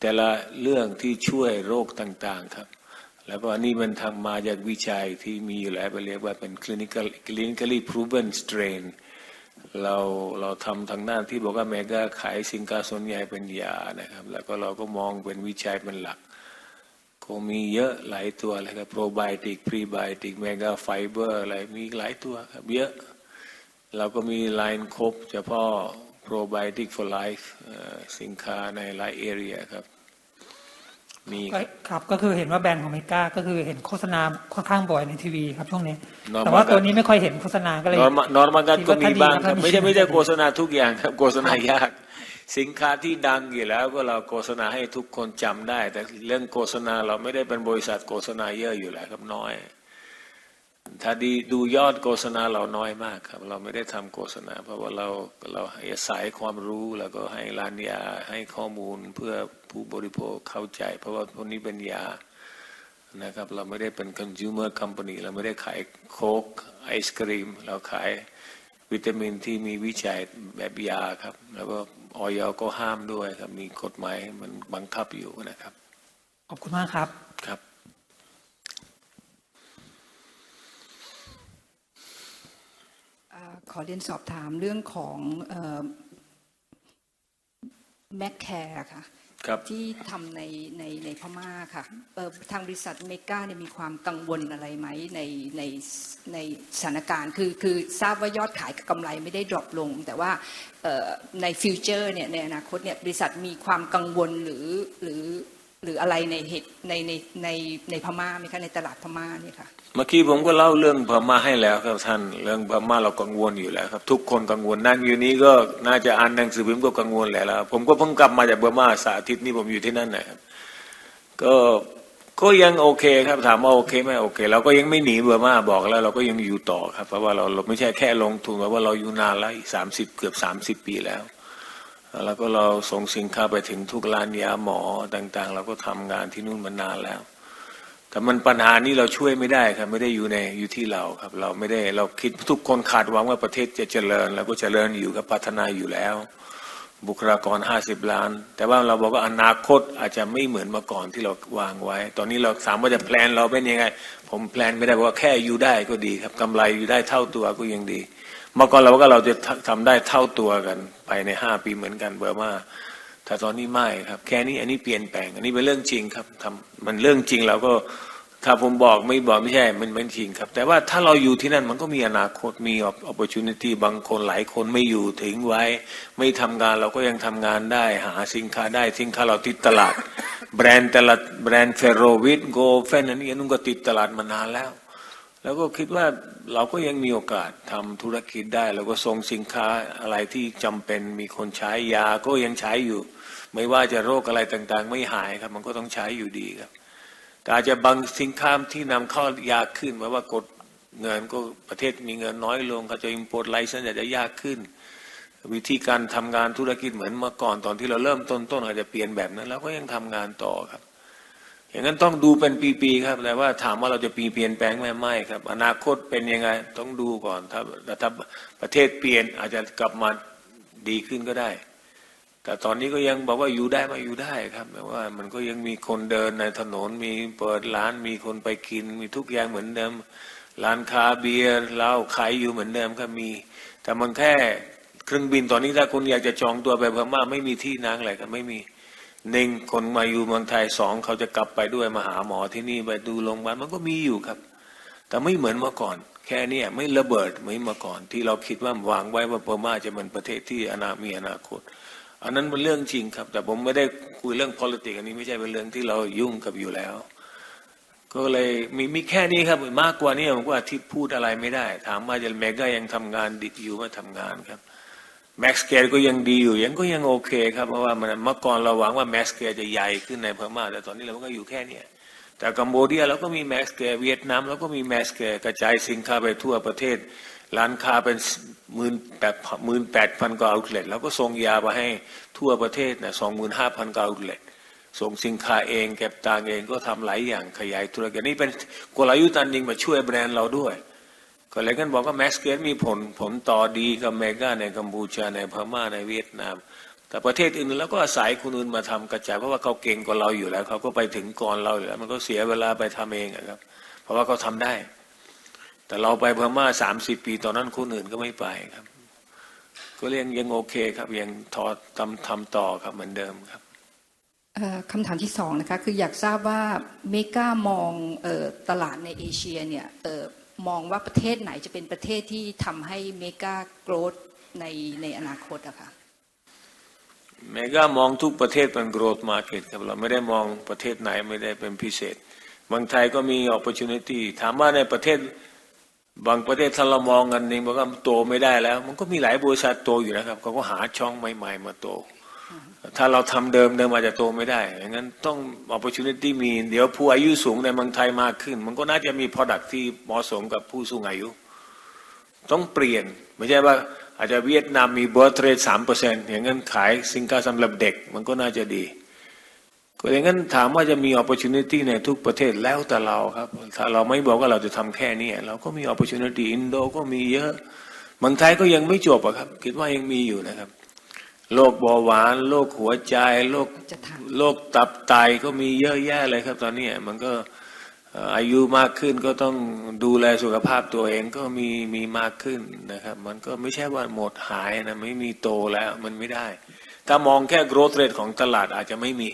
แต่ละเรื่องที่ช่วยโรคต่างๆครับแล้วก็อันนี้มันทำมาจากวิจัยที่มีอยู่แล้วก็เรียกว่าเป็น Clinical Clinically Proven Strain เราทำทางด้านที่บอกว่าเมกก้าขายสินค้าส่วนใหญ่เป็นยานะครับแล้วก็เราก็มองเป็นวิจัยเป็นหลักก็มีเยอะหลายตัวเลยครับโพรไบโอติกพรีไบโอติกเมกก้าไฟเบอร์อะไรมีอีกหลายตัวครับเยอะเราก็มีไลน์ครบเฉพาะโพรไบโอติกโฟไลท์สินค้าในหลายเอเรียครับมีครับก็คือเห็นว่าแบรนด์ของเมกก้าก็คือเห็นโฆษณาค่อนข้างบ่อยในทีวีครับช่วงนี้แต่ว่าตัวนี้ไม่ค่อยเห็นโฆษณาก็เลยนอร์มาร์กัสก็มีบ้างครับไม่ใช่โฆษณาทุกอย่างครับโฆษณายากสินค้าที่ดังอยู่แล้วก็เราโฆษณาให้ทุกคนจำได้แต่เรื่องโฆษณาเราไม่ได้เป็นบริษัทโฆษณาเยอะอยู่แล้วครับน้อยถ้าดีดูยอดโฆษณาเราน้อยมากครับเราไม่ได้ทำโฆษณาเพราะว่าเราเราอาศัยความรู้แล้วก็ให้ร้านยาให้ข้อมูลเพื่อผู้บริโภคเข้าใจเพราะว่าพวกนี้เป็นยานะครับเราไม่ได้เป็น Consumer Company เราไม่ได้ขายโค้กไอศกรีมเราขายวิตามินที่มีวิจัยแบบยาครับแล้วก็อยาก็ห้ามด้วยครับมีกฎหมายมันบังคับอยู่นะครับขอบคุณมากครับครับขอเรียนสอบถามเรื่องของแมคแคร์ค่ะครับที่ทำในพม่าค่ะทางบริษัทเมกก้าเนี่ยมีความกังวลอะไรมั้ยในสถานการณ์คือทราบว่ายอดขายกับกำไรไม่ได้ดรอปลงแต่ว่าในฟิวเจอร์เนี่ยในอนาคตเนี่ยบริษัทมีความกังวลหรืออะไรในเหตุในพม่ามั้ยคะในตลาดพม่าเนี่ยค่ะเมื่อกี้ผมก็เล่าเรื่องพม่าให้แล้วครับท่านเรื่องพม่าเรากังวลอยู่แล้วครับทุกคนกังวลนั่งอยู่นี้ก็น่าจะอ่านหนังสือผมก็กังวลแหละแล้วผมก็เพิ่งกลับมาจากเบอร์ม่าสาธิตนี่ผมอยู่ที่นั่นน่ะครับก็ยังโอเคครับถามว่าโอเคไม่โอเคเราก็ยังไม่หนีเบอร์ม่าบอกแล้วเราก็ยังอยู่ต่อครับเพราะว่าเราไม่ใช่แค่ลงทุนแต่ว่าเราอยู่นานแล้วอีกสามสิบเกือบสามสิบปีแล้วแล้วก็เราส่งสินค้าไปถึงทุกร้านยาหมอต่างๆเราก็ทำงานที่นู่นมานานแล้วแต่มันปัญหานี้เราช่วยไม่ได้ครับไม่ได้อยู่ในอยู่ที่เราครับเราไม่ได้เราคิดทุกคนคาดหวังว่าประเทศจะเจริญเราก็เจริญอยู่ครับพัฒนาอยู่แล้วบุคลากรห้าสิบล้านแต่ว่าเราบอกว่าอนาคตอาจจะไม่เหมือนเมื่อก่อนที่เราวางไว้ตอนนี้เราถามว่าจะแพลนเราเป็นยังไงผมแพลนไม่ได้บอกว่าแค่อยู่ได้ก็ดีครับกำไรอยู่ได้เท่าตัวก็ยังดีเมื่อก่อนเราว่าเราจะทำได้เท่าตัวกันภายในห้าปีเหมือนกันเบอร์ม่าแต่ตอนนี้ไม่ครับแค่นี้อันนี้เปลี่ยนแปลงอันนี้เป็นเรื่องจริงครับทำมันเรื่องจริงเราก็ถ้าผมบอกไม่บอกไม่ใช่มันไม่จริงครับแต่ว่าถ้าเราอยู่ที่นั่นมันก็มีอนาคตมี Opportunity บางคนหลายคนไม่อยู่ทิ้งไว้ไม่ทำงานเราก็ยังทำงานได้หาสินค้าได้สินค้าเราติดตลาดแบรนด์แต่ละแบรนด์เฟโรวิทโกเฟนอันนี้อันนู้นก็ติดตลาดมานานแล้วแล้วก็คิดว่าเราก็ยังมีโอกาสทำธุรกิจได้เราก็ส่งสินค้าอะไรที่จำเป็นมีคนใช้ยาก็ยังใช้อยู่ไม่ว่าจะโรคอะไรต่างๆไม่หายครับมันก็ต้องใช้อยู่ดีครับแต่อาจจะบางสินค้าที่นำเข้ายากขึ้นแปลว่ากดเงินก็ประเทศมีเงินน้อยลงเขาจะอิมโพร์ตไลน์ซะอาจจะยากขึ้นวิธีการทำงานธุรกิจเหมือนเมื่อก่อนตอนที่เราเริ่มต้นๆอาจจะเปลี่ยนแบบนั้นเราก็ยังทำงานต่อครับอย่างงั้นต้องดูเป็นปีๆครับแต่ว่าถามว่าเราจะมีเปลี่ยนแปลงมั้ยไม่ครับอนาคตเป็นยังไงต้องดูก่อนครับแล้วถ้าประเทศเปลี่ยนอาจจะกลับมาดีขึ้นก็ได้แต่ตอนนี้ก็ยังบอกว่าอยู่ได้ไม่อยู่ได้ครับแปลว่ามันก็ยังมีคนเดินในถนนมีเปิดร้านมีคนไปกินมีทุกอย่างเหมือนเดิมร้านค้าเบียร์เหล้าขายอยู่เหมือนเดิมครับมีแต่มันแค่เครื่องบินตอนนี้ถ้าคนอยากจะจองตัวไปพม่าไม่มีที่นั่งแหละครับไม่มีหนึ่งคนมาอยู่เมืองไทยสองเขาจะกลับไปด้วยมาหาหมอที่นี่ไปดูโรงพยาบาลมันก็มีอยู่ครับแต่ไม่เหมือนเมื่อก่อนแค่เนี้ยไม่ระเบิดเหมือนเมื่อก่อนที่เราคิดว่าวางไว้ว่าพม่าจะเป็นประเทศที่มีอนาคตอันนั้นเป็นเรื่องจริงครับแต่ผมไม่ได้คุยเรื่อง Politics อันนี้ไม่ใช่เป็นเรื่องที่เรายุ่งกับอยู่แล้วก็เลยมีแค่นี้ครับมากกว่าเนี้ยผมก็อาทิตย์พูดอะไรไม่ได้ถามว่าจะเมกก้ายังทำงานดิบอยู่ไหมทำงานครับแมสเกย์ก็ยังดีอยู่ยังโอเคครับเพราะว่ามันเมื่อก่อนเราหวังว่าแมสเกย์จะใหญ่ขึ้นในพม่าแต่ตอนนี้เราก็อยู่แค่เนี้ยแต่กัมโบเดียเราก็มีแมสเกย์เวียดนามเราก็มีแมสเกย์กระจายสินค้าไปทั่วประเทศร้านค้าเป็นหมื่นแปดหมื่นแปดพันกว่า Outlet เราก็ส่งยาไปให้ทั่วประเทศน่ะสองหมื่นห้าพันกว่า Outlet ส่งสินค้าเองเก็บตังค์เองก็ทำหลายอย่างขยายธุรกิจอันนี้เป็นกลยุทธ์อันนึงมาช่วยแบรนด์เราด้วยก็เลยงั้นบอกว่าแมสเกย์มีผลผลต่อดีกับเมกก้าในกัมพูชาในพม่าในเวียดนามแต่ประเทศอื่นๆเราก็อาศัยคนอื่นมาทำกระจายเพราะว่าเขาเก่งกว่าเราอยู่แล้วเขาก็ไปถึงก่อนเราอยู่แล้วมันก็เสียเวลาไปทำเองอะครับเพราะว่าเขาทำได้แต่เราไปพม่าสามสิบปีตอนนั้นคนอื่นก็ไม่ไปครับก็เลยยังโอเคครับยังถอดทำทำต่อครับเหมือนเดิมครับคำถามที่สองนะคะคืออยากทราบว่าเมกก้ามองตลาดในเอเชียเนี่ยมองว่าประเทศไหนจะเป็นประเทศที่ทำให้เมกก้าโกรธในในอนาคตอะคะเมกก้ามองทุกประเทศเป็น Growth Market ครับเราไม่ได้มองประเทศไหนไม่ได้เป็นพิเศษเมืองไทยก็มี Opportunity ถามว่าในประเทศบางประเทศถ้าเรามองอันนึงบอกว่ามันโตไม่ได้แล้วมันก็มีหลายบริษัทโตอยู่นะครับเขาก็หาช่องใหม่ๆมาโตถ้าเราทำเดิมๆอาจจะโตไม่ได้อย่างงั้นต้อง Opportunity มีเดี๋ยวผู้อายุสูงในเมืองไทยมากขึ้นมันก็น่าจะมี Product ที่เหมาะสมกับผู้สูงอายุต้องเปลี่ยนไม่ใช่ว่าอาจจะเวียดนามมี Birthday สามเปอร์เซ็นต์อย่างงั้นขายสินค้าสำหรับเด็กมันก็น่าจะดีก็อย่างงั้นถามว่าจะมี Opportunity ในทุกประเทศแล้วแต่เราครับถ้าเราไม่บอกว่าเราจะทำแค่เนี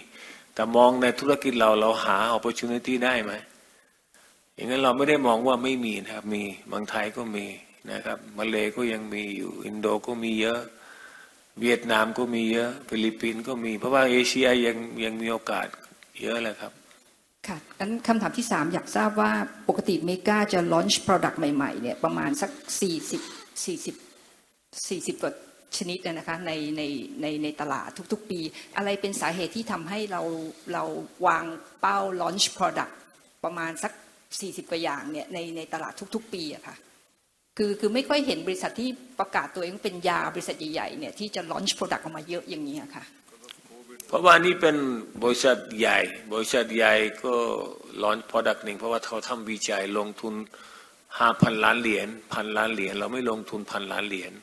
้ยเราก็มี Opportunity อินโดก็มีเยอะเมืองไทยก็ยังไม่จบอะครับคิดว่ายังมีอยู่นะครับโรคเบาหวานโรคหัวใจโรคโรคตับไตก็มีเยอะแยะเลยครับตอนเนี้ยมันก็อายุมากขึ้นก็ต้องดูแลสุขภาพตัวเองก็มีมีมากขึ้นนะครับมันก็ไม่ใช่ว่าหมดหายนะไม่มีโตแล้วมันไม่ได้ถ้ามองแค่ Growth Rate ของตลาดอาจจะไม่มีแต่มองในธุรกิจเราเราหา Opportunity ได้มั้ยอย่างงั้นเราไม่ได้มองว่าไม่มีนะครับมีเมืองไทยก็มีนะครับมาเลย์ก็ยังมีอยู่อินโดก็มีเยอะเวียดนามก็มีเยอะฟิลิปปินส์ก็มีเพราะว่าเอเชียยังยังมีโอกาสเยอะแหละครับงั้นคำถามที่สามอยากทราบว่าปกติเมกก้าจะ Launch Product ใหม่ๆเนี่ยประมาณสักสี่สิบกว่าชนิดอะนะคะในในตลาดทุกๆปีอะไรเป็นสาเหตุที่ทำให้เราเราวางเป้า Launch Product ประมาณสักสี่สิบกว่าอย่างเนี่ยในตลาดทุกๆปีอะคะคือไม่ค่อยเห็นบริษัทที่ประกาศตัวเองว่าเป็นยาบริษัทใหญ่ๆเนี่ยที่จะ Launch Product ออกมาเยอะอย่างงี้อะคะเพราะว่านี่เ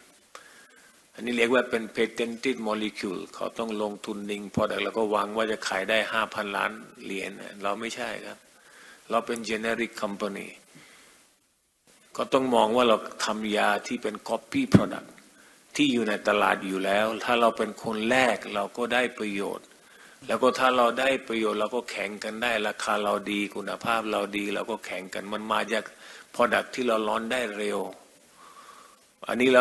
ป็นบริษัทใหญ่บริษัทใหญ่ก็ Launch Product นึงเพราะว่าเขาทำวิจัยลงทุนห้าพันล้านเหรียญพันล้านเหรียญเราไม่ลงทุนพันล้านเหรียญอันนี้เรียกว่าเป็น Patented Molecule เขาต้องลงทุนนึง Product แล้วก็หวังว่าจะขายได้ห้าพันล้านเหรียญน่ะเราไม่ใช่ครับเราเป็น Generic Company ก็ต้องมองว่าเราทำยาที่เป็น Copy Product ที่อยู่ในตลาดอยู่แล้วถ้าเราเป็นคนแรกเราก็ได้ประโยชน์แล้วก็ถ้าเราได้ประโยชน์เราก็แข่งกันได้ราคาเรา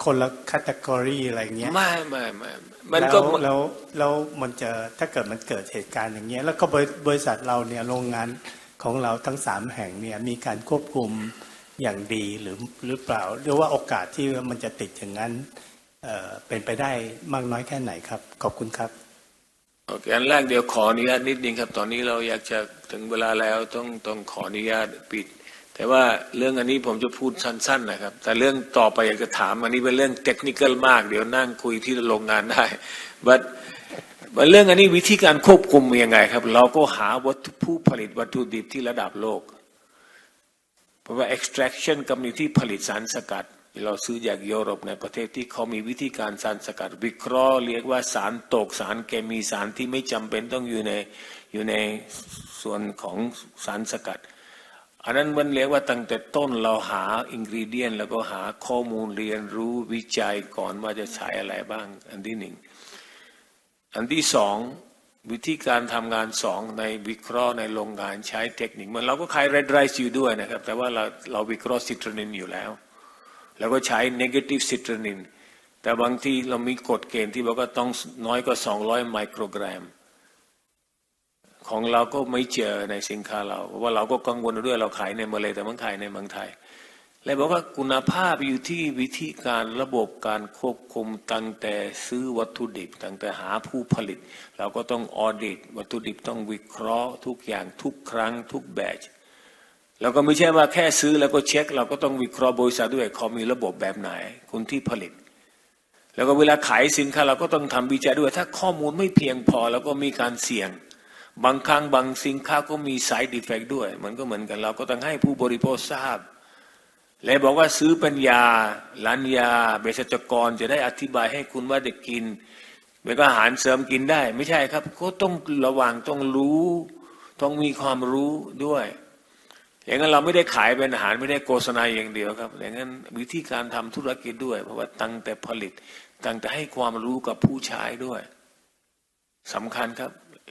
ดีคุณภาพเราดีเราก็แข่งกันมันมาจอย่างงั้นเราไม่ได้ทำธุรกิจแค่ตื่นเช้าสั่งโรงงานขายอาหารเหมือนสหรัฐบอกว่าดีมากเราซื้อสินค้าจากสหรัฐ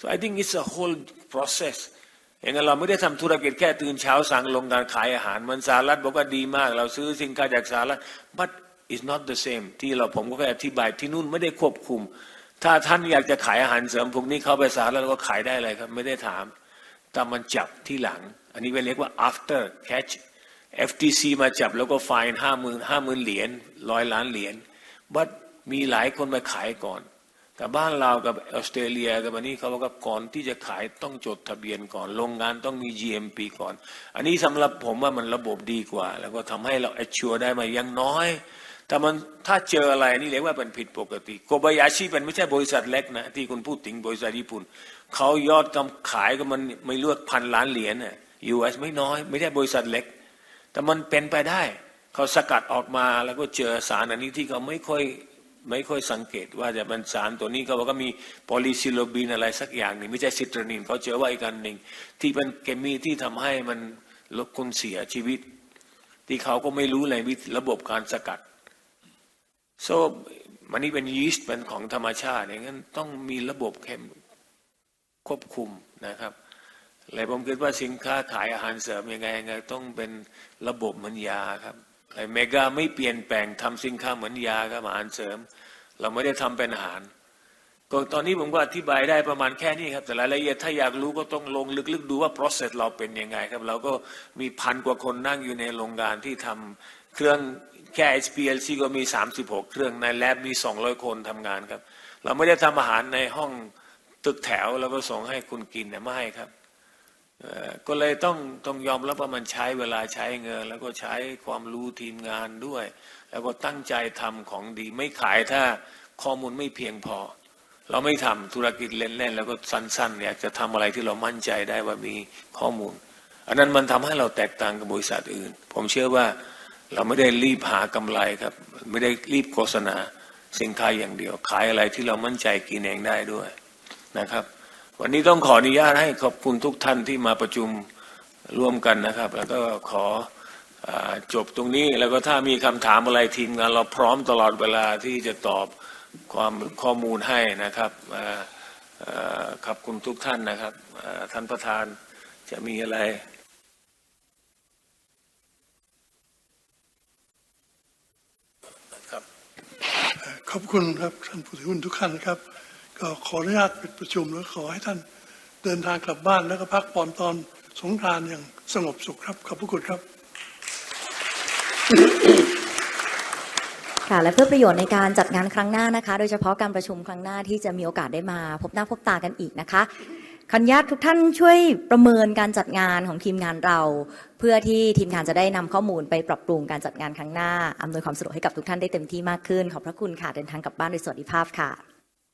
But it's not the same. ที่เราผมก็แค่อธิบายที่นู่นไม่ได้ควบคุมถ้าท่านอยากจะขายอาหารเสริมพวกนี้เข้าไปสหรัฐก็ขายได้เลยครับไม่ได้ถามแต่มันจับทีหลังอันนี้ก็เรียกว่า After Catch FTC มาจับแล้วก็ Fine $50,000 $100 million But มีหลายคนมาขายก่อนแต่บ้านเรากับออสเตรเลียกับอันนี้เขาว่าก่อนที่จะขายต้องจดทะเบียนก่อนโรงงานต้องมี GMP ก่อนอันนี้สำหรับผมว่ามันระบบดีกว่าแล้วก็ทำให้เรา Assure ได้มาอย่างน้อยแต่มันถ้าเจออะไรนี่เรียกว่าเป็นผิดปกติโคบายาชิเป็นไม่ใช่บริษัทเล็กนะที่คุณพูดถึงบริษัทญี่ปุ่นเขายอดขายก็มันไม่น้อยกว่าพันล้านเหรียญน่ะยูเอสไม่น้อยไม่ใช่บริษัทเล็กแต่มันเป็นไปได้เขาสกัดออกมาแล้วก็เจอสารอันนี้ที่เขาไม่ค่อยสังเกตว่าจะเป็นสารตัวนี้เขาว่าก็มีโพลีซีโรบินอะไรสักอย่างหนึ่งไม่ใช่ Citronin เขาเจอว่าอีกอันหนึ่งที่เป็นเคมีที่ทำให้มันลบคุณเสียชีวิตที่เขาก็ไม่รู้เลยวิธีระบบการสกัด So อันนี้เป็นยีสต์เป็นของธรรมชาติอย่างงั้นต้องมีระบบเคมีควบคุมนะครับและผมคิดว่าสินค้าขายอาหารเสริมยังไงยังไงต้องเป็นระบบเหมือนยาครับไอ้เมกก้าไม่เปลี่ยนแปลงทำสินค้าเหมือนยาครับอาหารเสริมเราไม่ได้ทำเป็นอาหารก็ตอนนี้ผมก็อธิบายได้ประมาณแค่นี้ครับแต่รายละเอียดถ้าอยากรู้ก็ต้องลงลึกๆดูว่า Process เราเป็นยังไงครับเราก็มีพันกว่าคนนั่งอยู่ในโรงงานที่ทำเครื่องแค่ HPLC ก็มีสามสิบหกเครื่องในแล็บมีสองร้อยคนทำงานครับเราไม่ได้ทำอาหารในห้องตึกแถวแล้วก็ส่งให้คุณกินน่ะไม่ครับก็เลยต้องยอมรับว่ามันใช้เวลาใช้เงินแล้วก็ใช้ความรู้ทีมงานด้วยแล้วก็ตั้งใจทำของดีไม่ขายถ้าข้อมูลไม่เพียงพอเราไม่ทำธุรกิจเล่นๆแล้วก็สั้นๆเนี่ยจะทำอะไรที่เรามั่นใจได้ว่ามีข้อมูลอันนั้นมันทำให้เราแตกต่างกับบริษัทอื่นผมเชื่อว่าเราไม่ได้รีบหากำไรครับไม่ได้รีบโฆษณาสินค้าอย่างเดียวขายอะไรที่เรามั่นใจกินเองได้ด้วยนะครับวันนี้ต้องขออนุญาตให้ขอบคุณทุกท่านที่มาประชุมร่วมกันนะครับแล้วก็ขอจบตรงนี้แล้วก็ถ้ามีคำถามอะไรทีมงานเราพร้อมตลอดเวลาที่จะตอบข้อมูลให้นะครับขอบคุณทุกท่านนะครับท่านประธานจะมีอะไรครับขอบคุณครับท่านผู้ถือหุ้นทุกท่านครับก็ขออนุญาตปิดประชุมแล้วก็ขอให้ท่านเดินทางกลับบ้านแล้วก็พักผ่อนตอนสงกรานต์อย่างสงบสุขครับขอบพระคุณครับและเพื่อประโยชน์ในการจัดงานครั้งหน้านะคะโดยเฉพาะการประชุมครั้งหน้าที่จะมีโอกาสได้มาพบหน้าพบตากันอีกนะคะขออนุญาตทุกท่านช่วยประเมินการจัดงานของทีมงานเราเพื่อที่ทีมงานจะได้นำข้อมูลไปปรับปรุงการจัดงานครั้งหน้าอำนวยความสะดวกให้กับทุกท่านได้เต็มที่มากขึ้นขอบพระคุณค่ะเดินทางกลับบ้านโดยสวัสดิภาพค่ะ